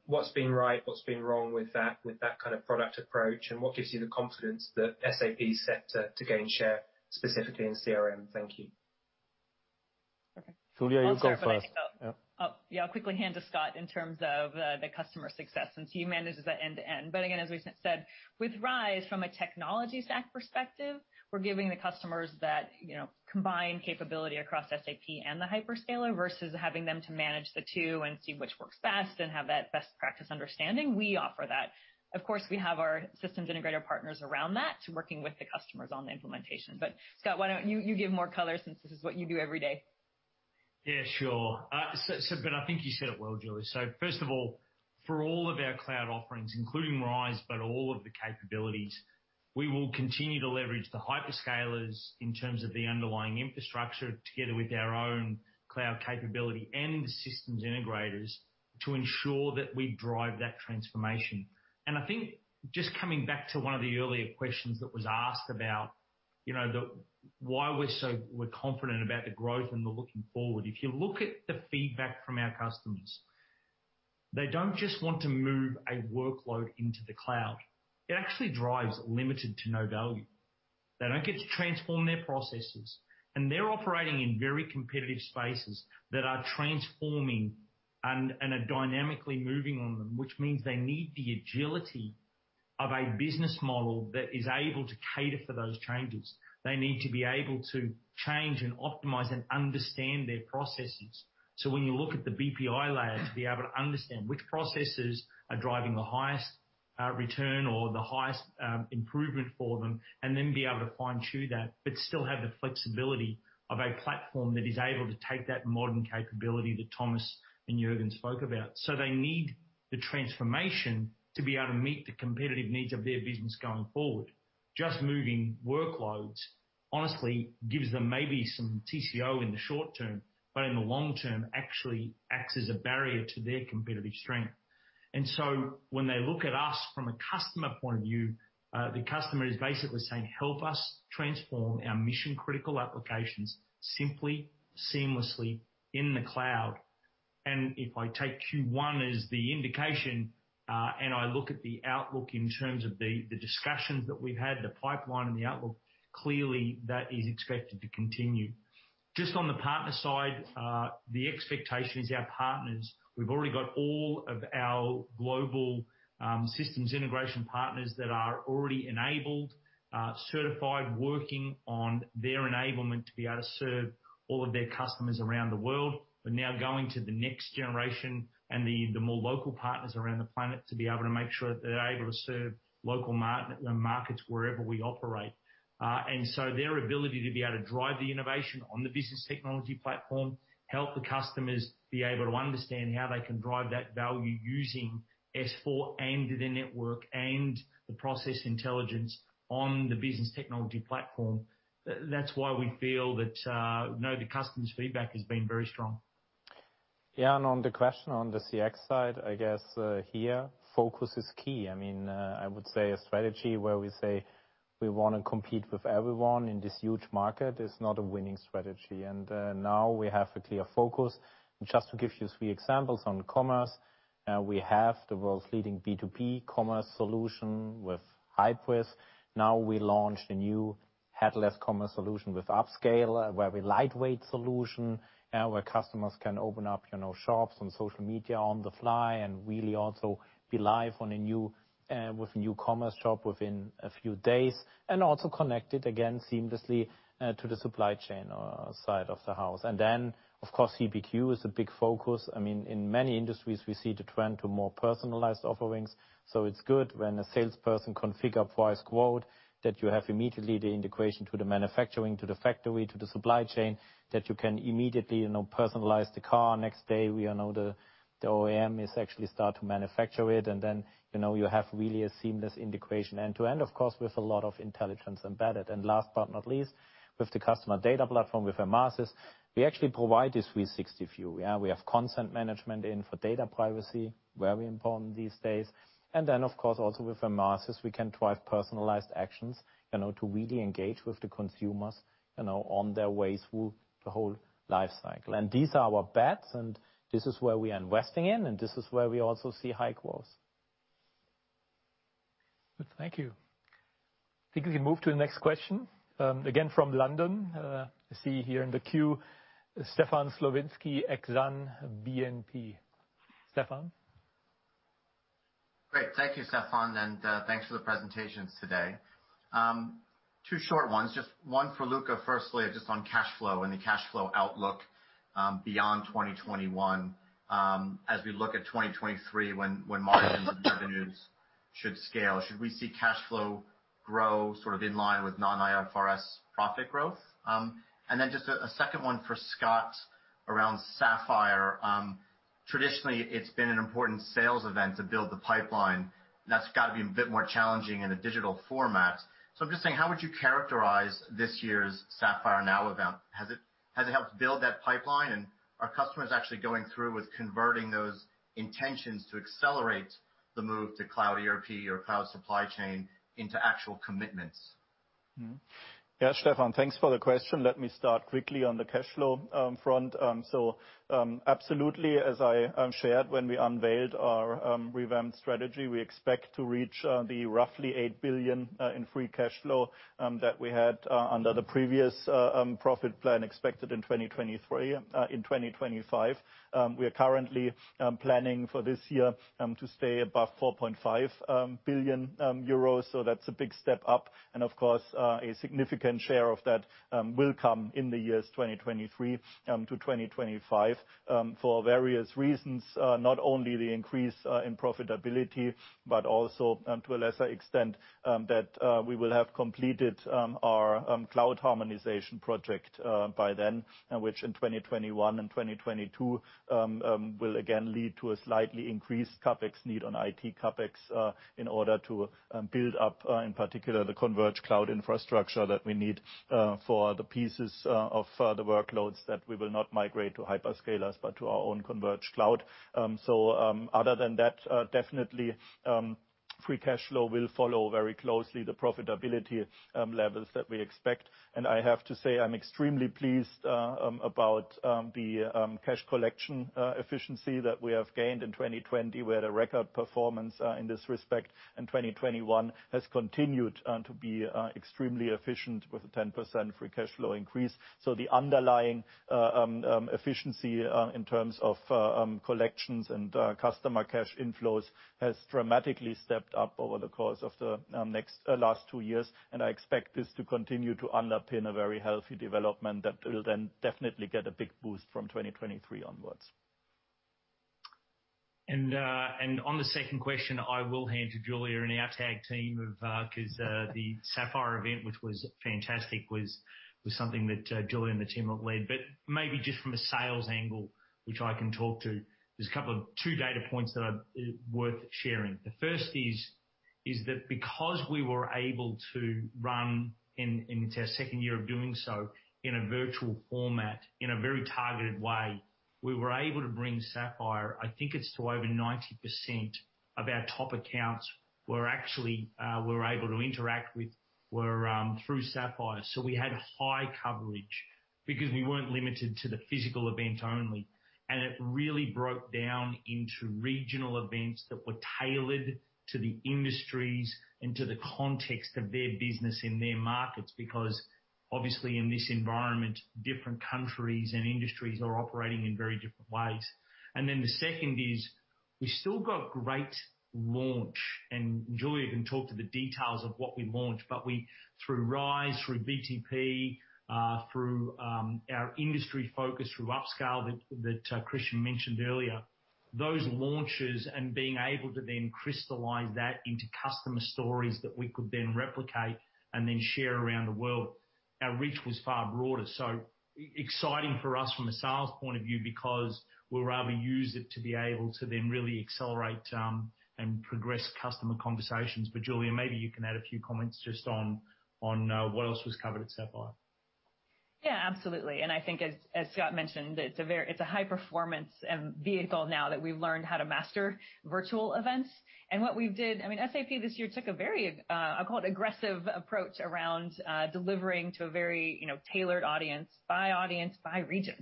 What's been right, what's been wrong with that kind of product approach, and what gives you the confidence that SAP is set to gain share specifically in CRM? Thank you. Julia, you go first. I'll quickly hand to Scott in terms of the customer success since he manages the end-to-end. Again, as we said, with RISE from a technology stack perspective, we're giving the customers that combined capability across SAP and the hyperscaler versus having them to manage the two and see which works best and have that best practice understanding. We offer that. Of course, we have our systems integrator partners around that to working with the customers on the implementation. Scott, why don't you give more color since this is what you do every day? Yeah, sure. I think you said it well, Julia. First of all, for all of our cloud offerings, including RISE, but all of the capabilities, we will continue to leverage the hyperscalers in terms of the underlying infrastructure together with our own cloud capability and the systems integrators to ensure that we drive that transformation. I think just coming back to one of the earlier questions that was asked about why we're confident about the growth and we're looking forward. If you look at the feedback from our customers, they don't just want to move a workload into the cloud. It actually drives limited to no value. They don't get to transform their processes. They're operating in very competitive spaces that are transforming and are dynamically moving on them, which means they need the agility of a business model that is able to cater for those changes. They need to be able to change and optimize and understand their processes. When you look at the BPI layer, to be able to understand which processes are driving the highest return or the highest improvement for them, and then be able to fine-tune that, but still have the flexibility of a platform that is able to take that modern capability that Thomas and Juergen spoke about. They need the transformation to be able to meet the competitive needs of their business going forward. Just moving workloads honestly gives them maybe some TCO in the short term, but in the long term actually acts as a barrier to their competitive strength. When they look at us from a customer point of view, the customer is basically saying, "Help us transform our mission-critical applications simply, seamlessly in the cloud." If I take Q1 as the indication, and I look at the outlook in terms of the discussions that we've had, the pipeline and the outlook, clearly that is expected to continue. Just on the partner side, the expectation is our partners. We've already got all of our global systems integration partners that are already enabled, certified, working on their enablement to be able to serve all of their customers around the world. We're now going to the next generation and the more local partners around the planet to be able to make sure that they're able to serve local markets wherever we operate. Their ability to be able to drive the innovation on the Business Technology Platform, help the customers be able to understand how they can drive that value using S/4 and the network and the process intelligence on the Business Technology Platform. That's why we feel that the customer's feedback has been very strong. On the question on the CX side, I guess, here focus is key. I would say a strategy where we say we want to compete with everyone in this huge market is not a winning strategy. Now we have a clear focus. Just to give you three examples on commerce, we have the world's leading B2B commerce solution with Hybris. Now we launched a new headless commerce solution with Upscale, a very lightweight solution, where customers can open up shops on social media on the fly and really also be live with a new commerce shop within a few days, and also connect it again seamlessly to the supply chain side of the house. Then, of course, CPQ is a big focus. In many industries, we see the trend to more personalized offerings. It's good when a salesperson configures a price quote that you have immediately the integration to the manufacturing, to the factory, to the supply chain, that you can immediately personalize the car. Next day, the OEM is actually start to manufacture it. Then you have really a seamless integration end-to-end, of course, with a lot of intelligence embedded. Last but not least, with the customer data platform with Emarsys, we actually provide this 360 view. We have content management in for data privacy, very important these days. Then, of course, also with Emarsys, we can drive personalized actions to really engage with the consumers on their way through the whole life cycle. These are our bets, and this is where we are investing in, and this is where we also see high growth. Thank you. If we move to the next question. Again, from London, I see here in the queue, Stefan Slowinski, Exane BNP. Stefan? Great. Thank you, Stefan. Thanks for the presentations today. Two short ones. Just one for Luka, firstly, just on cash flow and the cash flow outlook beyond 2021. As we look at 2023 when margin revenues should scale, should we see cash flow grow sort of in line with non-IFRS profit growth? Just a second one for Scott around Sapphire. Traditionally, it's been an important sales event to build the pipeline. That's got to be a bit more challenging in a digital format. I'm just saying, how would you characterize this year's SAPPHIRE NOW event? Has it helped build that pipeline? Are customers actually going through with converting those intentions to accelerate the move to cloud ERP or cloud supply chain into actual commitments? Yeah, Stefan, thanks for the question. Let me start quickly on the cash flow front. Absolutely, as I shared when we unveiled our revamped strategy, we expect to reach the roughly 8 billion in free cash flow that we had under the previous profit plan expected in 2023, in 2025. We're currently planning for this year to stay above 4.5 billion euros. That's a big step up. Of course, a significant share of that will come in the years 2023-2025 for various reasons. Not only the increase in profitability, but also to a lesser extent, that we will have completed our cloud harmonization project by then, which in 2021 and 2022 will again lead to a slightly increased CapEx need on IT CapEx in order to build up, in particular, the converged cloud infrastructure that we need for the pieces of further workloads that we will not migrate to hyperscalers, but to our own converged cloud. Other than that, definitely, free cash flow will follow very closely the profitability levels that we expect. I have to say, I'm extremely pleased about the cash collection efficiency that we have gained in 2020, we had a record performance in this respect, 2021 has continued to be extremely efficient with a 10% free cash flow increase. The underlying efficiency in terms of collections and customer cash inflows has dramatically stepped up over the course of the last two years, and I expect this to continue to underpin a very healthy development that will then definitely get a big boost from 2023 onwards. On the second question, I will hand to Julia White and the SAP team because the Sapphire event, which was fantastic, was something that Julia White and the team have led. Maybe just from a sales angle, which I can talk to, there's two data points that are worth sharing. The first is that because we were able to run, and it's our second year of doing so, in a virtual format, in a very targeted way, we were able to bring Sapphire, I think it's to over 90% of our top accounts we're able to interact with were through SAP Sapphire. We had high coverage because we weren't limited to the physical event only. It really broke down into regional events that were tailored to the industries and to the context of their business and their markets. Because obviously in this environment, different countries and industries are operating in very different ways. The second is, we still got great launch, and Julia can talk to the details of what we launched, but through RISE, through BTP, through our industry focus, through Upscale that Christian mentioned earlier. Those launches and being able to then crystallize that into customer stories that we could then replicate and then share around the world, our reach was far broader. Exciting for us from a sales point of view because we were able to use it to be able to then really accelerate and progress customer conversations. Julia, maybe you can add a few comments just on what else was covered at Sapphire. Yeah, absolutely. I think as Scott mentioned, it's a high-performance vehicle now that we've learned how to master virtual events. What we did, I mean, SAP this year took a very, I'll call it aggressive approach around delivering to a very tailored audience by audience, by region.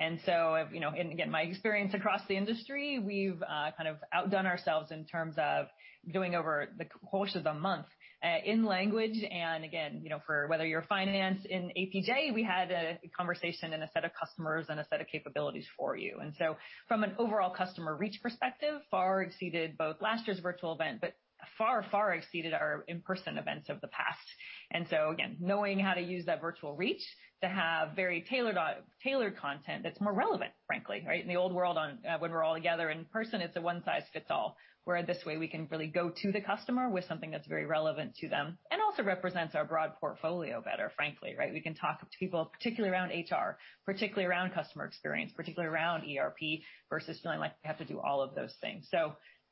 Again, my experience across the industry, we've kind of outdone ourselves in terms of doing over the course of the month in language, again, for whether you're finance in APJ, we had a conversation and a set of customers and a set of capabilities for you. From an overall customer reach perspective, far exceeded both last year's virtual event, but far, far exceeded our in-person events of the past. Again, knowing how to use that virtual reach to have very tailored content that's more relevant, frankly, right? In the old world when we're all together in person, it's a one size fits all, where this way we can really go to the customer with something that's very relevant to them and also represents our broad portfolio better, frankly, right? We can talk to people, particularly around HR, particularly around customer experience, particularly around ERP versus feeling like we have to do all of those things.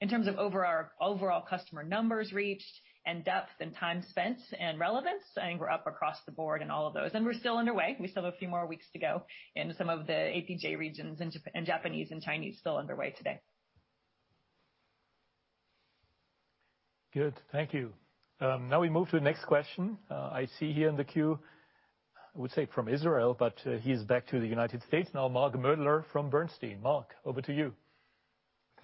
In terms of overall customer numbers reached and depth and time spent and relevance, I think we're up across the board in all of those. We're still underway. We still have a few more weeks to go in some of the APJ regions, and Japanese and Chinese still underway today. Good. Thank you. Now we move to the next question. I see here in the queue. I would say from Israel, but he's back to the United States now. Mark Moerdler from Bernstein. Mark, over to you.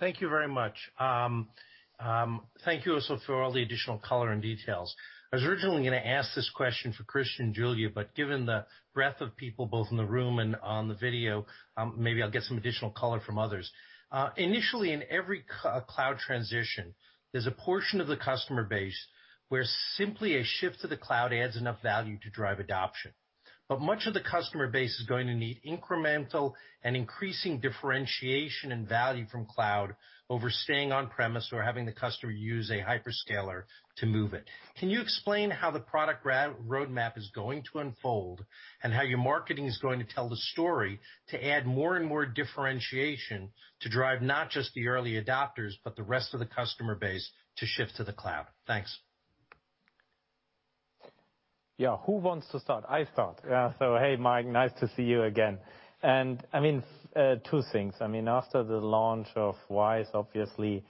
Thank you very much. Thank you also for all the additional color and details. I was originally going to ask this question for Christian and Julia, Given the breadth of people both in the room and on the video, maybe I'll get some additional color from others. Initially, in every cloud transition, there's a portion of the customer base where simply a shift to the cloud adds enough value to drive adoption. Much of the customer base is going to need incremental and increasing differentiation and value from cloud over staying on-premise or having the customer use a hyperscaler to move it. Can you explain how the product roadmap is going to unfold and how your marketing is going to tell the story to add more and more differentiation to drive not just the early adopters, but the rest of the customer base to shift to the cloud? Thanks. Yeah. Who wants to start? I start. Hey, Mark. Nice to see you again. Two things. After the launch of RISE obviously,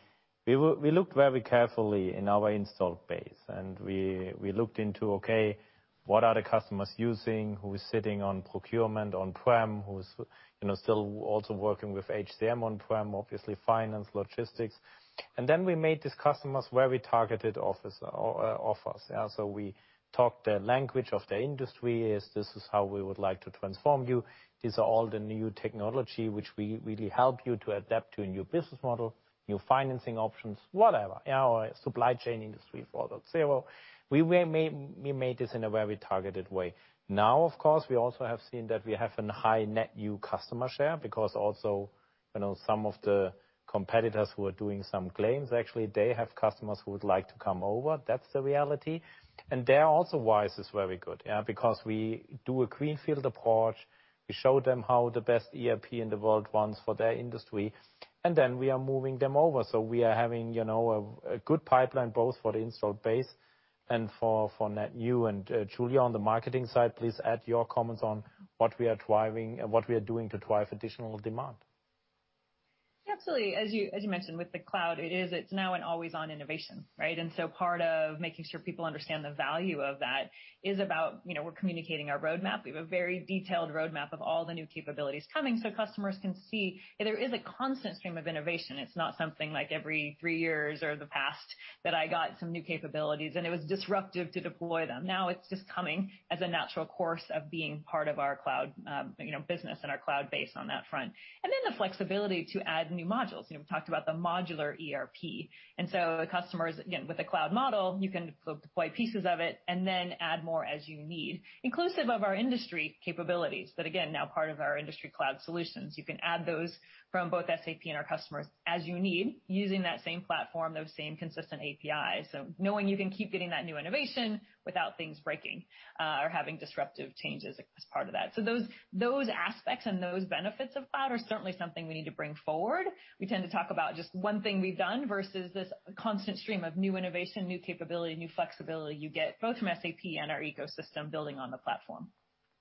we looked very carefully in our install base, we looked into, okay, what are the customers using? Who's sitting on procurement on-prem? Who's still also working with HCM on-prem, obviously, finance, logistics. We made these customers very targeted offers. We talked their language of their industry is this is how we would like to transform you. These are all the new technology which we really help you to adapt to a new business model, new financing options, whatever. Our supply chain industry 4.0. We made this in a very targeted way. Now, of course, we also have seen that we have a high net new customer share because also some of the competitors who are doing some claims, actually, they have customers who would like to come over. That's the reality. There also RISE is very good. Because we do a greenfield approach. We show them how the best ERP in the world runs for their industry, and then we are moving them over. We are having a good pipeline both for the install base and for net new. Julia, on the marketing side, please add your comments on what we are doing to drive additional demand. Absolutely. As you mentioned, with the cloud, it is now an always-on innovation, right? Part of making sure people understand the value of that is about we're communicating our roadmap. We have a very detailed roadmap of all the new capabilities coming so customers can see that there is a constant stream of innovation. It's not something like every three years or the past that I got some new capabilities, and it was disruptive to deploy them. Now it's just coming as a natural course of being part of our cloud business and our cloud base on that front. The flexibility to add new modules. We've talked about the modular ERP, and so the customers, again, with the cloud model, you can deploy pieces of it and then add more as you need, inclusive of our industry capabilities. Again, now part of our industry cloud solutions. You can add those from both SAP and our customers as you need using that same platform, those same consistent APIs. Knowing you can keep getting that new innovation without things breaking or having disruptive changes as part of that. Those aspects and those benefits of cloud are certainly something we need to bring forward. We tend to talk about just one thing we've done versus this constant stream of new innovation, new capability, new flexibility you get both from SAP and our ecosystem building on the platform.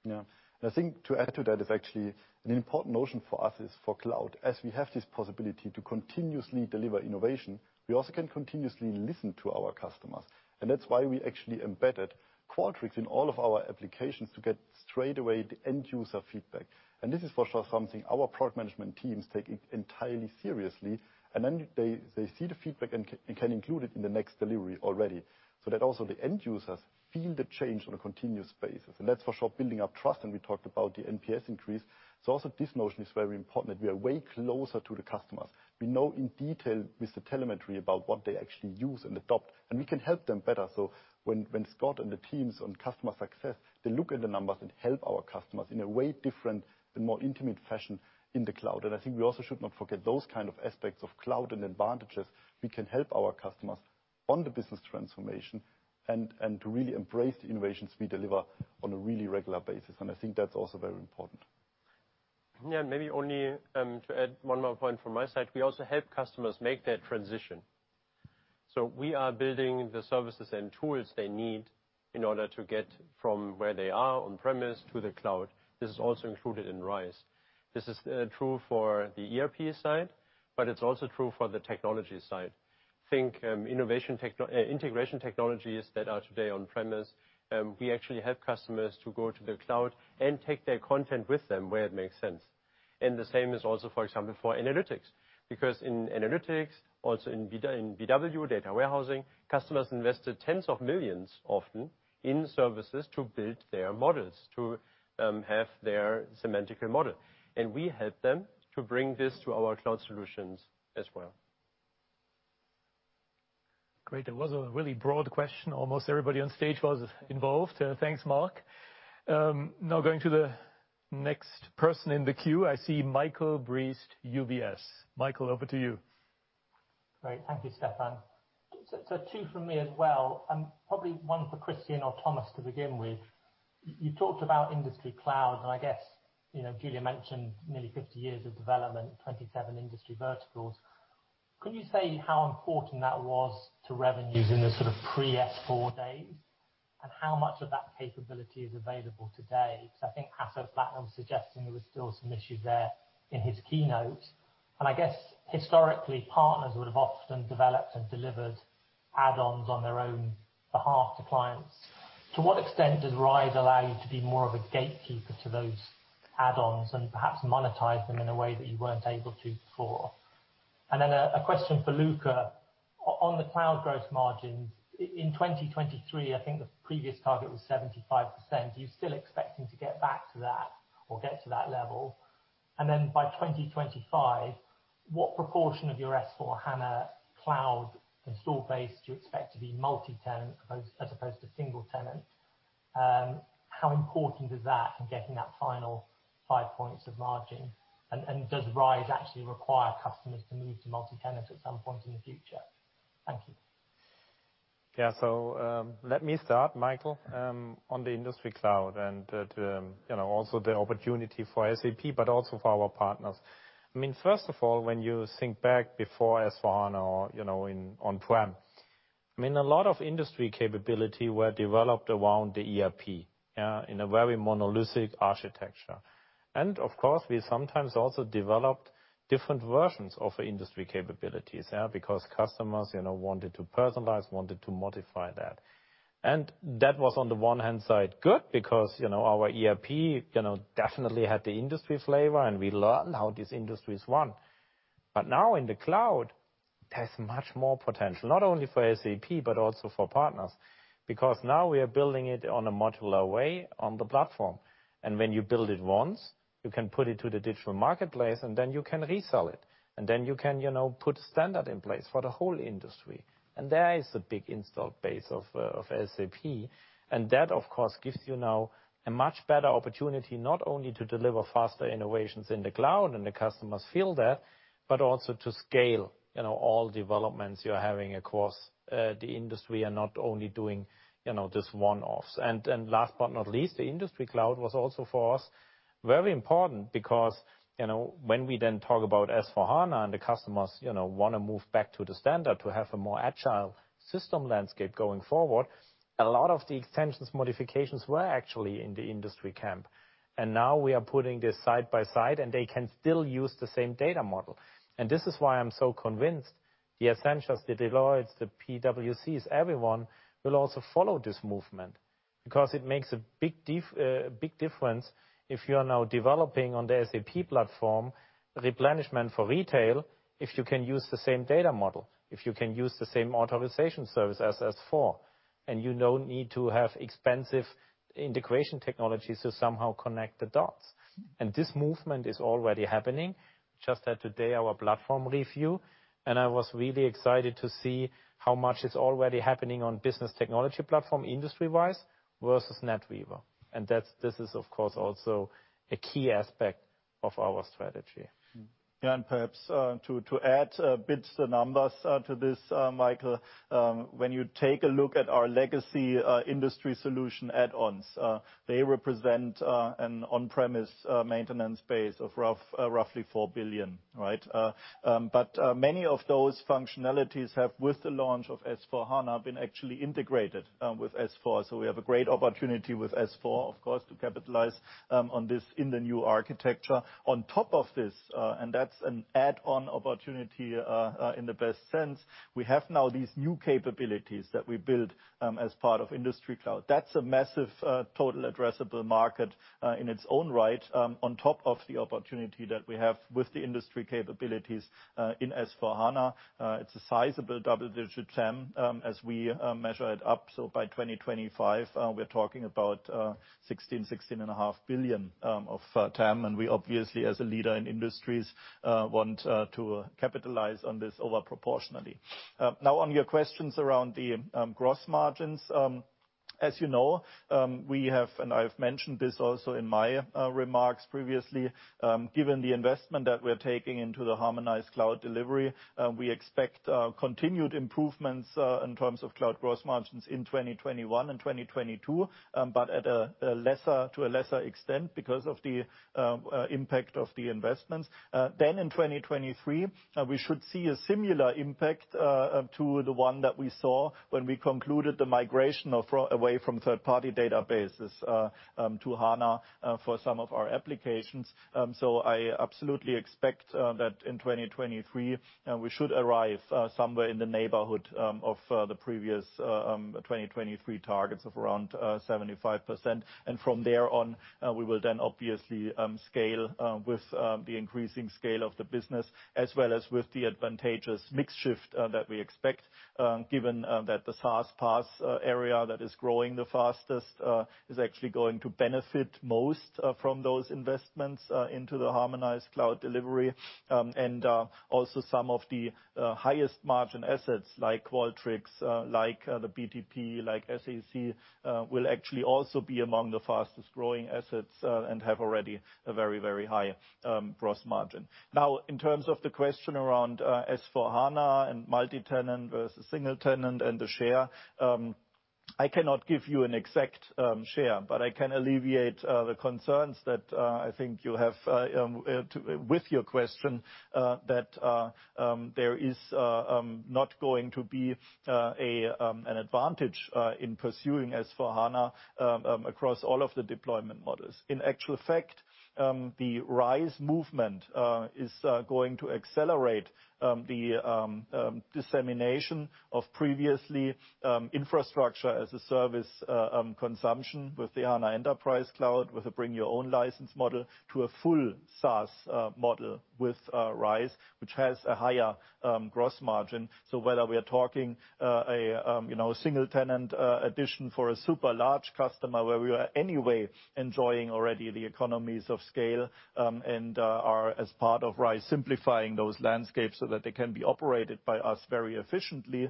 Yeah. I think to add to that is actually an important notion for us is for cloud. As we have this possibility to continuously deliver innovation, we also can continuously listen to our customers, and that's why we actually embedded Qualtrics in all of our applications to get straight away the end user feedback. This is for sure something our product management teams take entirely seriously. Then they see the feedback and can include it in the next delivery already so that also the end users feel the change on a continuous basis. That's for sure building up trust when we talked about the NPS increase. Also this notion is very important that we are way closer to the customers. We know in detail with the telemetry about what they actually use and adopt, and we can help them better. When Scott and the teams on customer success, they look at the numbers and help our customers in a way different, the more intimate fashion in the cloud. I think we also should not forget those kind of aspects of cloud and advantages. We can help our customers on the business transformation and to really embrace the innovations we deliver on a really regular basis, and I think that's also very important. Yeah. Maybe only to add one more point from my side. We also help customers make that transition. We are building the services and tools they need in order to get from where they are on-premise to the cloud. This is also included in RISE. This is true for the ERP side, it's also true for the technology side. Think integration technologies that are today on-premise. We actually help customers to go to the cloud and take their content with them where it makes sense. The same is also, for example, for analytics, because in analytics, also in BW, data warehousing, customers invested tens of millions often in services to build their models, to have their semantical model. We help them to bring this to our cloud solutions as well. Great. That was a really broad question. Almost everybody on stage was involved. Thanks, Mark. Going to the next person in the queue, I see Michael Briest, UBS. Michael, over to you. Great. Thank you, Stefan Gruber. Two from me as well, and probably one for Christian Klein or Thomas Saueressig to begin with. You talked about industry cloud, and I guess Julia White mentioned nearly 50 years of development, 27 industry verticals. Could you say how important that was to revenues in the sort of pre-SAP S/4HANA days, and how much of that capability is available today? Because I think Hasso Plattner was suggesting there were still some issues there in his keynote. I guess historically, partners would have often developed and delivered add-ons on their own behalf to clients. To what extent does RISE with SAP allow you to be more of a gatekeeper to those add-ons and perhaps monetize them in a way that you weren't able to before? Then a question for Luka. On the cloud growth margins, in 2023, I think the previous target was 75%. Are you still expecting to get back to that or get to that level? By 2025, what proportion of your SAP S/4HANA Cloud installed base do you expect to be multi-tenant as opposed to single tenant? How important is that in getting that final 5 points of margin? Does RISE actually require customers to move to multi-tenant at some point in the future? Thank you. Yeah. Let me start, Michael, on the Industry Cloud and also the opportunity for SAP, but also for our partners. First of all, when you think back before S/4HANA or on-prem, a lot of industry capability were developed around the ERP in a very monolithic architecture. Of course, we sometimes also developed different versions of industry capabilities because customers wanted to personalize, wanted to modify that. That was on the one hand side good because our ERP definitely had the industry flavor, and we learned how these industries want. Now in the cloud, it has much more potential, not only for SAP but also for partners. Because now we are building it on a modular way on the platform. When you build it once, you can put it to the digital marketplace, and then you can resell it. You can put standard in place for the whole industry. There is a big installed base of SAP, and that of course gives you now a much better opportunity not only to deliver faster innovations in the cloud, and the customers feel that, but also to scale all developments you're having across the industry and not only doing this one-offs. Last but not least, the Industry Cloud was also for us very important because when we then talk about SAP S/4HANA and the customers want to move back to the standard to have a more agile system landscape going forward, a lot of the extensions modifications were actually in the industry camp. Now we are putting this side by side, and they can still use the same data model. This is why I'm so convinced the Accenture, the Deloittes, the PWCs, everyone will also follow this movement because it makes a big difference if you're now developing on the SAP platform replenishment for retail, if you can use the same data model, if you can use the same authorization service as S/4. You don't need to have expensive integration technologies to somehow connect the dots. This movement is already happening. Just had today our platform review, I was really excited to see how much is already happening on Business Technology Platform industry-wise versus NetWeaver. This is of course also a key aspect of our strategy. Perhaps to add bits, the numbers to this, Michael, when you take a look at our legacy industry solution add-ons, they represent an on-premise maintenance base of roughly 4 billion. Many of those functionalities have, with the launch of S/4HANA, been actually integrated with S/4. We have a great opportunity with S/4, of course, to capitalize on this in the new architecture. On top of this, that's an add-on opportunity in the best sense, we have now these new capabilities that we built as part of Industry Cloud. That's a massive total addressable market in its own right, on top of the opportunity that we have with the industry capabilities in S/4HANA. It's a sizable double-digit TAM as we measure it up. By 2025, we're talking about 16 billion, 16.5 billion of TAM. We obviously, as a leader in industries, want to capitalize on this over proportionally. On your questions around the gross margins. As you know, I've mentioned this also in my remarks previously, given the investment that we're taking into the harmonized cloud delivery, we expect continued improvements in terms of cloud gross margins in 2021 and 2022, but to a lesser extent because of the impact of the investments. In 2023, we should see a similar impact to the one that we saw when we concluded the migration away from third-party databases to HANA for some of our applications. I absolutely expect that in 2023, we should arrive somewhere in the neighborhood of the previous 2023 targets of around 75%. From there on, we will then obviously scale with the increasing scale of the business as well as with the advantageous mix shift that we expect, given that the SaaS/PaaS area that is growing the fastest is actually going to benefit most from those investments into the harmonized cloud delivery. Also some of the highest margin assets like Qualtrics, like the BTP, like SAC, will actually also be among the fastest-growing assets and have already a very, very high gross margin. In terms of the question around S/4HANA and multi-tenant versus single tenant, I cannot give you an exact share, but I can alleviate the concerns that I think you have with your question, that there is not going to be an advantage in pursuing S/4HANA across all of the deployment models. In actual fact, the RISE movement is going to accelerate the dissemination of previously infrastructure-as-a-service consumption with the HANA Enterprise Cloud, with a bring your own license model to a full SaaS model with RISE, which has a higher gross margin. Whether we are talking a single tenant addition for a super large customer where we are anyway enjoying already the economies of scale and are, as part of RISE, simplifying those landscapes so that they can be operated by us very efficiently.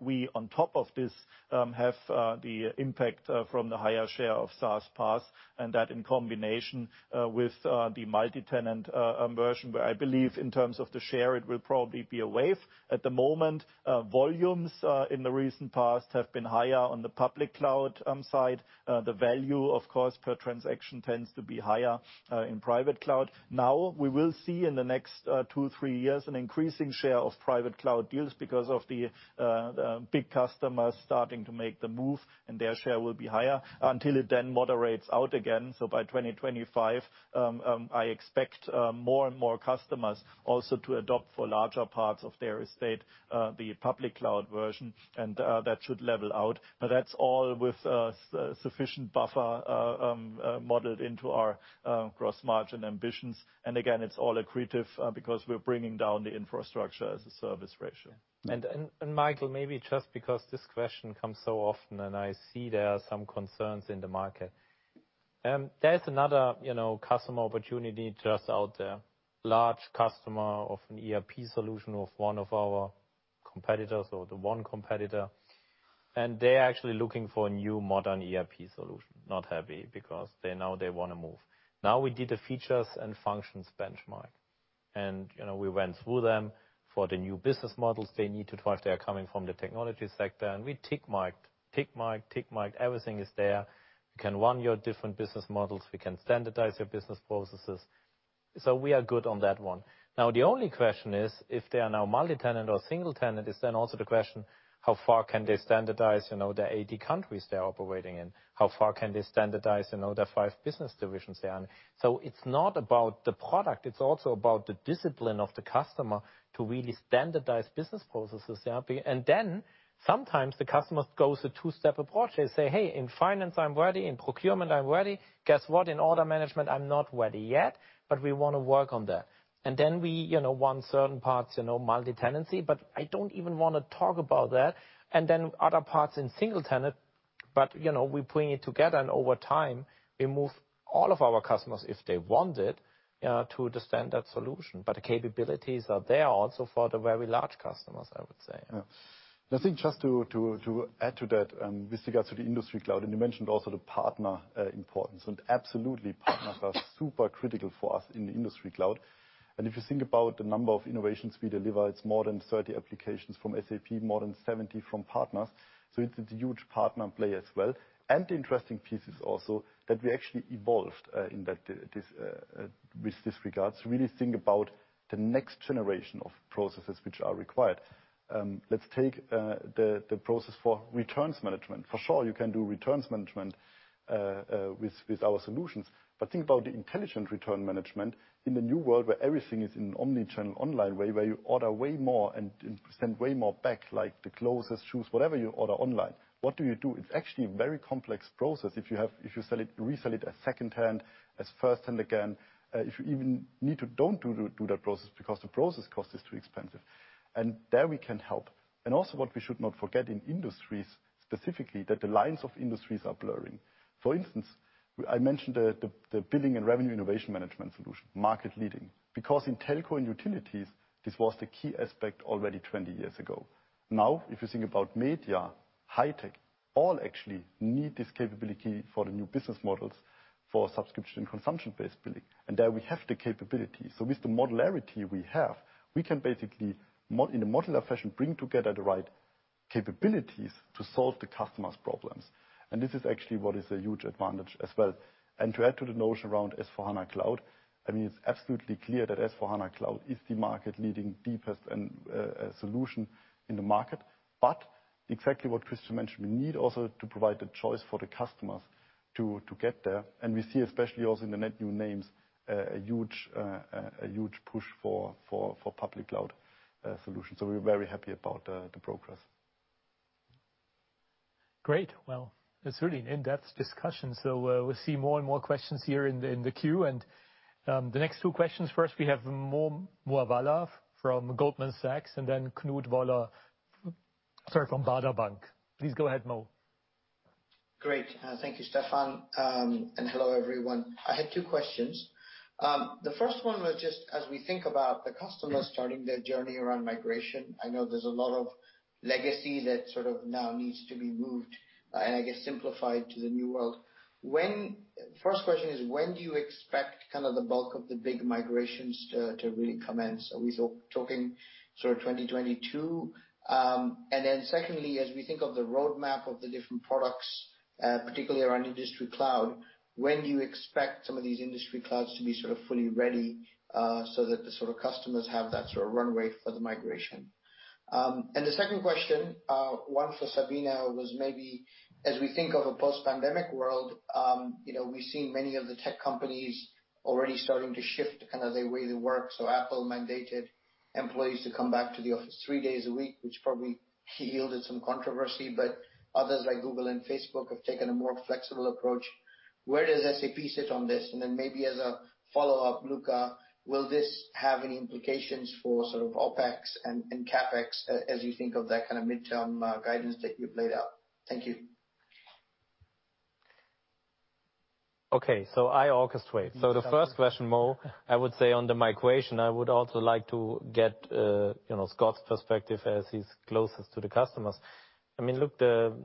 We, on top of this, have the impact from the higher share of SaaS/PaaS, and that in combination with the multi-tenant version. I believe in terms of the share, it will probably be a wave. At the moment, volumes in the recent past have been higher on the public cloud side. The value, of course, per transaction tends to be higher in private cloud. Now, we will see in the next two, three years an increasing share of private cloud deals because of the big customers starting to make the move, and their share will be higher until it then moderates out again. By 2025, I expect more and more customers also to adopt for larger parts of their estate, the public cloud version, and that should level out. That's all with sufficient buffer modeled into our gross margin ambitions. Again, it's all accretive because we're bringing down the infrastructure-as-a-service ratio. Michael, maybe just because this question comes so often and I see there are some concerns in the market. There's another customer opportunity just out there, large customer of an ERP solution of one of our competitors or the one competitor, and they're actually looking for a new modern ERP solution. Not happy because they want to move. We did a features and functions benchmark. We went through them for the new business models they need to drive. They're coming from the technology sector, and we tick mark, tick mark, tick mark. Everything is there. We can run your different business models. We can standardize your business processes. We are good on that one. The only question is, if they are now multi-tenant or single-tenant, is then also the question, how far can they standardize the 80 countries they're operating in? How far can they standardize their five business divisions they are in? It's not about the product. It's also about the discipline of the customer to really standardize business processes. Sometimes the customer goes a two-step approach. They say, "Hey, in finance, I'm ready. In procurement, I'm ready. Guess what. In order management, I'm not ready yet, but we want to work on that." We want certain parts multi-tenancy, but I don't even want to talk about that. Other parts in single tenant, but we bring it together, and over time, we move all of our customers, if they want it, to the standard solution. Capabilities are there also for the very large customers, I would say. I think just to add to that, with regard to the industry cloud, you mentioned also the partner importance. Absolutely, partners are super critical for us in the industry cloud. If you think about the number of innovations we deliver, it's more than 30 applications from SAP, more than 70 from partners. It's a huge partner play as well. The interesting piece is also that we actually evolved with this regard to really think about the next generation of processes which are required. Let's take the process for returns management. For sure, you can do returns management with our solutions. Think about the intelligent return management in the new world where everything is in an omnichannel online way, where you order way more and send way more back, like the clothes, shoes, whatever you order online. What do you do? It's actually a very complex process. If you sell it, you resell it as secondhand, as firsthand again. If you even need to, don't do that process because the process cost is too expensive. There we can help. Also what we should not forget in industries specifically, that the lines of industries are blurring. For instance, I mentioned the Billing and Revenue Innovation Management solution, market leading. Because in telco and utilities, this was the key aspect already 20 years ago. Now, if you think about media, high tech, all actually need this capability for the new business models for subscription and consumption-based billing. There we have the capability. With the modularity we have, we can basically, in a modular fashion, bring together the right capabilities to solve the customer's problems. This is actually what is a huge advantage as well. To add to the notion around S/4HANA Cloud, it's absolutely clear that S/4HANA Cloud is the market leading deepest solution in the market. Exactly what Christian mentioned, we need also to provide the choice for the customers to get there. We see, especially also in the net new names, a huge push for public cloud solutions. We're very happy about the progress. Great. Well, it's really an in-depth discussion. We'll see more and more questions here in the queue. The next two questions. First, we have Mohammed Moawalla from Goldman Sachs, and then Knut Woller from Baader Bank. Please go ahead, Mo. Great. Thank you, Stefan, and hello, everyone. I had two questions. The first one was just as we think about the customers starting their journey around migration, I know there's a lot of legacy that sort of now needs to be moved and I guess simplified to the new world. When First question is, when do you expect the bulk of the big migrations to really commence? Are we talking sort of 2022? Secondly, as we think of the roadmap of the different products, particularly around industry cloud, when do you expect some of these industry clouds to be sort of fully ready, so that the sort of customers have that sort of runway for the migration? The second question, one for Sabine, was maybe as we think of a post-pandemic world, we see many of the tech companies already starting to shift kind of their way they work. Apple mandated employees to come back to the office three days a week, which probably yielded some controversy, but others like Google and Facebook have taken a more flexible approach. Where does SAP sit on this? Maybe as a follow-up, Luka, will this have any implications for sort of OpEx and CapEx as you think of that kind of midterm guidance that you've laid out? Thank you. I orchestrate. The first question, Mo, I would say on the migration, I would also like to get Scott's perspective as he's closest to the customers. I mean, look, the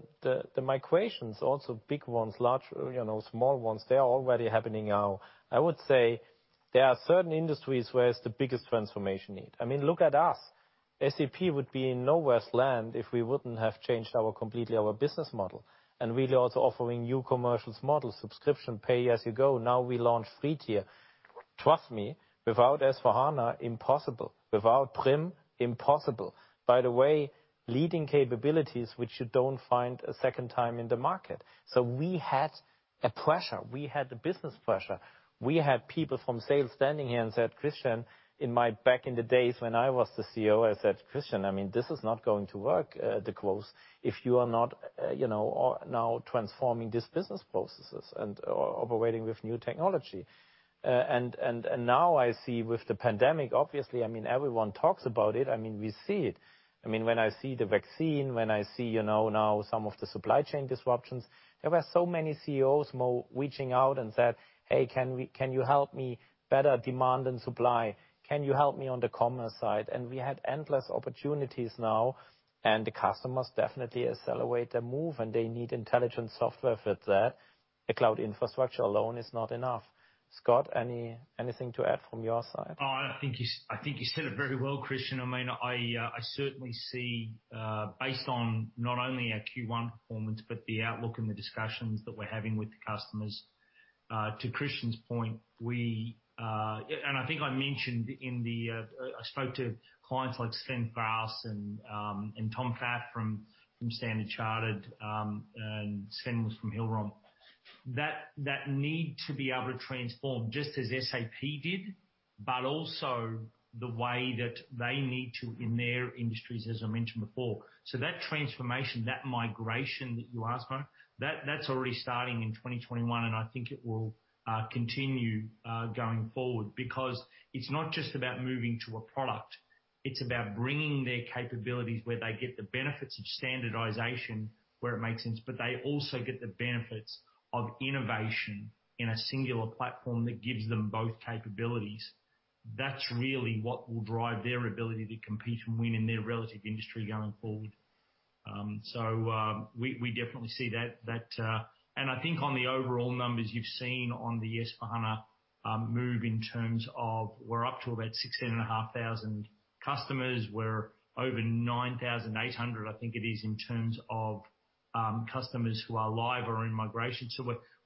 migrations, also big ones, large, small ones, they are already happening now. I would say there are certain industries where it's the biggest transformation need. I mean, look at us. SAP would be in nowhere's land if we wouldn't have changed completely our business model. We're also offering new commercials model, subscription pay as you go. Now we launch free tier. Trust me, without S/4HANA, impossible. Without BRIM, impossible. By the way, leading capabilities, which you don't find a second time in the market. We had a pressure. We had a business pressure. We had people from sales standing here and said, Christian, back in the days when I was the CEO, I said, "Christian, I mean, this is not going to work, the growth, if you are not now transforming this business processes and operating with new technology." Now I see with the pandemic, obviously, I mean, everyone talks about it. I mean, we see it. I mean, when I see the one vaccine, when I see now some of the supply chain disruptions, there were so many CEOs, Mo, reaching out and said, "Hey, can you help me better demand and supply? Can you help me on the commerce side?" We had endless opportunities now, and the customers definitely accelerate their move, and they need intelligent software for that. The cloud infrastructure alone is not enough. Scott, anything to add from your side? I think you said it very well, Christian. I mean, I certainly see, based on not only our Q1 performance, but the outlook and the discussions that we're having with the customers. To Christian's point, I think I mentioned I spoke to clients like Sten Farse and Tom Pfaff from Standard Chartered, Sten was from Hill-Rom. That need to be able to transform just as SAP did, also the way that they need to in their industries, as I mentioned before. That transformation, that migration that you asked about, that's already starting in 2021, I think it will continue going forward because it's not just about moving to a product, it's about bringing their capabilities where they get the benefits of standardization, where it makes sense, they also get the benefits of innovation in a singular platform that gives them both capabilities. That's really what will drive their ability to compete and win in their relative industry going forward. We definitely see that. I think on the overall numbers you've seen on the S/4HANA move in terms of we're up to about 16,500 customers. We're over 9,800, I think it is, in terms of customers who are live or in migration.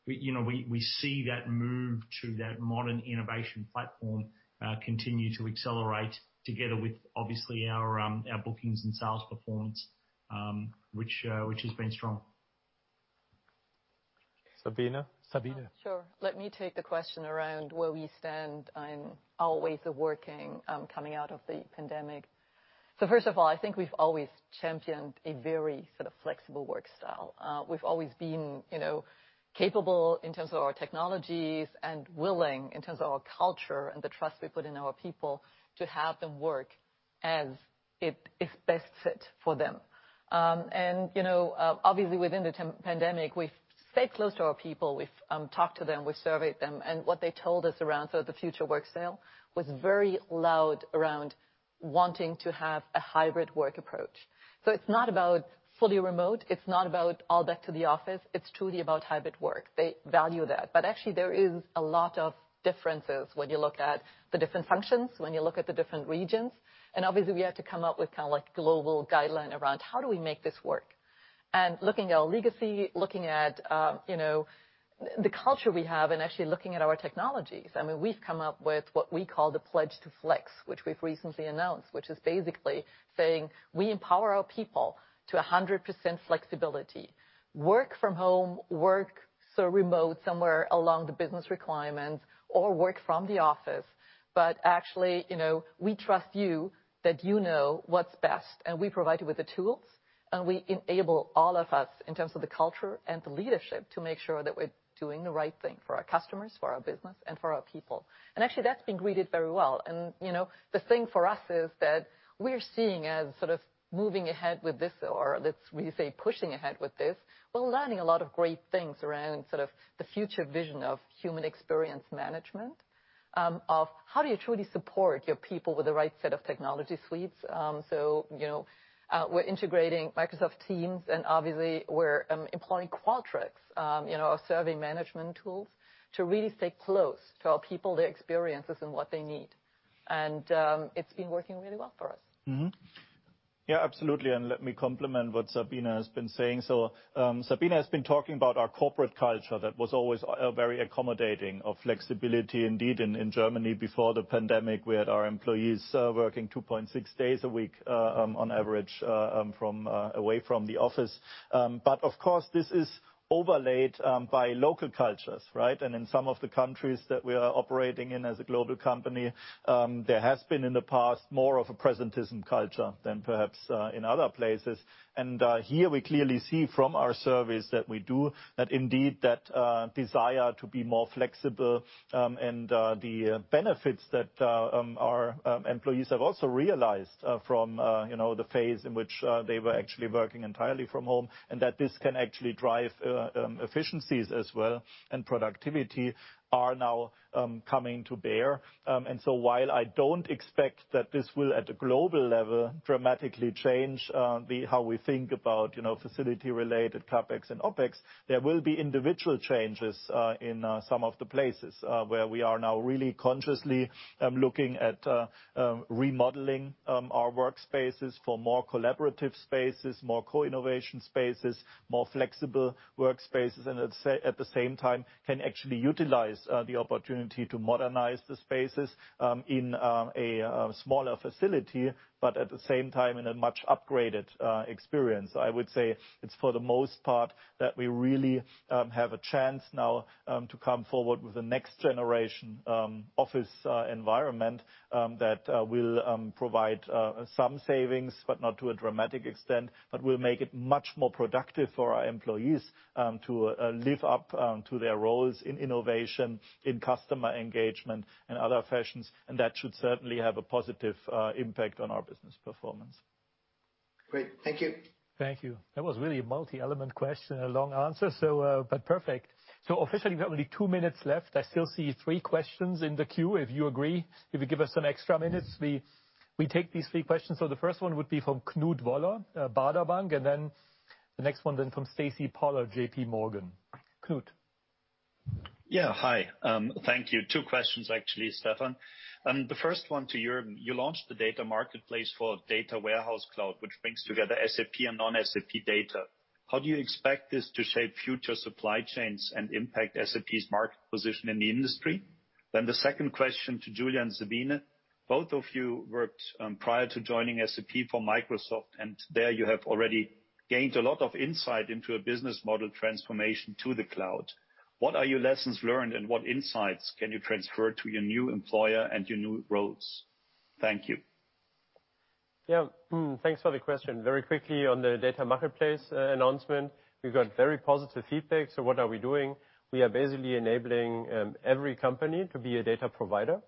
We see that move to that modern innovation platform continue to accelerate together with obviously our bookings and sales performance, which has been strong. Sabine? Sure. Let me take the question around where we stand on our ways of working coming out of the pandemic. First of all, I think we've always championed a very sort of flexible work style. We've always been capable in terms of our technologies and willing in terms of our culture and the trust we put in our people to have them work as is best fit for them. Obviously within the pandemic, we've stayed close to our people. We've talked to them, we surveyed them, what they told us around the future work style was very loud around wanting to have a hybrid work approach. It's not about fully remote, it's not about all back to the office, it's truly about hybrid work. They value that. Actually, there is a lot of differences when you look at the different functions, when you look at the different regions. Obviously, we had to come up with kind of like global guideline around how do we make this work? Looking at our legacy, looking at the culture we have and actually looking at our technologies. I mean, we've come up with what we call the Pledge to Flex, which we've recently announced, which is basically saying we empower our people to 100% flexibility. Work from home, work sort of remote somewhere along the business requirements or work from the office. Actually, we trust you that you know what's best, and we provide you with the tools, and we enable all of us in terms of the culture and the leadership to make sure that we're doing the right thing for our customers, for our business, and for our people. Actually, that's been greeted very well. The thing for us is that we're seeing as sort of moving ahead with this, or let's we say pushing ahead with this, we're learning a lot of great things around sort of the future vision of human experience management. Of how do you truly support your people with the right set of technology suites? We're integrating Microsoft Teams, and obviously we're employing Qualtrics, our survey management tool, to really stay close to our people, their experiences, and what they need. It's been working really well for us. Mm-hmm. Yeah, absolutely. Let me complement what Sabine has been saying. Sabine has been talking about our corporate culture that was always very accommodating of flexibility indeed. In Germany before the pandemic, we had our employees working 2.6 days a week, on average, away from the office. Of course, this is overlaid by local cultures, right? In some of the countries that we are operating in as a global company, there has been in the past more of a presentism culture than perhaps in other places. Here we clearly see from our surveys that we do, that indeed that desire to be more flexible, and the benefits that our employees have also realized from the phase in which they were actually working entirely from home, and that this can actually drive efficiencies as well, and productivity are now coming to bear. While I don't expect that this will at a global level dramatically change how we think about facility related CapEx and OpEx, there will be individual changes in some of the places where we are now really consciously looking at remodeling our workspaces for more collaborative spaces, more co-innovation spaces, more flexible workspaces. At the same time can actually utilize the opportunity to modernize the spaces in a smaller facility, but at the same time in a much upgraded experience. I would say it's for the most part that we really have a chance now to come forward with a next generation office environment that will provide some savings, but not to a dramatic extent, but will make it much more productive for our employees to live up to their roles in innovation, in customer engagement, in other fashions. That should certainly have a positive impact on our business performance. Great. Thank you. Thank you. That was really a multi-element question and a long answer, but perfect. Officially we have only two minutes left. I still see three questions in the queue. If you agree, if you give us an extra minute, we take these three questions. The first one would be from Knut Woller, Baader Bank, and then the next one then from Stacy Pollard, JPMorgan. Knut. Yeah. Hi. Thank you. Two questions actually, Stefan. The first one to you launched the Data Marketplace called Data Warehouse Cloud, which brings together SAP and non-SAP data. How do you expect this to shape future supply chains and impact SAP's market position in the industry? The second question to Julia and Sabine. Both of you worked, prior to joining SAP, for Microsoft, and there you have already gained a lot of insight into a business model transformation to the cloud. What are your lessons learned, and what insights can you transfer to your new employer and your new roles? Thank you. Yeah. Thanks for the question. Very quickly on the Data Marketplace announcement, we got very positive feedback. What are we doing? We are basically enabling every company to be a data provider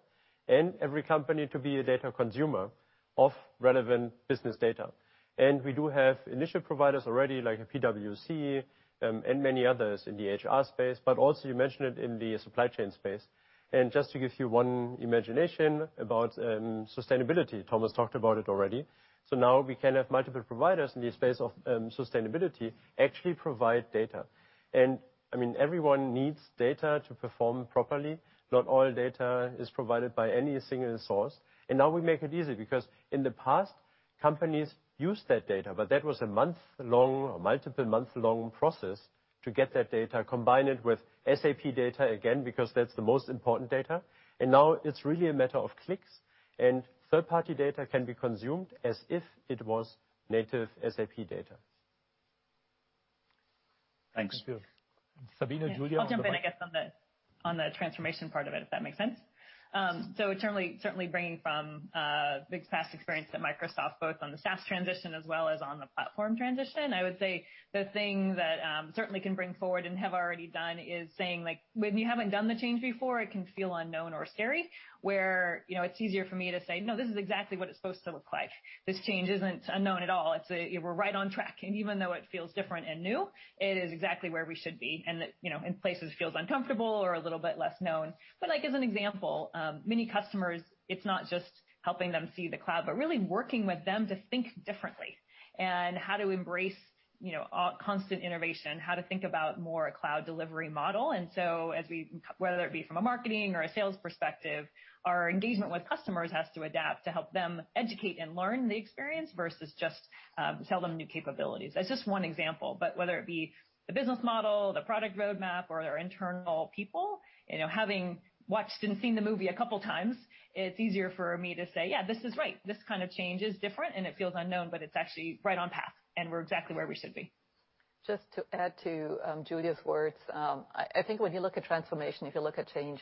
and every company to be a data consumer of relevant business data. We do have initial providers already, like PwC and many others in the HR space, but also you mentioned it in the supply chain space. Just to give you one imagination about sustainability, Thomas talked about it already. Now we can have multiple providers in the space of sustainability actually provide data. Everyone needs data to perform properly. Not all data is provided by any single source. Now we make it easy because in the past, companies used that data, but that was a month-long or multiple month-long process to get that data, combine it with SAP data, again, because that's the most important data. Now it's really a matter of clicks, and third-party data can be consumed as if it was native SAP data. Thanks. Thanks. Sabine, Julia? I'll jump in on the transformation part of it, if that makes sense. Certainly bringing from big past experience at Microsoft, both on the SaaS transition as well as on the platform transition, I would say the thing that certainly can bring forward and have already done is saying, when you haven't done the change before, it can feel unknown or scary where it's easier for me to say, "No, this is exactly what it's supposed to look like. This change isn't unknown at all. We're right on track, and even though it feels different and new, it is exactly where we should be." In places it feels uncomfortable or a little bit less known. As an example, many customers, it's not just helping them see the cloud, but really working with them to think differently and how to embrace constant innovation, how to think about more a cloud delivery model. As we, whether it be from a marketing or a sales perspective, our engagement with customers has to adapt to help them educate and learn the experience versus just sell them new capabilities. That's just one example, but whether it be the business model, the product roadmap, or their internal people, having watched and seen the movie a couple times, it's easier for me to say, "Yeah, this is right. This kind of change is different and it feels unknown, but it's actually right on path, and we're exactly where we should be. Just to add to Julia's words, I think when you look at transformation, if you look at change,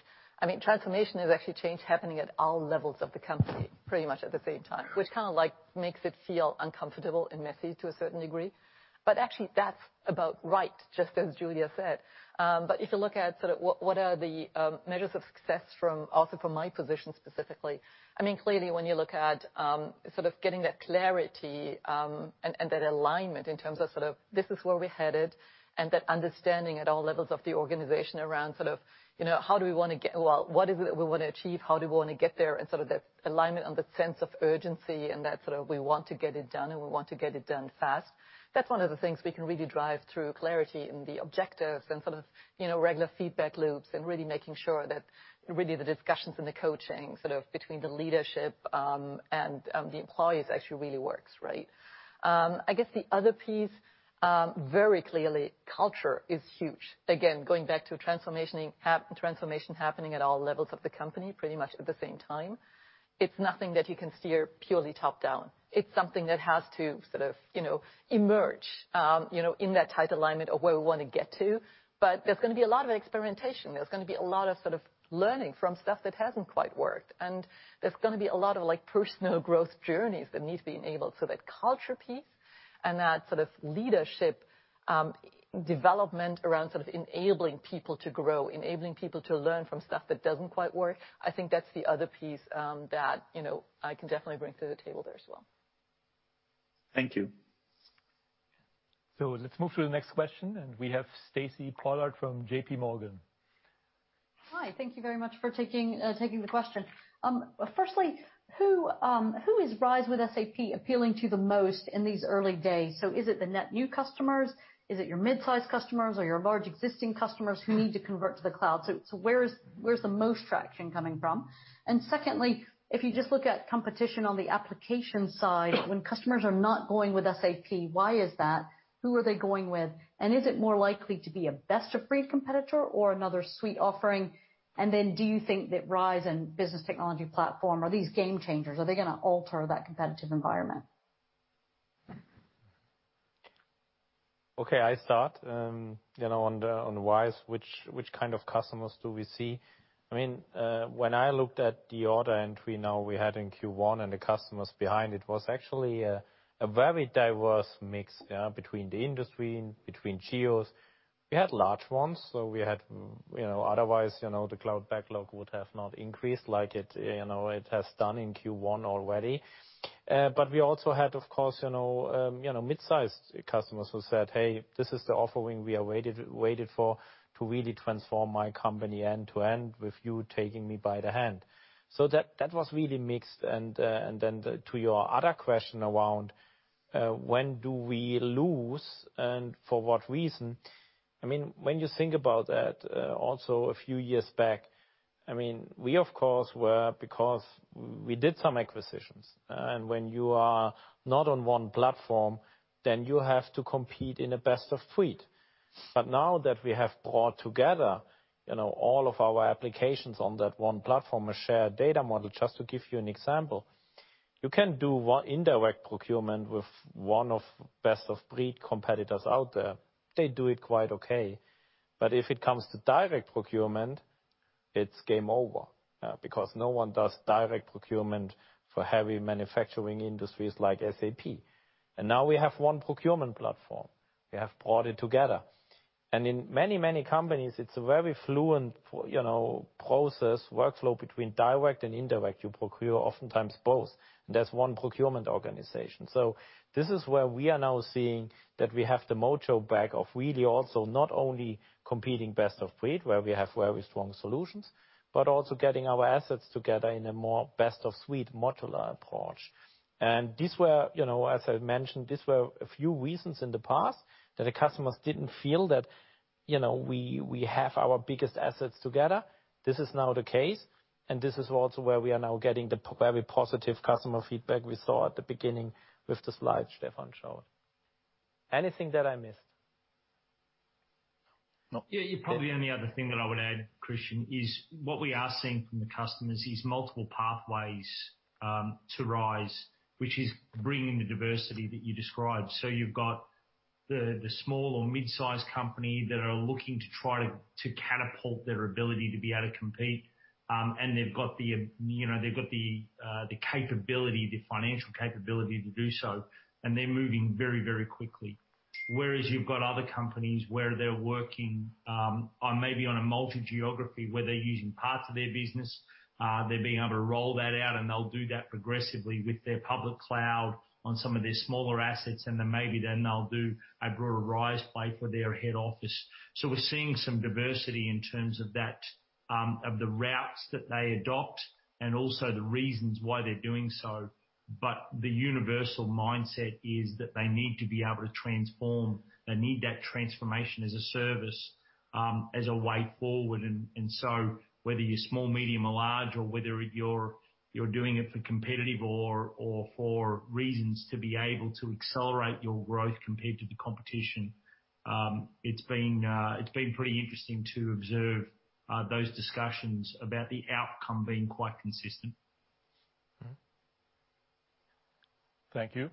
transformation is actually change happening at all levels of the company pretty much at the same time, which kind of makes it feel uncomfortable and messy to a certain degree. Actually, that's about right, just as Julia said. If you look at what are the measures of success from also from my position specifically, clearly when you look at sort of getting that clarity, and that alignment in terms of sort of this is where we're headed and that understanding at all levels of the organization around sort of, well, what is it we want to achieve? How do we want to get there? Sort of that alignment and that sense of urgency and that sort of we want to get it done, and we want to get it done fast. That's one of the things we can really drive through clarity and the objectives and sort of regular feedback loops and really making sure that really the discussions and the coaching sort of between the leadership, and the employees actually really works, right? I guess the other piece, very clearly, culture is huge. Again, going back to transformation happening at all levels of the company pretty much at the same time. It's nothing that you can steer purely top-down. It's something that has to sort of emerge in that tight alignment of where we want to get to. There's going to be a lot of experimentation. There's going to be a lot of sort of learning from stuff that hasn't quite worked, and there's going to be a lot of personal growth journeys that need to be enabled, so that culture piece and that sort of leadership development around sort of enabling people to grow, enabling people to learn from stuff that doesn't quite work. I think that's the other piece that I can definitely bring to the table there as well. Thank you. Let's move to the next question, and we have Stacy Pollard from JPMorgan. Hi. Thank you very much for taking the question. Who is RISE with SAP appealing to the most in these early days? Is it the net new customers? Is it your mid-size customers or your large existing customers who need to convert to the cloud? Where's the most traction coming from? Secondly, if you just look at competition on the application side, when customers are not going with SAP, why is that? Who are they going with, and is it more likely to be a best of breed competitor or another suite offering? Do you think that RISE and Business Technology Platform, are these game changers? Are they going to alter that competitive environment? Okay, I start on RISE. Which kind of customers do we see? I looked at the order entry now we had in Q1 and the customers behind, it was actually a very diverse mix between the industry, between geos. We had large ones. Otherwise, the cloud backlog would have not increased like it has done in Q1 already. We also had, of course, mid-sized customers who said, "Hey, this is the offering we have waited for to really transform my company end-to-end with you taking me by the hand." That was really mixed. To your other question around when do we lose and for what reason? When you think about that, also a few years back, we, of course, were because we did some acquisitions, and when you are not on one platform, then you have to compete in a best of breed. Now that we have brought together all of our applications on that one platform, a shared data model, just to give you an example. You can do indirect procurement with one of best of breed competitors out there. They do it quite okay. If it comes to direct procurement, it's game over because no one does direct procurement for heavy manufacturing industries like SAP. Now we have one procurement platform. We have brought it together. In many, many companies, it's a very fluent process workflow between direct and indirect. You procure oftentimes both, and there's one procurement organization. This is where we are now seeing that we have the mojo back of really also not only competing best of breed, where we have very strong solutions, but also getting our assets together in a more best of suite modular approach. These were, as I mentioned, these were a few reasons in the past that the customers didn't feel that we have our biggest assets together. This is now the case, and this is also where we are now getting the very positive customer feedback we saw at the beginning with the slide Stefan showed. Anything that I missed? Yeah. Probably only other thing that I would add, Christian, is what we are seeing from the customers is multiple pathways to RISE, which is bringing the diversity that you described. You've got the small or mid-sized company that are looking to try to catapult their ability to be able to compete. They've got the capability, the financial capability to do so, and they're moving very, very quickly. Whereas you've got other companies where they're working maybe on a multi-geography, where they're using parts of their business, they're being able to roll that out, and they'll do that progressively with their public cloud on some of their smaller assets. Maybe then they'll do a broader RISE play for their head office. We're seeing some diversity in terms of the routes that they adopt and also the reasons why they're doing so. The universal mindset is that they need to be able to transform. They need that transformation as a service, as a way forward. Whether you're small, medium, or large or whether you're doing it for competitive or for reasons to be able to accelerate your growth compared to the competition. It's been pretty interesting to observe those discussions about the outcome being quite consistent. Thank you.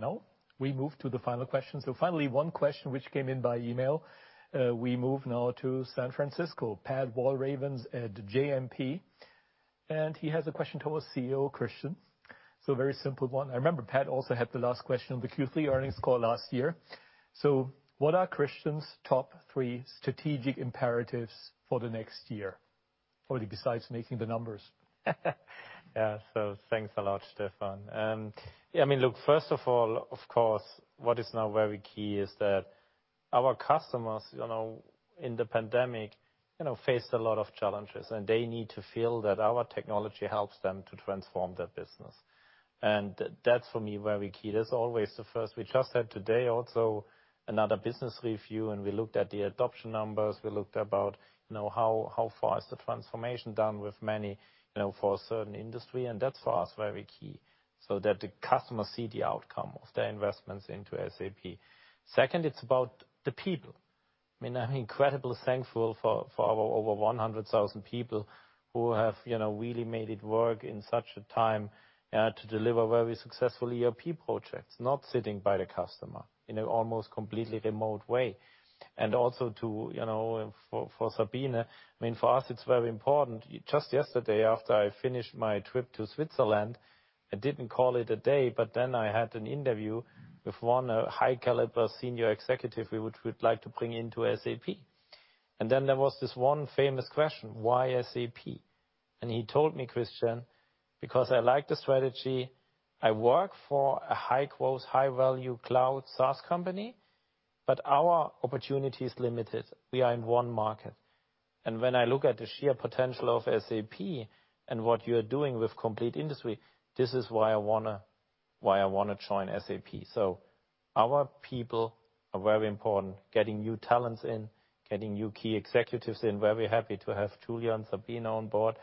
Now we move to the final question. Finally, one question which came in by email. We move now to San Francisco, Pat Walravens at JMP, he has a question to our CEO, Christian. A very simple one. I remember Pat also had the last question on the Q3 earnings call last year. What are Christian's top three strategic imperatives for the next year? Only besides making the numbers. Thanks a lot, Stefan. What is now very key is that our customers in the pandemic, faced a lot of challenges, and they need to feel that our technology helps them to transform their business. That, for me, is very key. That's always the first. We just had today also another business review, and we looked at the adoption numbers. We looked about how far is the transformation done with many, for a certain industry, and that's for us, very key, so that the customers see the outcome of their investments into SAP. Second, it's about the people. I'm incredibly thankful for our over 100,000 people who have really made it work in such a time to deliver very successful ERP projects, not sitting by the customer, in an almost completely remote way. Also for Sabine. For us, it's very important. Just yesterday, after I finished my trip to Switzerland, I didn't call it a day, I had an interview with one high-caliber senior executive we would like to bring into SAP. There was this one famous question, "Why SAP?" He told me, "Christian, because I like the strategy. I work for a high-growth, high-value cloud SaaS company, but our opportunity is limited. We are in one market. When I look at the sheer potential of SAP and what you're doing with complete industry, this is why I want to join SAP." Our people are very important, getting new talents in, getting new key executives in. Very happy to have Julia and Sabine on board,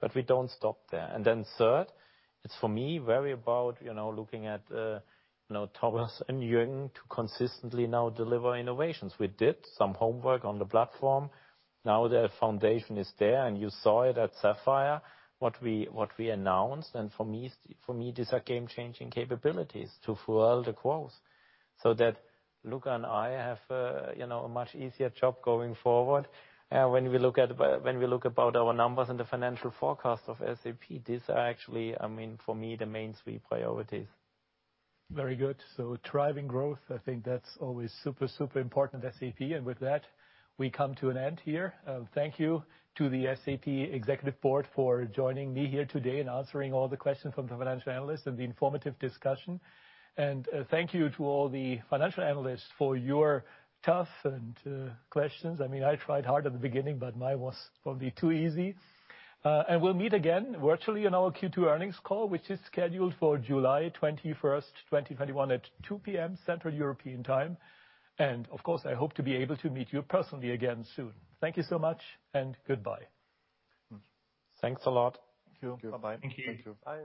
but we don't stop there. Third, it's for me, very about, looking at Thomas and Juergen to consistently now deliver innovations. We did some homework on the platform. Now that a foundation is there, you saw it at Sapphire, what we announced, For me, these are game-changing capabilities to fuel the growth so that Luka and I have a much easier job going forward. When we look about our numbers and the financial forecast of SAP, these are actually, for me, the main three priorities. Driving growth, I think that's always super important to SAP. With that, we come to an end here. Thank you to the SAP Executive Board for joining me here today and answering all the questions from the financial analysts and the informative discussion. Thank you to all the financial analysts for your tough questions. I tried hard at the beginning, but mine was probably too easy. We'll meet again virtually on our Q2 earnings call, which is scheduled for July 21st, 2021 at 2:00 P.M. Central European time. Of course, I hope to be able to meet you personally again soon. Thank you so much and goodbye. Thanks a lot. Thank you. Bye-bye. Thank you. Bye.